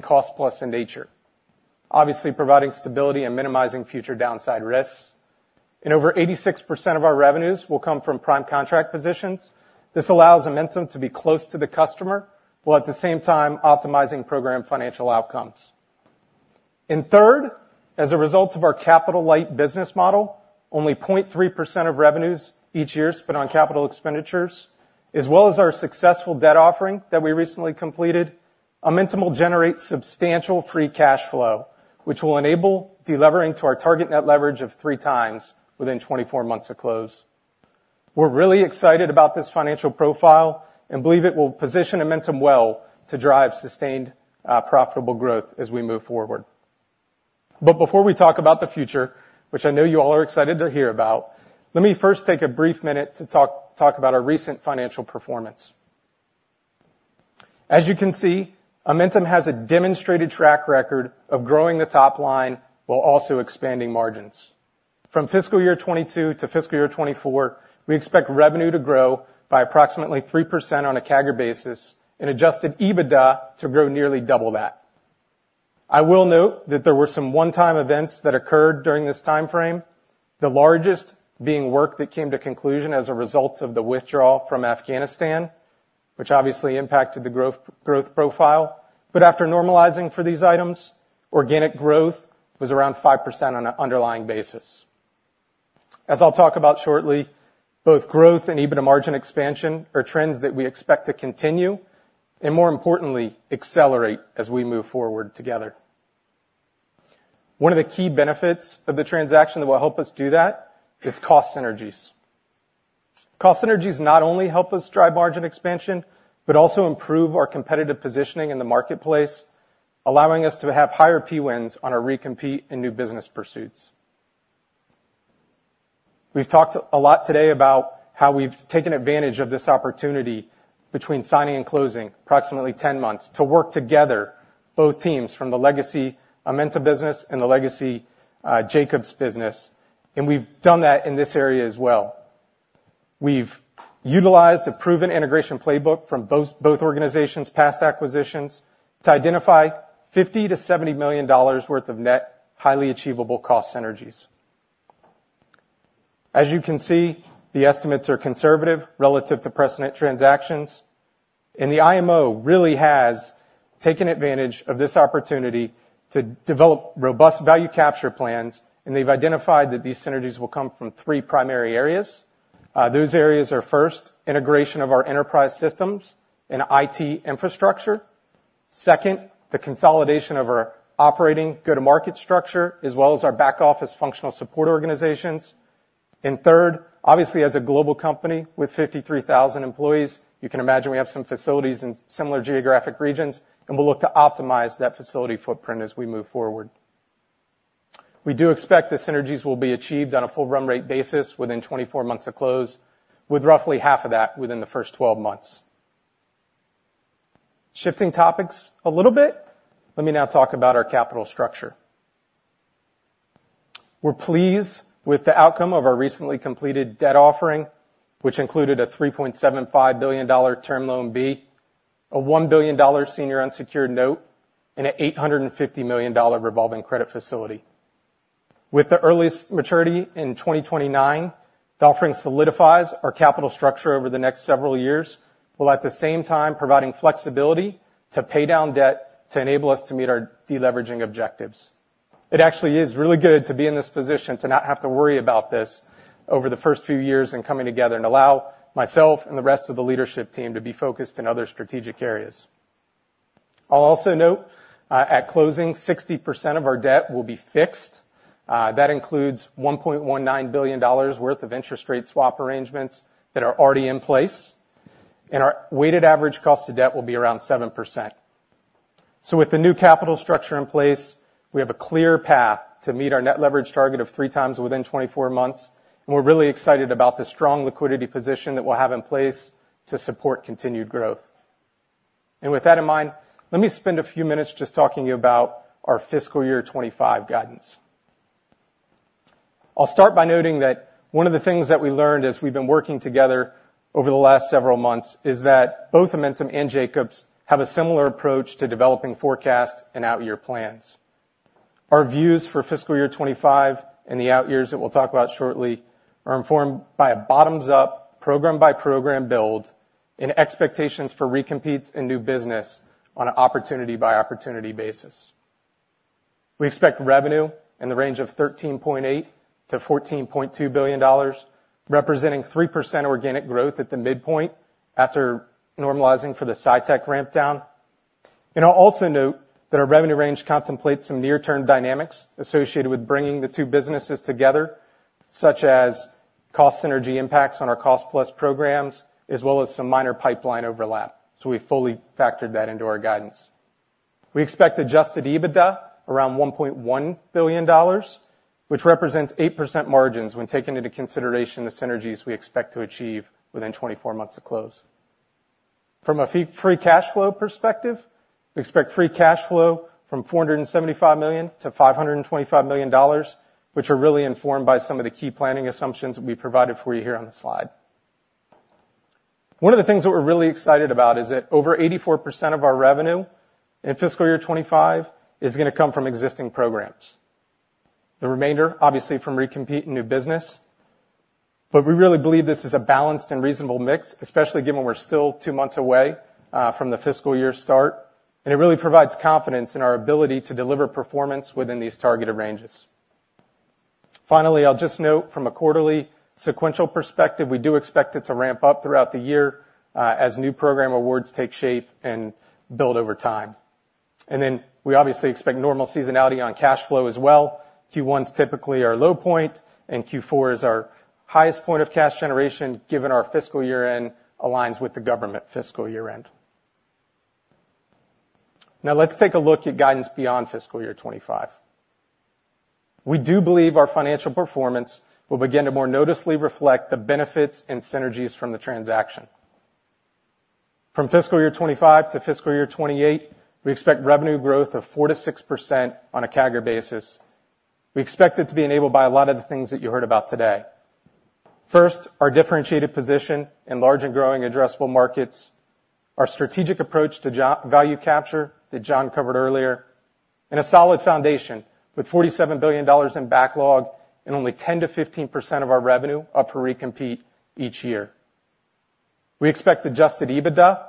cost-plus in nature, obviously providing stability and minimizing future downside risks, and over 86% of our revenues will come from prime contract positions. This allows Amentum to be close to the customer, while at the same time optimizing program financial outcomes. Third, as a result of our capital-light business model, only 0.3% of revenues each year spent on capital expenditures, as well as our successful debt offering that we recently completed, Amentum will generate substantial free cash flow, which will enable delevering to our target net leverage of 3x within 24 months of close. We're really excited about this financial profile and believe it will position Amentum well to drive sustained, profitable growth as we move forward. Before we talk about the future, which I know you all are excited to hear about, let me first take a brief minute to talk about our recent financial performance. As you can see, Amentum has a demonstrated track record of growing the top line while also expanding margins. From fiscal year 2022 to fiscal year 2024, we expect revenue to grow by approximately 3% on a CAGR basis and Adjusted EBITDA to grow nearly double that. I will note that there were some one-time events that occurred during this timeframe, the largest being work that came to conclusion as a result of the withdrawal from Afghanistan, which obviously impacted the growth profile. But after normalizing for these items, organic growth was around 5% on an underlying basis. As I'll talk about shortly, both growth and EBITDA margin expansion are trends that we expect to continue, and more importantly, accelerate as we move forward together. One of the key benefits of the transaction that will help us do that is cost synergies. Cost synergies not only help us drive margin expansion, but also improve our competitive positioning in the marketplace, allowing us to have higher Pwins on our recompete and new business pursuits. We've talked a lot today about how we've taken advantage of this opportunity between signing and closing, approximately 10 months, to work together, both teams from the legacy Amentum business and the legacy, Jacobs business, and we've done that in this area as well. We've utilized a proven integration playbook from both, both organizations' past acquisitions to identify $50 million-$70 million worth of net, highly achievable cost synergies. As you can see, the estimates are conservative relative to precedent transactions, and the IMO really has taken advantage of this opportunity to develop robust value capture plans, and they've identified that these synergies will come from three primary areas. Those areas are, first, integration of our enterprise systems and IT infrastructure. Second, the consolidation of our operating go-to-market structure, as well as our back-office functional support organizations. And third, obviously, as a global company with 53,000 employees, you can imagine we have some facilities in similar geographic regions, and we'll look to optimize that facility footprint as we move forward. We do expect the synergies will be achieved on a full run rate basis within 24 months of close, with roughly half of that within the first 12 months. Shifting topics a little bit, let me now talk about our capital structure. We're pleased with the outcome of our recently completed debt offering, which included a $3.75 billion Term Loan B, a $1 billion senior unsecured note, and an $850 million revolving credit facility. With the earliest maturity in 2029, the offering solidifies our capital structure over the next several years, while at the same time providing flexibility to pay down debt to enable us to meet our deleveraging objectives. It actually is really good to be in this position, to not have to worry about this over the first few years, and coming together and allow myself and the rest of the leadership team to be focused in other strategic areas. I'll also note, at closing, 60% of our debt will be fixed. That includes $1.19 billion worth of interest rate swap arrangements that are already in place, and our weighted average cost of debt will be around 7%. So with the new capital structure in place, we have a clear path to meet our net leverage target of 3x within 24 months, and we're really excited about the strong liquidity position that we'll have in place to support continued growth. And with that in mind, let me spend a few minutes just talking about our fiscal year 2025 guidance. I'll start by noting that one of the things that we learned as we've been working together over the last several months is that both Amentum and Jacobs have a similar approach to developing forecast and outyear plans. Our views for fiscal year 2025 and the outyears that we'll talk about shortly are informed by a bottoms-up, program-by-program build and expectations for recompetes and new business on an opportunity-by-opportunity basis.... We expect revenue in the range of $13.8 billion-$14.2 billion, representing 3% organic growth at the midpoint after normalizing for the SITEC ramp down. I'll also note that our revenue range contemplates some near-term dynamics associated with bringing the two businesses together, such as cost synergy impacts on cost-plus programs, as well as some minor pipeline overlap. We fully factored that into our guidance. We expect Adjusted EBITDA around $1.1 billion, which represents 8% margins when taking into consideration the synergies we expect to achieve within 24 months of close. From a ffree cash flow perspective, we expect free cash flow from $475 million-$525 million, which are really informed by some of the key planning assumptions we provided for you here on the slide. One of the things that we're really excited about is that over 84% of our revenue in fiscal year 2025 is gonna come from existing programs, the remainder, obviously, from recompete and new business. But we really believe this is a balanced and reasonable mix, especially given we're still two months away from the fiscal year start, and it really provides confidence in our ability to deliver performance within these targeted ranges. Finally, I'll just note from a quarterly sequential perspective, we do expect it to ramp up throughout the year as new program awards take shape and build over time. And then we obviously expect normal seasonality on cash flow as well. Q1 is typically our low point, and Q4 is our highest point of cash generation, given our fiscal year-end aligns with the government fiscal year-end. Now, let's take a look at guidance beyond fiscal year 2025. We do believe our financial performance will begin to more noticeably reflect the benefits and synergies from the transaction. From fiscal year 2025 to fiscal year 2028, we expect revenue growth of 4%-6% on a CAGR basis. We expect it to be enabled by a lot of the things that you heard about today. First, our differentiated position in large and growing addressable markets, our strategic approach to value capture that John covered earlier, and a solid foundation with $47 billion in backlog and only 10%-15% of our revenue up for recompete each year. We expect Adjusted EBITDA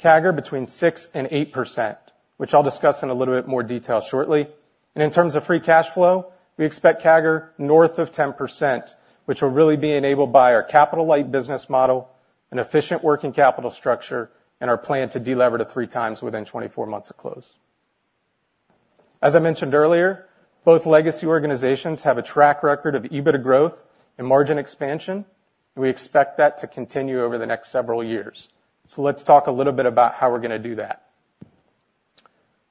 CAGR between 6% and 8%, which I'll discuss in a little bit more detail shortly. In terms of free cash flow, we expect CAGR north of 10%, which will really be enabled by our capital-light business model, an efficient working capital structure, and our plan to delever to 3x within 24 months of close. As I mentioned earlier, both legacy organizations have a track record of EBITDA growth and margin expansion, and we expect that to continue over the next several years. Let's talk a little bit about how we're gonna do that.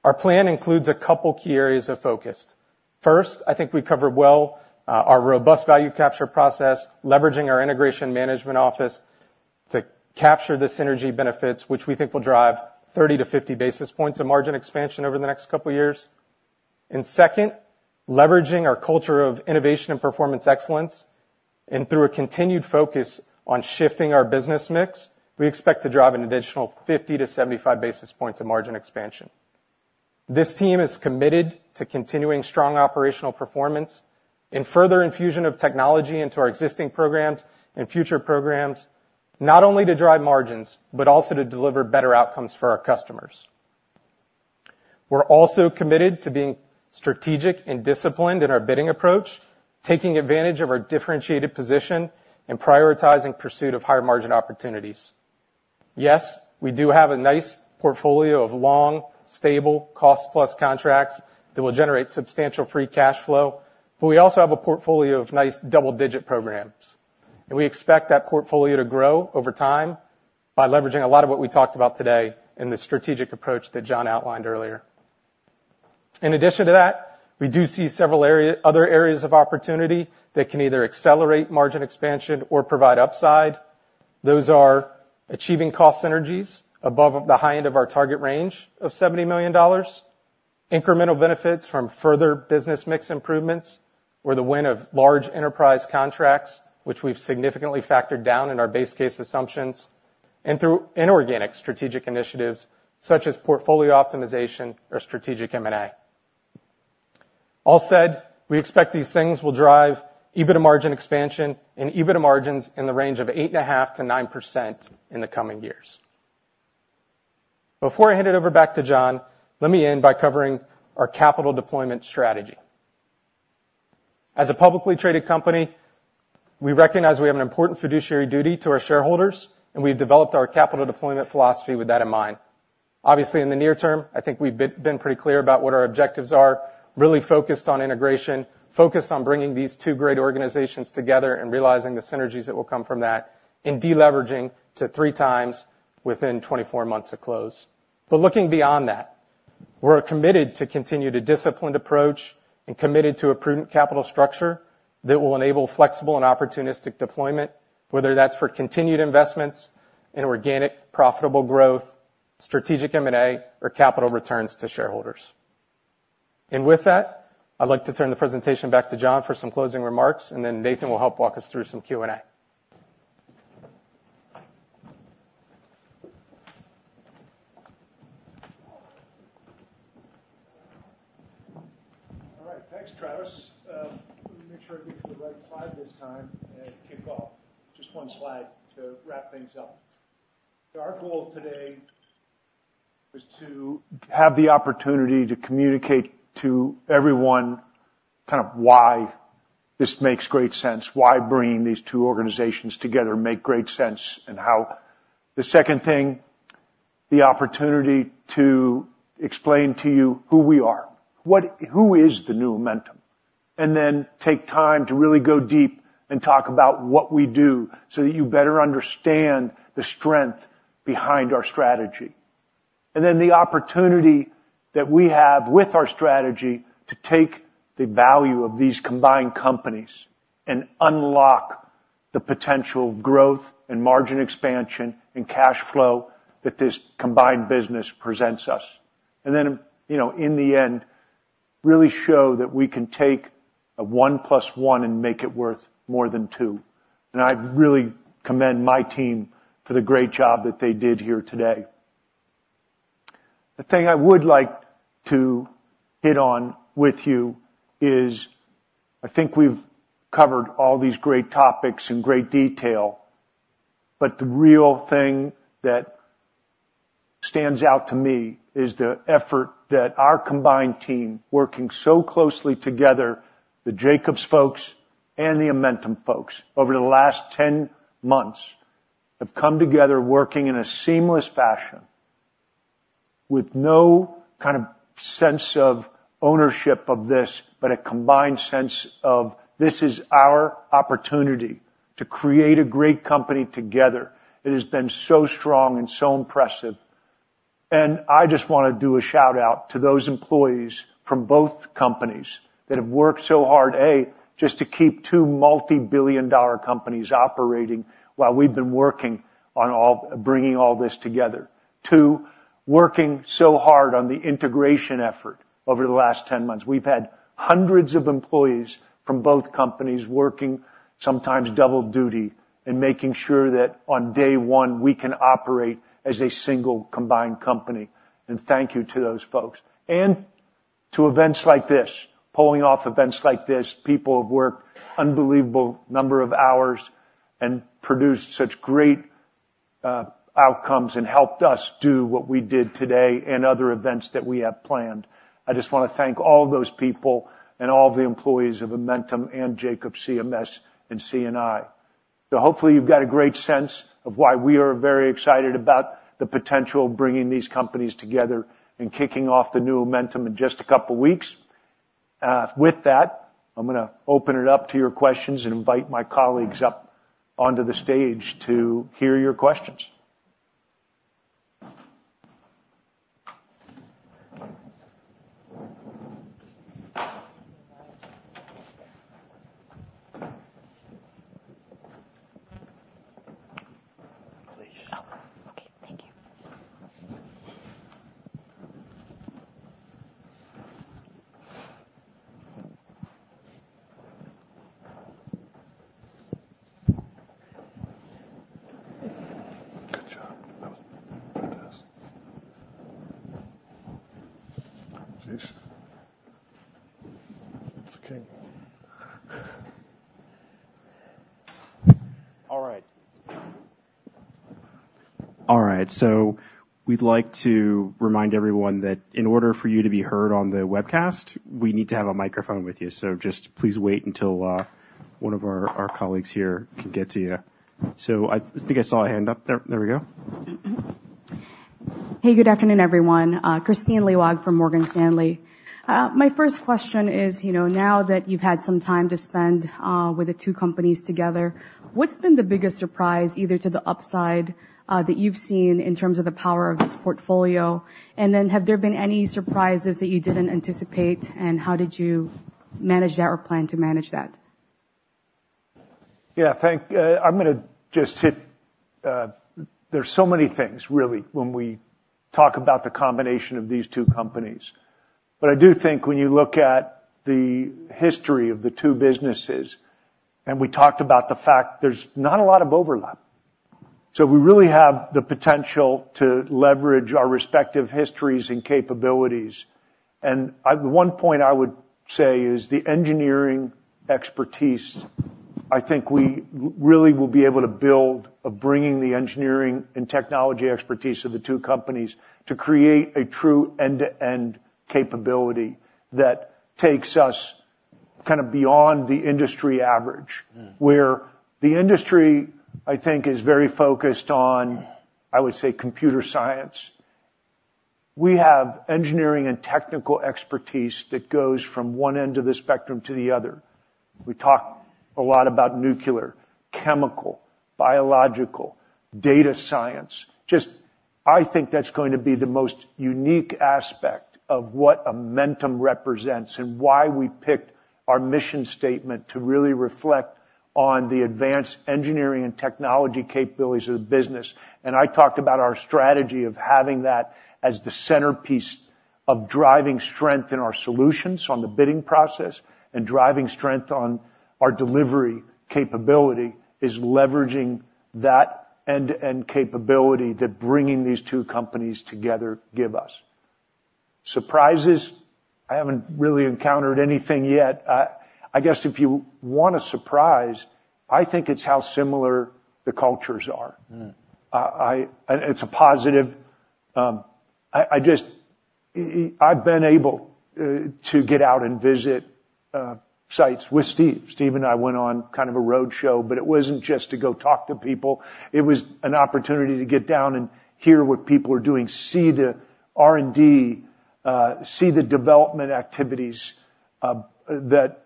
Our plan includes a couple key areas of focus. First, I think we covered well, our robust value capture process, leveraging our Integration Management Office to capture the synergy benefits, which we think will drive 30-50 basis points of margin expansion over the next couple of years. And second, leveraging our culture of innovation and performance excellence, and through a continued focus on shifting our business mix, we expect to drive an additional 50-75 basis points of margin expansion. This team is committed to continuing strong operational performance and further infusion of technology into our existing programs and future programs, not only to drive margins, but also to deliver better outcomes for our customers. We're also committed to being strategic and disciplined in our bidding approach, taking advantage of our differentiated position and prioritizing pursuit of higher-margin opportunities. Yes, we do have a nice portfolio of long, stable, cost-plus contracts that will generate substantial free cash flow, but we also have a portfolio of nice double-digit programs, and we expect that portfolio to grow over time by leveraging a lot of what we talked about today in the strategic approach that John outlined earlier. In addition to that, we do see several other areas of opportunity that can either accelerate margin expansion or provide upside. Those are achieving cost synergies above of the high end of our target range of $70 million, incremental benefits from further business mix improvements, or the win of large enterprise contracts, which we've significantly factored down in our base case assumptions, and through inorganic strategic initiatives such as portfolio optimization or strategic M&A. All said, we expect these things will drive EBITDA margin expansion and EBITDA margins in the range of 8.5%-9% in the coming years. Before I hand it over back to John, let me end by covering our capital deployment strategy. As a publicly traded company, we recognize we have an important fiduciary duty to our shareholders, and we've developed our capital deployment philosophy with that in mind. Obviously, in the near term, I think we've been pretty clear about what our objectives are, really focused on integration, focused on bringing these two great organizations together and realizing the synergies that will come from that, and deleveraging to three times within 24 months of close. But looking beyond that, we're committed to continue the disciplined approach and committed to a prudent capital structure that will enable flexible and opportunistic deployment, whether that's for continued investments in organic, profitable growth, strategic M&A, or capital returns to shareholders. And with that, I'd like to turn the presentation back to John for some closing remarks, and then Nathan will help walk us through some Q&A. All right. Thanks, Travis. Let me make sure I get to the right slide this time and kick off. Just one slide to wrap things up.... So our goal today is to have the opportunity to communicate to everyone kind of why this makes great sense, why bringing these two organizations together make great sense, and how. The second thing, the opportunity to explain to you who we are, who is the new Amentum? And then take time to really go deep and talk about what we do, so that you better understand the strength behind our strategy. And then the opportunity that we have with our strategy to take the value of these combined companies and unlock the potential growth and margin expansion and cash flow that this combined business presents us. And then, you know, in the end, really show that we can take a one plus one and make it worth more than two. And I really commend my team for the great job that they did here today. The thing I would like to hit on with you is, I think we've covered all these great topics in great detail, but the real thing that stands out to me is the effort that our combined team, working so closely together, the Jacobs folks and the Amentum folks, over the last 10 months, have come together, working in a seamless fashion with no kind of sense of ownership of this, but a combined sense of, "This is our opportunity to create a great company together." It has been so strong and so impressive, and I just wanna do a shout-out to those employees from both companies that have worked so hard, A, just to keep two multi-billion-dollar companies operating while we've been working on all bringing all this together. Two, working so hard on the integration effort over the last 10 months. We've had hundreds of employees from both companies working, sometimes double duty, and making sure that on day one, we can operate as a single combined company, and thank you to those folks. And to events like this, pulling off events like this, people have worked unbelievable number of hours and produced such great outcomes and helped us do what we did today and other events that we have planned. I just wanna thank all those people and all the employees of Amentum and Jacobs CMS and C&I. So hopefully, you've got a great sense of why we are very excited about the potential of bringing these companies together and kicking off the new Amentum in just a couple weeks. With that, I'm gonna open it up to your questions and invite my colleagues up onto the stage to hear your questions. Please. Oh, okay. Thank you. Good job. That was fantastic. Please. It's okay. All right. All right, so we'd like to remind everyone that in order for you to be heard on the webcast, we need to have a microphone with you. So just please wait until one of our colleagues here can get to you. So I think I saw a hand up there. There we go. Hey, good afternoon, everyone. Kristine Liwag from Morgan Stanley. My first question is, you know, now that you've had some time to spend with the two companies together, what's been the biggest surprise, either to the upside, that you've seen in terms of the power of this portfolio? And then, have there been any surprises that you didn't anticipate, and how did you manage that or plan to manage that? Yeah, I'm gonna just hit... There's so many things really when we talk about the combination of these two companies. But I do think when you look at the history of the two businesses, and we talked about the fact there's not a lot of overlap. So we really have the potential to leverage our respective histories and capabilities. And the one point I would say is the engineering expertise, I think we really will be able to build, of bringing the engineering and technology expertise of the two companies to create a true end-to-end capability that takes us kind of beyond the industry average. Mm. Where the industry, I think, is very focused on, I would say, computer science. We have engineering and technical expertise that goes from one end of the spectrum to the other. We talk a lot about nuclear, chemical, biological, data science. Just, I think that's going to be the most unique aspect of what Amentum represents and why we picked our mission statement to really reflect on the advanced engineering and technology capabilities of the business. And I talked about our strategy of having that as the centerpiece of driving strength in our solutions on the bidding process, and driving strength on our delivery capability, is leveraging that end-to-end capability that bringing these two companies together give us... surprises? I haven't really encountered anything yet. I guess if you want a surprise, I think it's how similar the cultures are. Mm. I, it's a positive. I just, I've been able to get out and visit sites with Steve. Steve and I went on kind of a roadshow, but it wasn't just to go talk to people, it was an opportunity to get down and hear what people are doing, see the R&D, see the development activities, that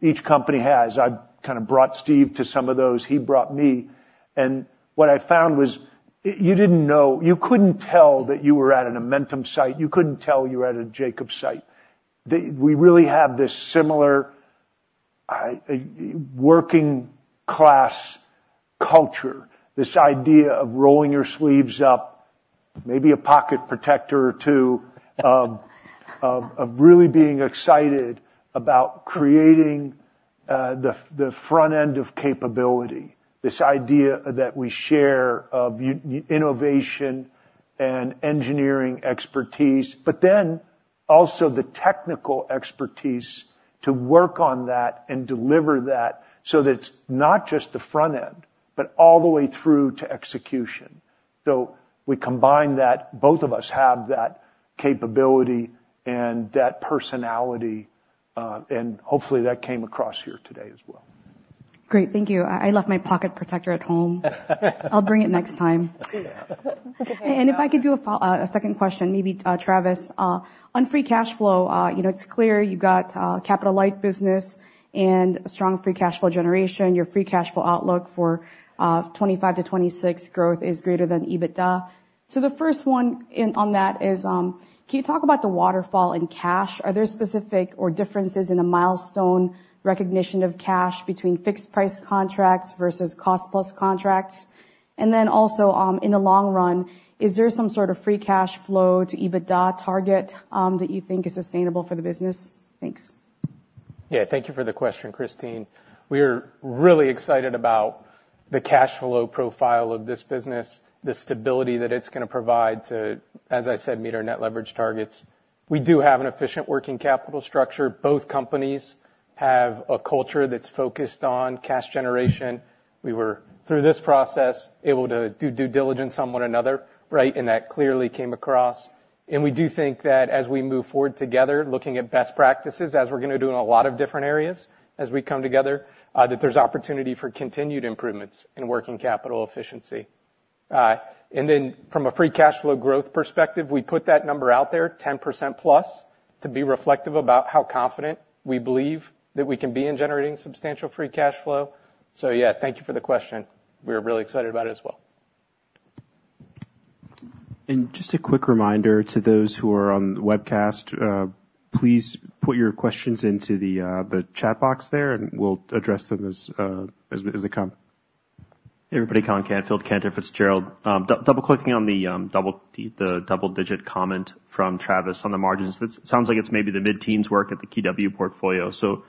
each company has. I've kind of brought Steve to some of those, he brought me, and what I found was, you didn't know—you couldn't tell that you were at an Amentum site, you couldn't tell you were at a Jacobs site. We really have this similar, working class culture, this idea of rolling your sleeves up, maybe a pocket protector or two, of really being excited about creating, the front end of capability. This idea that we share of our innovation and engineering expertise, but then also the technical expertise to work on that and deliver that, so that it's not just the front end, but all the way through to execution. So we combine that. Both of us have that capability and that personality, and hopefully, that came across here today as well. Great. Thank you. I left my pocket protector at home. I'll bring it next time. And if I could do a second question, maybe, Travis, on free cash flow. You know, it's clear you've got a capital-light business and a strong free cash flow generation. Your free cash flow outlook for 2025 to 2026 growth is greater than EBITDA. So the first one in on that is, can you talk about the waterfall in cash? Are there specific or differences in the milestone recognition of cash between fixed price contracts cost-plus contracts? And then also, in the long run, is there some sort of free cash flow to EBITDA target that you think is sustainable for the business? Thanks. Yeah, thank you for the question, Kristine. We're really excited about the cash flow profile of this business, the stability that it's gonna provide to, as I said, meet our net leverage targets. We do have an efficient working capital structure. Both companies have a culture that's focused on cash generation. We were, through this process, able to do due diligence on one another, right? And that clearly came across. And we do think that as we move forward together, looking at best practices, as we're gonna do in a lot of different areas as we come together, that there's opportunity for continued improvements in working capital efficiency. And then from a free cash flow growth perspective, we put that number out there, 10%+, to be reflective about how confident we believe that we can be in generating substantial free cash flow. So yeah, thank you for the question. We're really excited about it as well. Just a quick reminder to those who are on the webcast, please put your questions into the chat box there, and we'll address them as they come. Hey, everybody. Colin Canfield, Cantor Fitzgerald. Double clicking on the double digit comment from Travis on the margins. It sounds like it's maybe the mid-teens work at the KeyW portfolio. So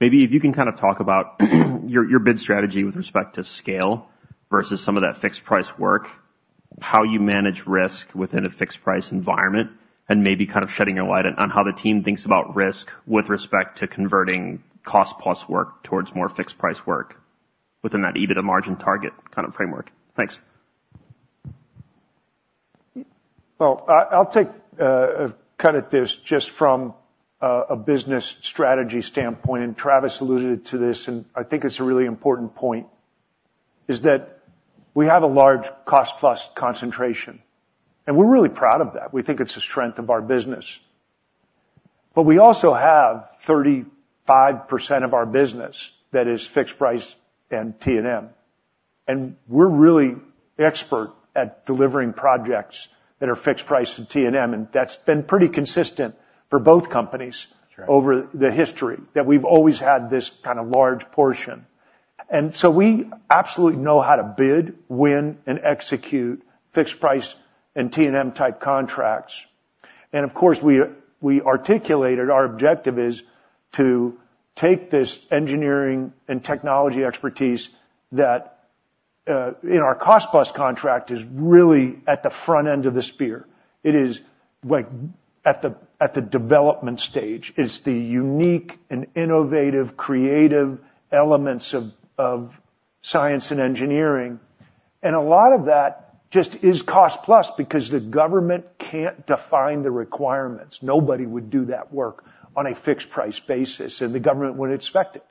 maybe if you can kind of talk about your bid strategy with respect to scale versus some of that fixed price work, how you manage risk within a fixed price Environment, and maybe kind of shedding a light on how the team thinks about risk with respect to cost-plus work towards more fixed price work within that EBITDA margin target kind of framework. Thanks. Well, I'll take a cut at this just from a business strategy standpoint, and Travis alluded to this, and I think it's a really important point, is that we have a cost-plus concentration, and we're really proud of that. We think it's a strength of our business. But we also have 35% of our business that is fixed price and T&M, and we're really expert at delivering projects that are fixed price and T&M, and that's been pretty consistent for both companies- That's right... over the history, that we've always had this kind of large portion. And so we absolutely know how to bid, win, and execute fixed price and T&M type contracts. And of course, we articulated our objective is to take this engineering and technology expertise that in cost-plus contract is really at the front end of the spear. It is like at the development stage; it's the unique and innovative, creative elements of science and engineering, and a lot of that just cost-plus, because the government can't define the requirements. Nobody would do that work on a fixed price basis, and the government wouldn't expect it.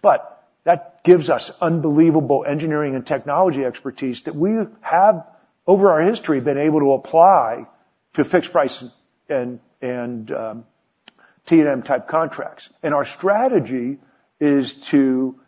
But that gives us unbelievable engineering and technology expertise that we have, over our history, been able to apply to fixed price and T&M type contracts. Our strategy is to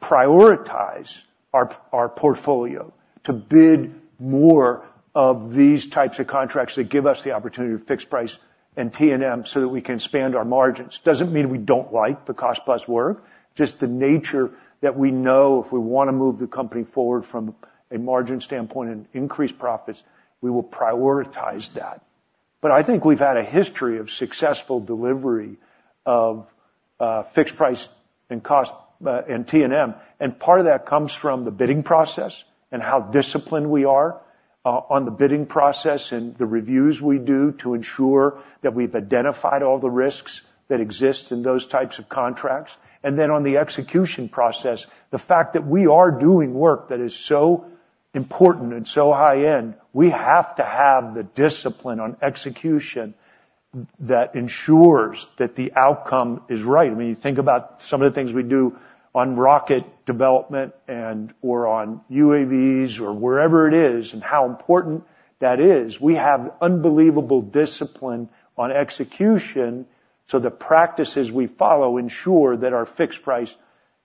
prioritize our portfolio to bid more of these types of contracts that give us the opportunity to fixed price and T&M, so that we can expand our margins. Doesn't mean we don't like cost-plus work, just the nature that we know if we wanna move the company forward from a margin standpoint and increase profits, we will prioritize that. But I think we've had a history of successful delivery of fixed price and cost, and T&M. And part of that comes from the bidding process and how disciplined we are on the bidding process and the reviews we do to ensure that we've identified all the risks that exist in those types of contracts. Then on the execution process, the fact that we are doing work that is so important and so high-end, we have to have the discipline on execution that ensures that the outcome is right. I mean, you think about some of the things we do on rocket development and, or on UAVs or wherever it is, and how important that is. We have unbelievable discipline on execution, so the practices we follow ensure that our fixed price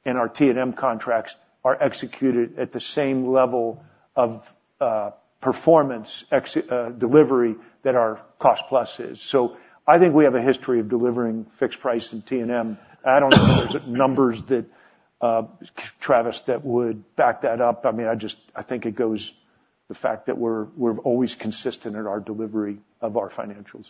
and our T&M contracts are executed at the same level of performance, delivery that cost-plus is. So I think we have a history of delivering fixed price and T&M. I don't know if there's numbers that, Travis, that would back that up. I mean, I just think it goes the fact that we're always consistent in our delivery of our financials.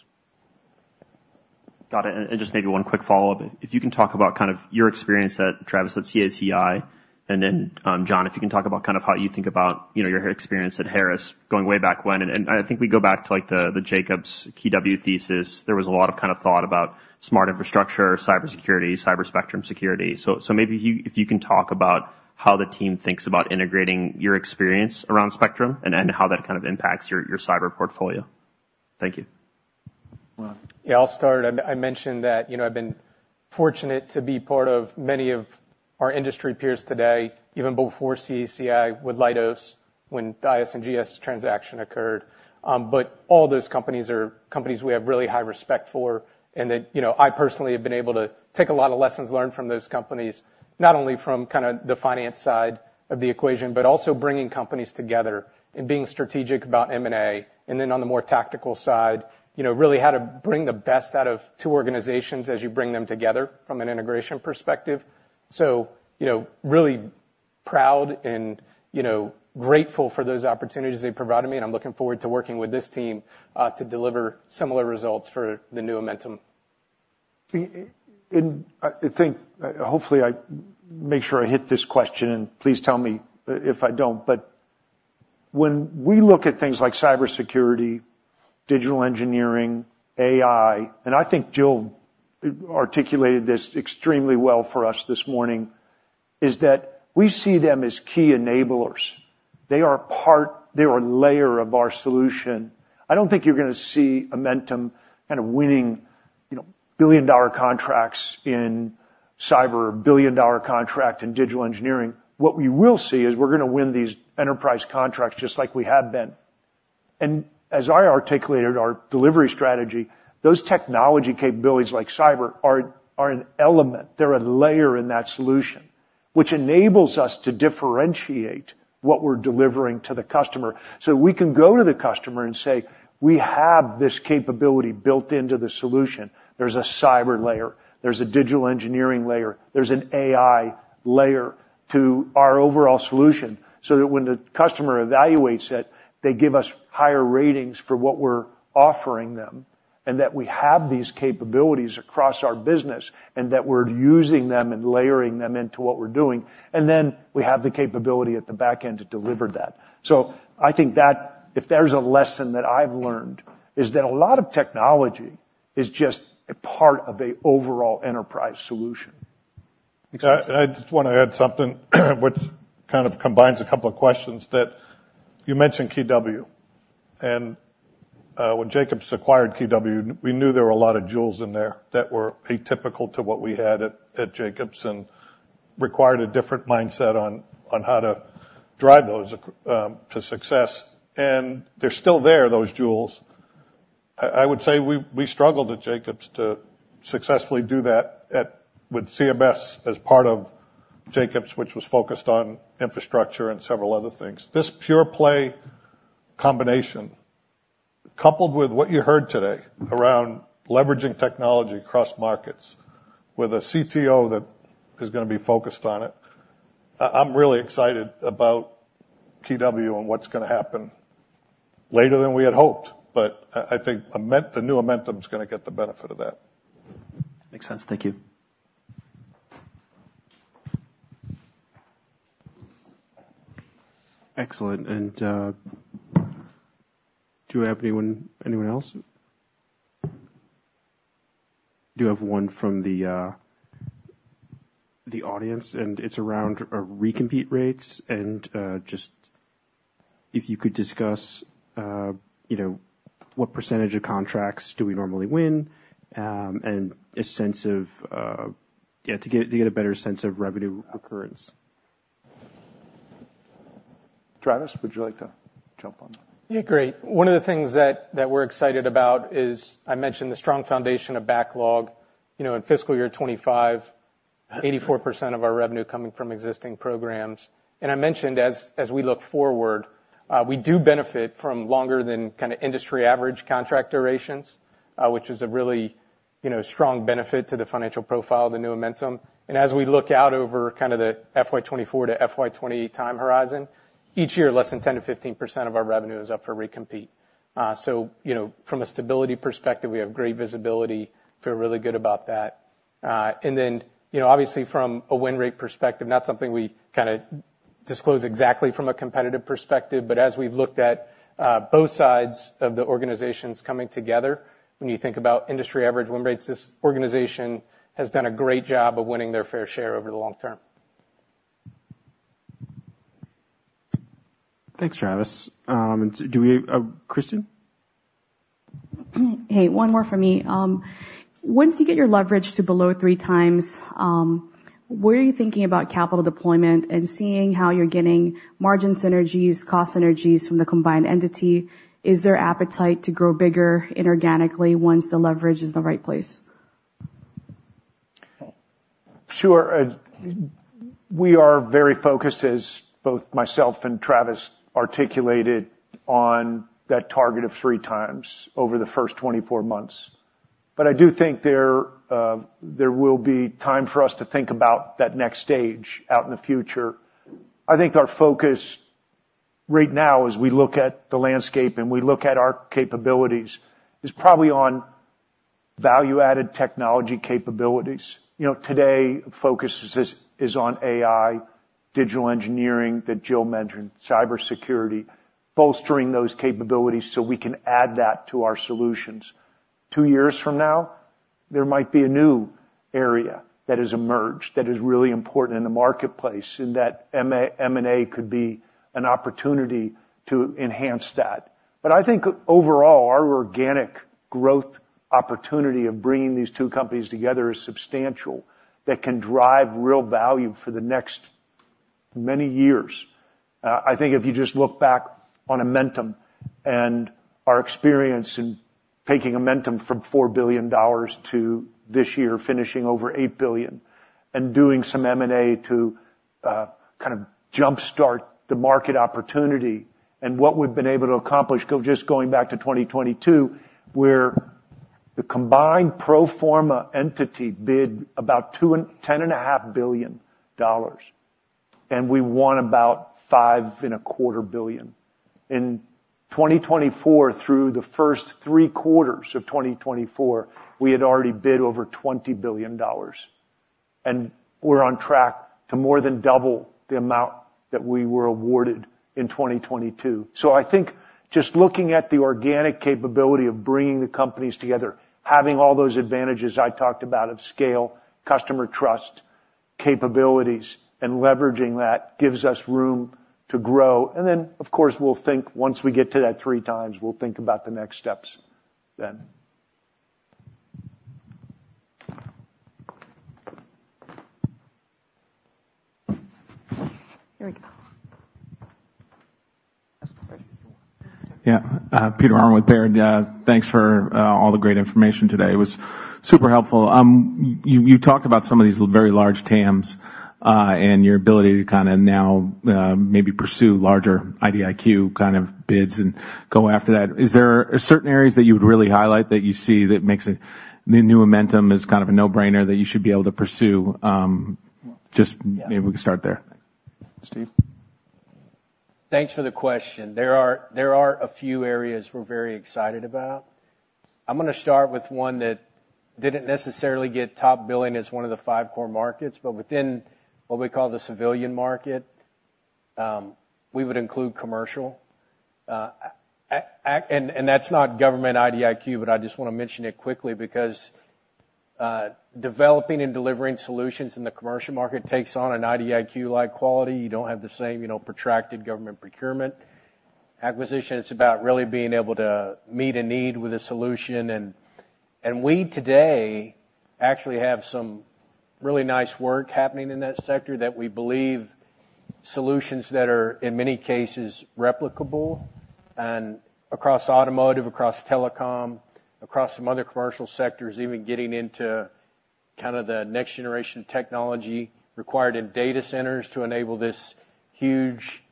Got it. And just maybe one quick follow-up. If you can talk about kind of your experience, Travis, at CACI, and then John, if you can talk about kind of how you think about, you know, your experience at Harris going way back when. And I think we go back to, like, the Jacobs KeyW thesis. There was a lot of kind of thought about smart infrastructure, cybersecurity, cyber spectrum security. So maybe if you can talk about how the team thinks about integrating your experience around spectrum and how that kind of impacts your cyber portfolio. Thank you. Well, yeah, I'll start. I, I mentioned that, you know, I've been fortunate to be part of many of our industry peers today, even before CACI with Leidos, when the IS&GS transaction occurred. But all those companies are companies we have really high respect for, and that, you know, I personally have been able to take a lot of lessons learned from those companies, not only from kind of the finance side of the equation, but also bringing companies together and being strategic about M&A. And then on the more tactical side, you know, really how to bring the best out of two organizations as you bring them together from an integration perspective. So, you know, really proud and, you know, grateful for those opportunities they provided me, and I'm looking forward to working with this team, to deliver similar results for the new Amentum. And I think—hopefully, I make sure I hit this question, and please tell me if I don't. But when we look at things like cybersecurity, digital engineering, AI, and I think Jill articulated this extremely well for us this morning, is that we see them as key enablers. They are a part, they're a layer of our solution. I don't think you're gonna see Amentum kind of winning, you know, billion-dollar contracts in cyber or billion-dollar contract in digital engineering. What we will see is we're gonna win these enterprise contracts just like we have been. And as I articulated, our delivery strategy, those technology capabilities, like cyber, are an element. They're a layer in that solution, which enables us to differentiate what we're delivering to the customer. So we can go to the customer and say, "We have this capability built into the solution. There's a cyber layer, there's a digital engineering layer, there's an AI layer to our overall solution." So that when the customer evaluates it, they give us higher ratings for what we're offering them, and that we have these capabilities across our business, and that we're using them and layering them into what we're doing. And then we have the capability at the back end to deliver that. So I think that if there's a lesson that I've learned, is that a lot of technology is just a part of an overall enterprise solution. I just want to add something, which kind of combines a couple of questions that you mentioned, KeyW. And when Jacobs acquired KeyW, we knew there were a lot of jewels in there that were atypical to what we had at Jacobs, and required a different mindset on how to drive those to success. And they're still there, those jewels. I would say we struggled at Jacobs to successfully do that with CMS as part of Jacobs, which was focused on infrastructure and several other things. This pure play combination, coupled with what you heard today around leveraging technology across markets with a CTO that is gonna be focused on it, I'm really excited about KeyW and what's gonna happen. Later than we had hoped, but I think the new Amentum is gonna get the benefit of that. Makes sense. Thank you. Excellent. And, do you have anyone, anyone else? Do you have one from the, the audience, and it's around, recompete rates and, just if you could discuss, you know, what percentage of contracts do we normally win, and a sense of... Yeah, to get, to get a better sense of revenue occurrence. Travis, would you like to jump on that? Yeah, great. One of the things that we're excited about is, I mentioned, the strong foundation of backlog. You know, in fiscal year 2025, 84% of our revenue coming from existing programs. And I mentioned as we look forward, we do benefit from longer than kind of industry average contract durations, which is a really, you know, strong benefit to the financial profile of the new Amentum. And as we look out over kind of the FY 2024 to FY 2028 time horizon, each year, less than 10%-15% of our revenue is up for recompete.... So, you know, from a stability perspective, we have great visibility. Feel really good about that. And then, you know, obviously from a win rate perspective, not something we kinda disclose exactly from a competitive perspective, but as we've looked at, both sides of the organizations coming together, when you think about industry average win rates, this organization has done a great job of winning their fair share over the long term. Thanks, Travis. Do we, Kristine? Hey, one more from me. Once you get your leverage to below 3x, where are you thinking about capital deployment and seeing how you're getting margin synergies, cost synergies from the combined entity? Is there appetite to grow bigger inorganically once the leverage is in the right place? Sure. We are very focused, as both myself and Travis articulated, on that target of 3x over the first 24 months. But I do think there, there will be time for us to think about that next stage out in the future. I think our focus right now, as we look at the landscape and we look at our capabilities, is probably on value-added technology capabilities. You know, today, focus is on AI, digital engineering that Jill mentioned, cybersecurity, bolstering those capabilities so we can add that to our solutions. 2 years from now, there might be a new area that has emerged that is really important in the marketplace, and that M&A could be an opportunity to enhance that. But I think overall, our organic growth opportunity of bringing these two companies together is substantial, that can drive real value for the next many years. I think if you just look back on Amentum and our experience in taking Amentum from $4 billion to this year, finishing over $8 billion, and doing some M&A to kind of jumpstart the market opportunity and what we've been able to accomplish just going back to 2022, where the combined pro forma entity bid about $2.10-$2.5 billion, and we won about $5.25 billion. In 2024, through the first three quarters of 2024, we had already bid over $20 billion, and we're on track to more than double the amount that we were awarded in 2022. I think just looking at the organic capability of bringing the companies together, having all those advantages I talked about of scale, customer trust, capabilities, and leveraging that, gives us room to grow. Then, of course, we'll think, once we get to that three times, we'll think about the next steps then. Here we go. Yeah. Peter Arment with Baird. Thanks for all the great information today. It was super helpful. You talked about some of these very large TAMs and your ability to kinda now maybe pursue larger IDIQ kind of bids and go after that. Is there certain areas that you would really highlight that you see that makes it, the new Amentum is kind of a no-brainer that you should be able to pursue? Just- Yeah. Maybe we can start there. Steve? Thanks for the question. There are a few areas we're very excited about. I'm gonna start with one that didn't necessarily get top billing as one of the five core markets, but within what we call the civilian market, we would include commercial. And that's not government IDIQ, but I just wanna mention it quickly because developing and delivering solutions in the commercial market takes on an IDIQ-like quality. You don't have the same, you know, protracted government procurement acquisition. It's about really being able to meet a need with a solution. And we today actually have some really nice work happening in that sector that we believe solutions that are, in many cases, replicable and across automotive, across telecom, across some other commercial sectors, even getting into kind of the next-generation technology required in data centers to enable this huge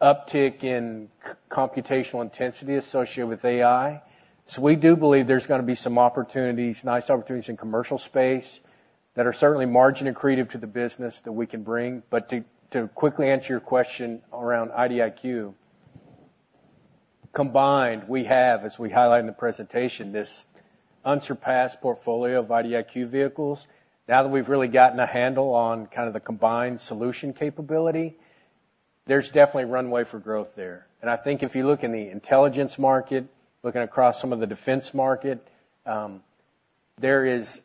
uptick in computational intensity associated with AI. So we do believe there's gonna be some opportunities, nice opportunities in commercial Space, that are certainly margin accretive to the business that we can bring. But to quickly answer your question around IDIQ, combined, we have, as we highlighted in the presentation, this unsurpassed portfolio of IDIQ vehicles. Now that we've really gotten a handle on kind of the combined solution capability, there's definitely runway for growth there. And I think if you look in the intelligence market, looking across some of the Defense market, there is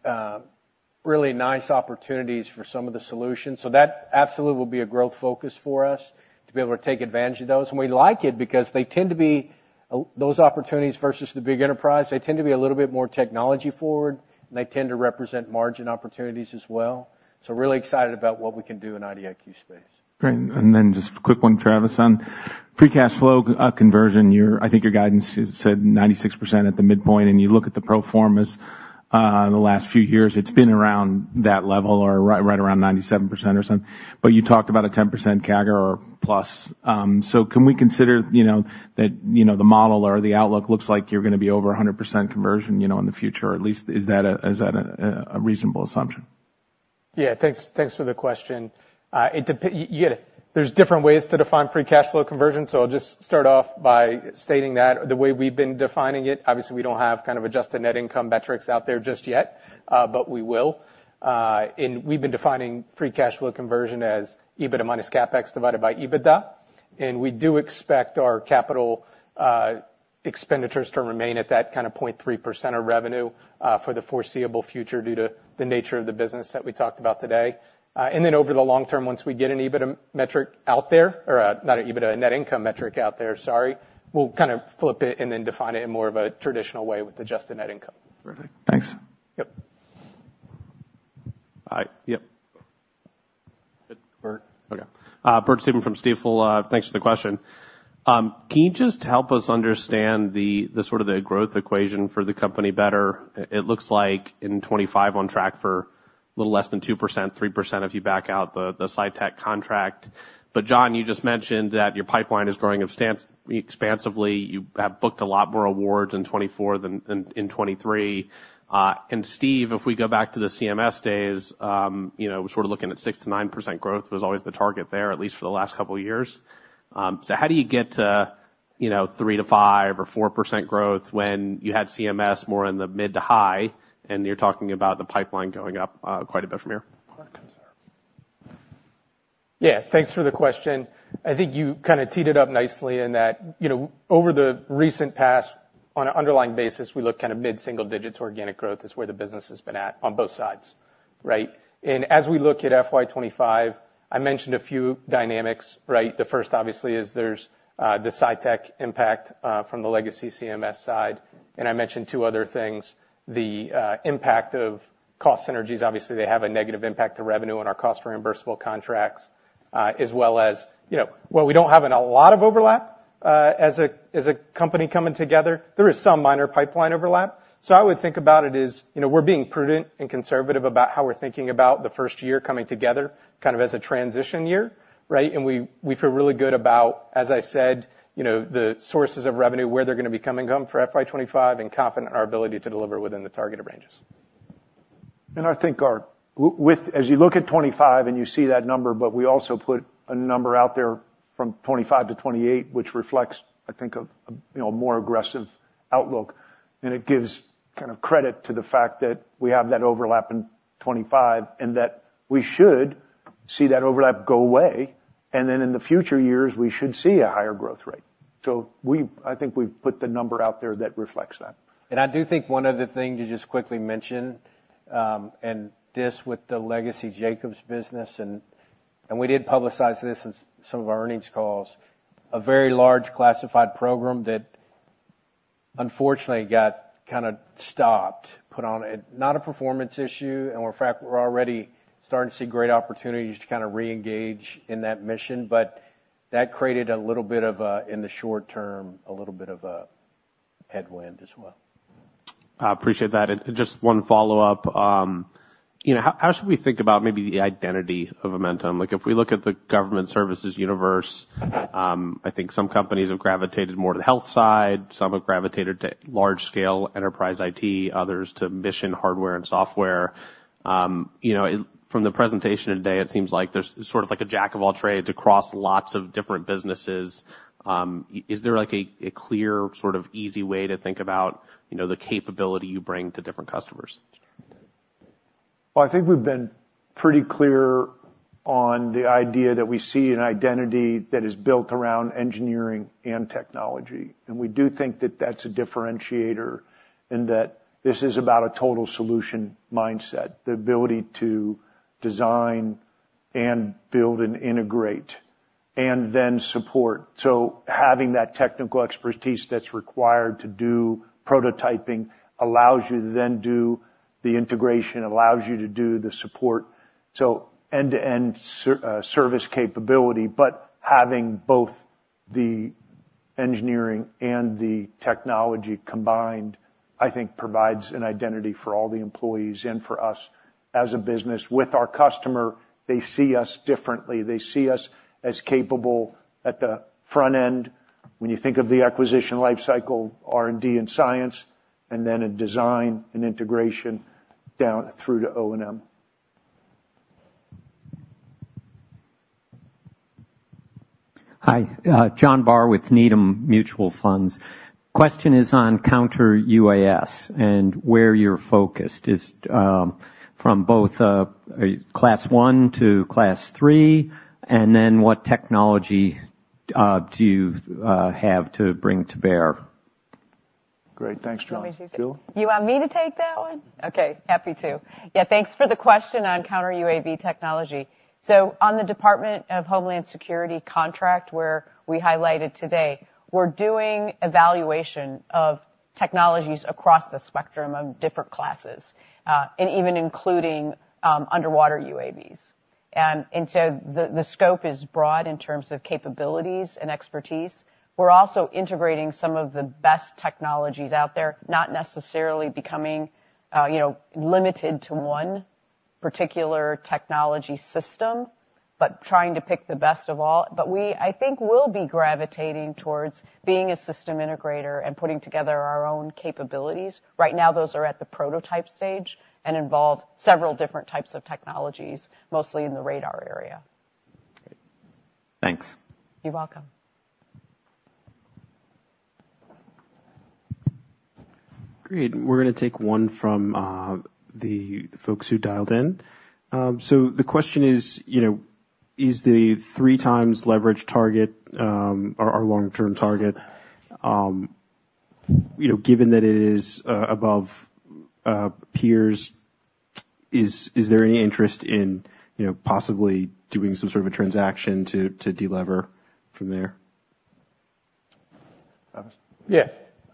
really nice opportunities for some of the solutions. So that absolutely will be a growth focus for us, to be able to take advantage of those. And we like it because they tend to be those opportunities versus the big enterprise, they tend to be a little bit more technology forward, and they tend to represent margin opportunities as well. So we're really excited about what we can do in IDIQ Space. Great. And then just a quick one, Travis, on free cash flow conversion. I think your guidance is 96% at the midpoint, and you look at the pro formas, the last few years, it's been around that level or right around 97% or something. But you talked about a 10% CAGR or plus. So can we consider, you know, that, you know, the model or the outlook looks like you're gonna be over 100% conversion, you know, in the future, at least, is that a reasonable assumption?... Yeah, thanks, thanks for the question. Yeah, there's different ways to define free cash flow conversion, so I'll just start off by stating that the way we've been defining it, obviously, we don't have kind of adjusted net income metrics out there just yet, but we will. We've been defining free cash flow conversion as EBITDA minus CapEx, divided by EBITDA. We do expect our capital expenditures to remain at that kind of 0.3% of revenue for the foreseeable future, due to the nature of the business that we talked about today. Over the long term, once we get an EBITDA metric out there, or, not an EBITDA, a net income metric out there, sorry, we'll kind of flip it and then define it in more of a traditional way with adjusted net income. Perfect. Thanks. Yep. Hi. Yep. Bert, okay. Bert Subin from Stifel. Thanks for the question. Can you just help us understand the sort of the growth equation for the company better? It looks like in 2025 on track for a little less than 2%-3%, if you back out the SITEC contract. But John, you just mentioned that your pipeline is growing expansively. You have booked a lot more awards in 2024 than in 2023. And Steve, if we go back to the CMS days, you know, sort of looking at 6%-9% growth was always the target there, at least for the last couple of years. How do you get to, you know, 3%-5% or 4% growth when you had CMS more in the mid- to high-, and you're talking about the pipeline going up quite a bit from here? Yeah, thanks for the question. I think you kind of teed it up nicely in that, you know, over the recent past, on an underlying basis, we look kind of mid-single digits organic growth is where the business has been at on both sides, right? And as we look at FY 25, I mentioned a few dynamics, right? The first, obviously, is there's the SITEC impact from the legacy CMS side, and I mentioned two other things, the impact of cost synergies. Obviously, they have a negative impact to revenue on our cost reimbursable contracts, as well as, you know, while we don't have a lot of overlap, as a company coming together, there is some minor pipeline overlap. So I would think about it as, you know, we're being prudent and conservative about how we're thinking about the first year coming together, kind of as a transition year, right? And we, we feel really good about, as I said, you know, the sources of revenue, where they're gonna be coming from for FY 25, and confident in our ability to deliver within the targeted ranges. I think as you look at 2025 and you see that number, but we also put a number out there from 2025-2028, which reflects, I think, a, you know, more aggressive outlook. It gives kind of credit to the fact that we have that overlap in 2025, and that we should see that overlap go away, and then in the future years, we should see a higher growth rate. So I think we've put the number out there that reflects that. I do think one other thing to just quickly mention, and this with the legacy Jacobs business, and we did publicize this in some of our earnings calls. A very large classified program that unfortunately got kind of stopped, put on a... Not a performance issue, and in fact, we're already starting to see great opportunities to kind of reengage in that mission, but that created a little bit of a, in the short term, a little bit of a headwind as well. I appreciate that. Just one follow-up, you know, how should we think about maybe the identity of Amentum? Like, if we look at the government services universe, I think some companies have gravitated more to the health side, some have gravitated to large-scale enterprise IT, others to mission hardware and software. You know, from the presentation today, it seems like there's sort of like a jack of all trades across lots of different businesses. Is there, like, a clear, sort of easy way to think about, you know, the capability you bring to different customers? Well, I think we've been pretty clear on the idea that we see an identity that is built around engineering and technology, and we do think that that's a differentiator, and that this is about a total solution mindset. The ability to design and build and integrate, and then support. So having that technical expertise that's required to do prototyping allows you to then do the integration, allows you to do the support, so end-to-end service capability. But having both the engineering and the technology combined, I think, provides an identity for all the employees and for us as a business. With our customer, they see us differently. They see us as capable at the front end when you think of the acquisition lifecycle, R&D, and science, and then in design and integration, down through to O&M. Hi, John Barr with Needham & Company. Question is on Counter-UAS and where you're focused. Is from both class one to class three, and then what technology do you have to bring to bear? Great. Thanks, John. Jill? You want me to take that one? Okay, happy to. Yeah, thanks for the question on counter UAV technology. So on the Department of Homeland Security contract, where we highlighted today, we're doing evaluation of technologies across the spectrum of different classes, and even including underwater UAVs. And so the scope is broad in terms of capabilities and expertise. We're also integrating some of the best technologies out there, not necessarily becoming, you know, limited to one particular technology system. ... but trying to pick the best of all. But we, I think, will be gravitating towards being a system integrator and putting together our own capabilities. Right now, those are at the prototype stage and involve several different types of technologies, mostly in the radar area. Thanks. You're welcome. Great. We're gonna take one from the folks who dialed in. So the question is, you know, is the 3x leverage target our long-term target, you know, given that it is above peers, is there any interest in, you know, possibly doing some sort of a transaction to delever from there? Yeah.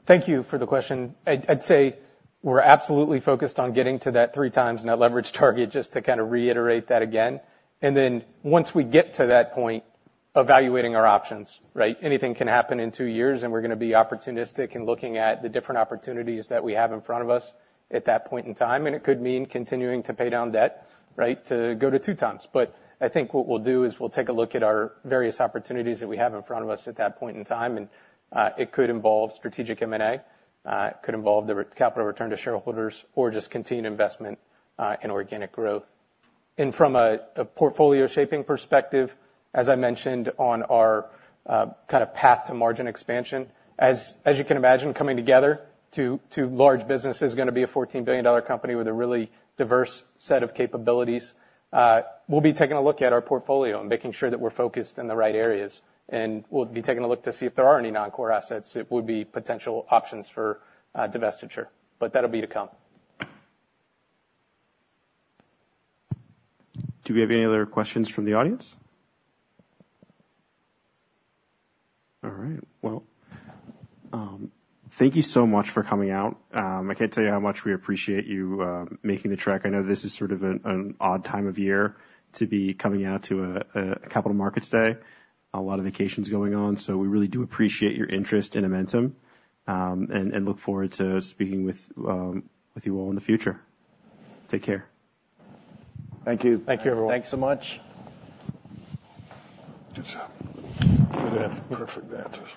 Thank you for the question. I'd, I'd say we're absolutely focused on getting to that 3x net leverage target, just to kind of reiterate that again. And then once we get to that point, evaluating our options, right? Anything can happen in two years, and we're gonna be opportunistic in looking at the different opportunities that we have in front of us at that point in time, and it could mean continuing to pay down debt, right? To go to 2x. But I think what we'll do is we'll take a look at our various opportunities that we have in front of us at that point in time, and it could involve strategic M&A, it could involve the return of capital to shareholders or just continued investment in organic growth. From a portfolio shaping perspective, as I mentioned on our kind of path to margin expansion, as you can imagine, coming together, two large businesses is gonna be a $14 billion company with a really diverse set of capabilities. We'll be taking a look at our portfolio and making sure that we're focused in the right areas, and we'll be taking a look to see if there are any non-core assets that would be potential options for divestiture, but that'll be to come. Do we have any other questions from the audience? All right. Well, thank you so much for coming out. I can't tell you how much we appreciate you, making the trek. I know this is sort of an odd time of year to be coming out to a Capital Markets Day, a lot of vacations going on, so we really do appreciate your interest in Amentum, and look forward to speaking with you all in the future. Take care. Thank you. Thank you, everyone. Thanks so much. Good job. Perfect. Perfect answers.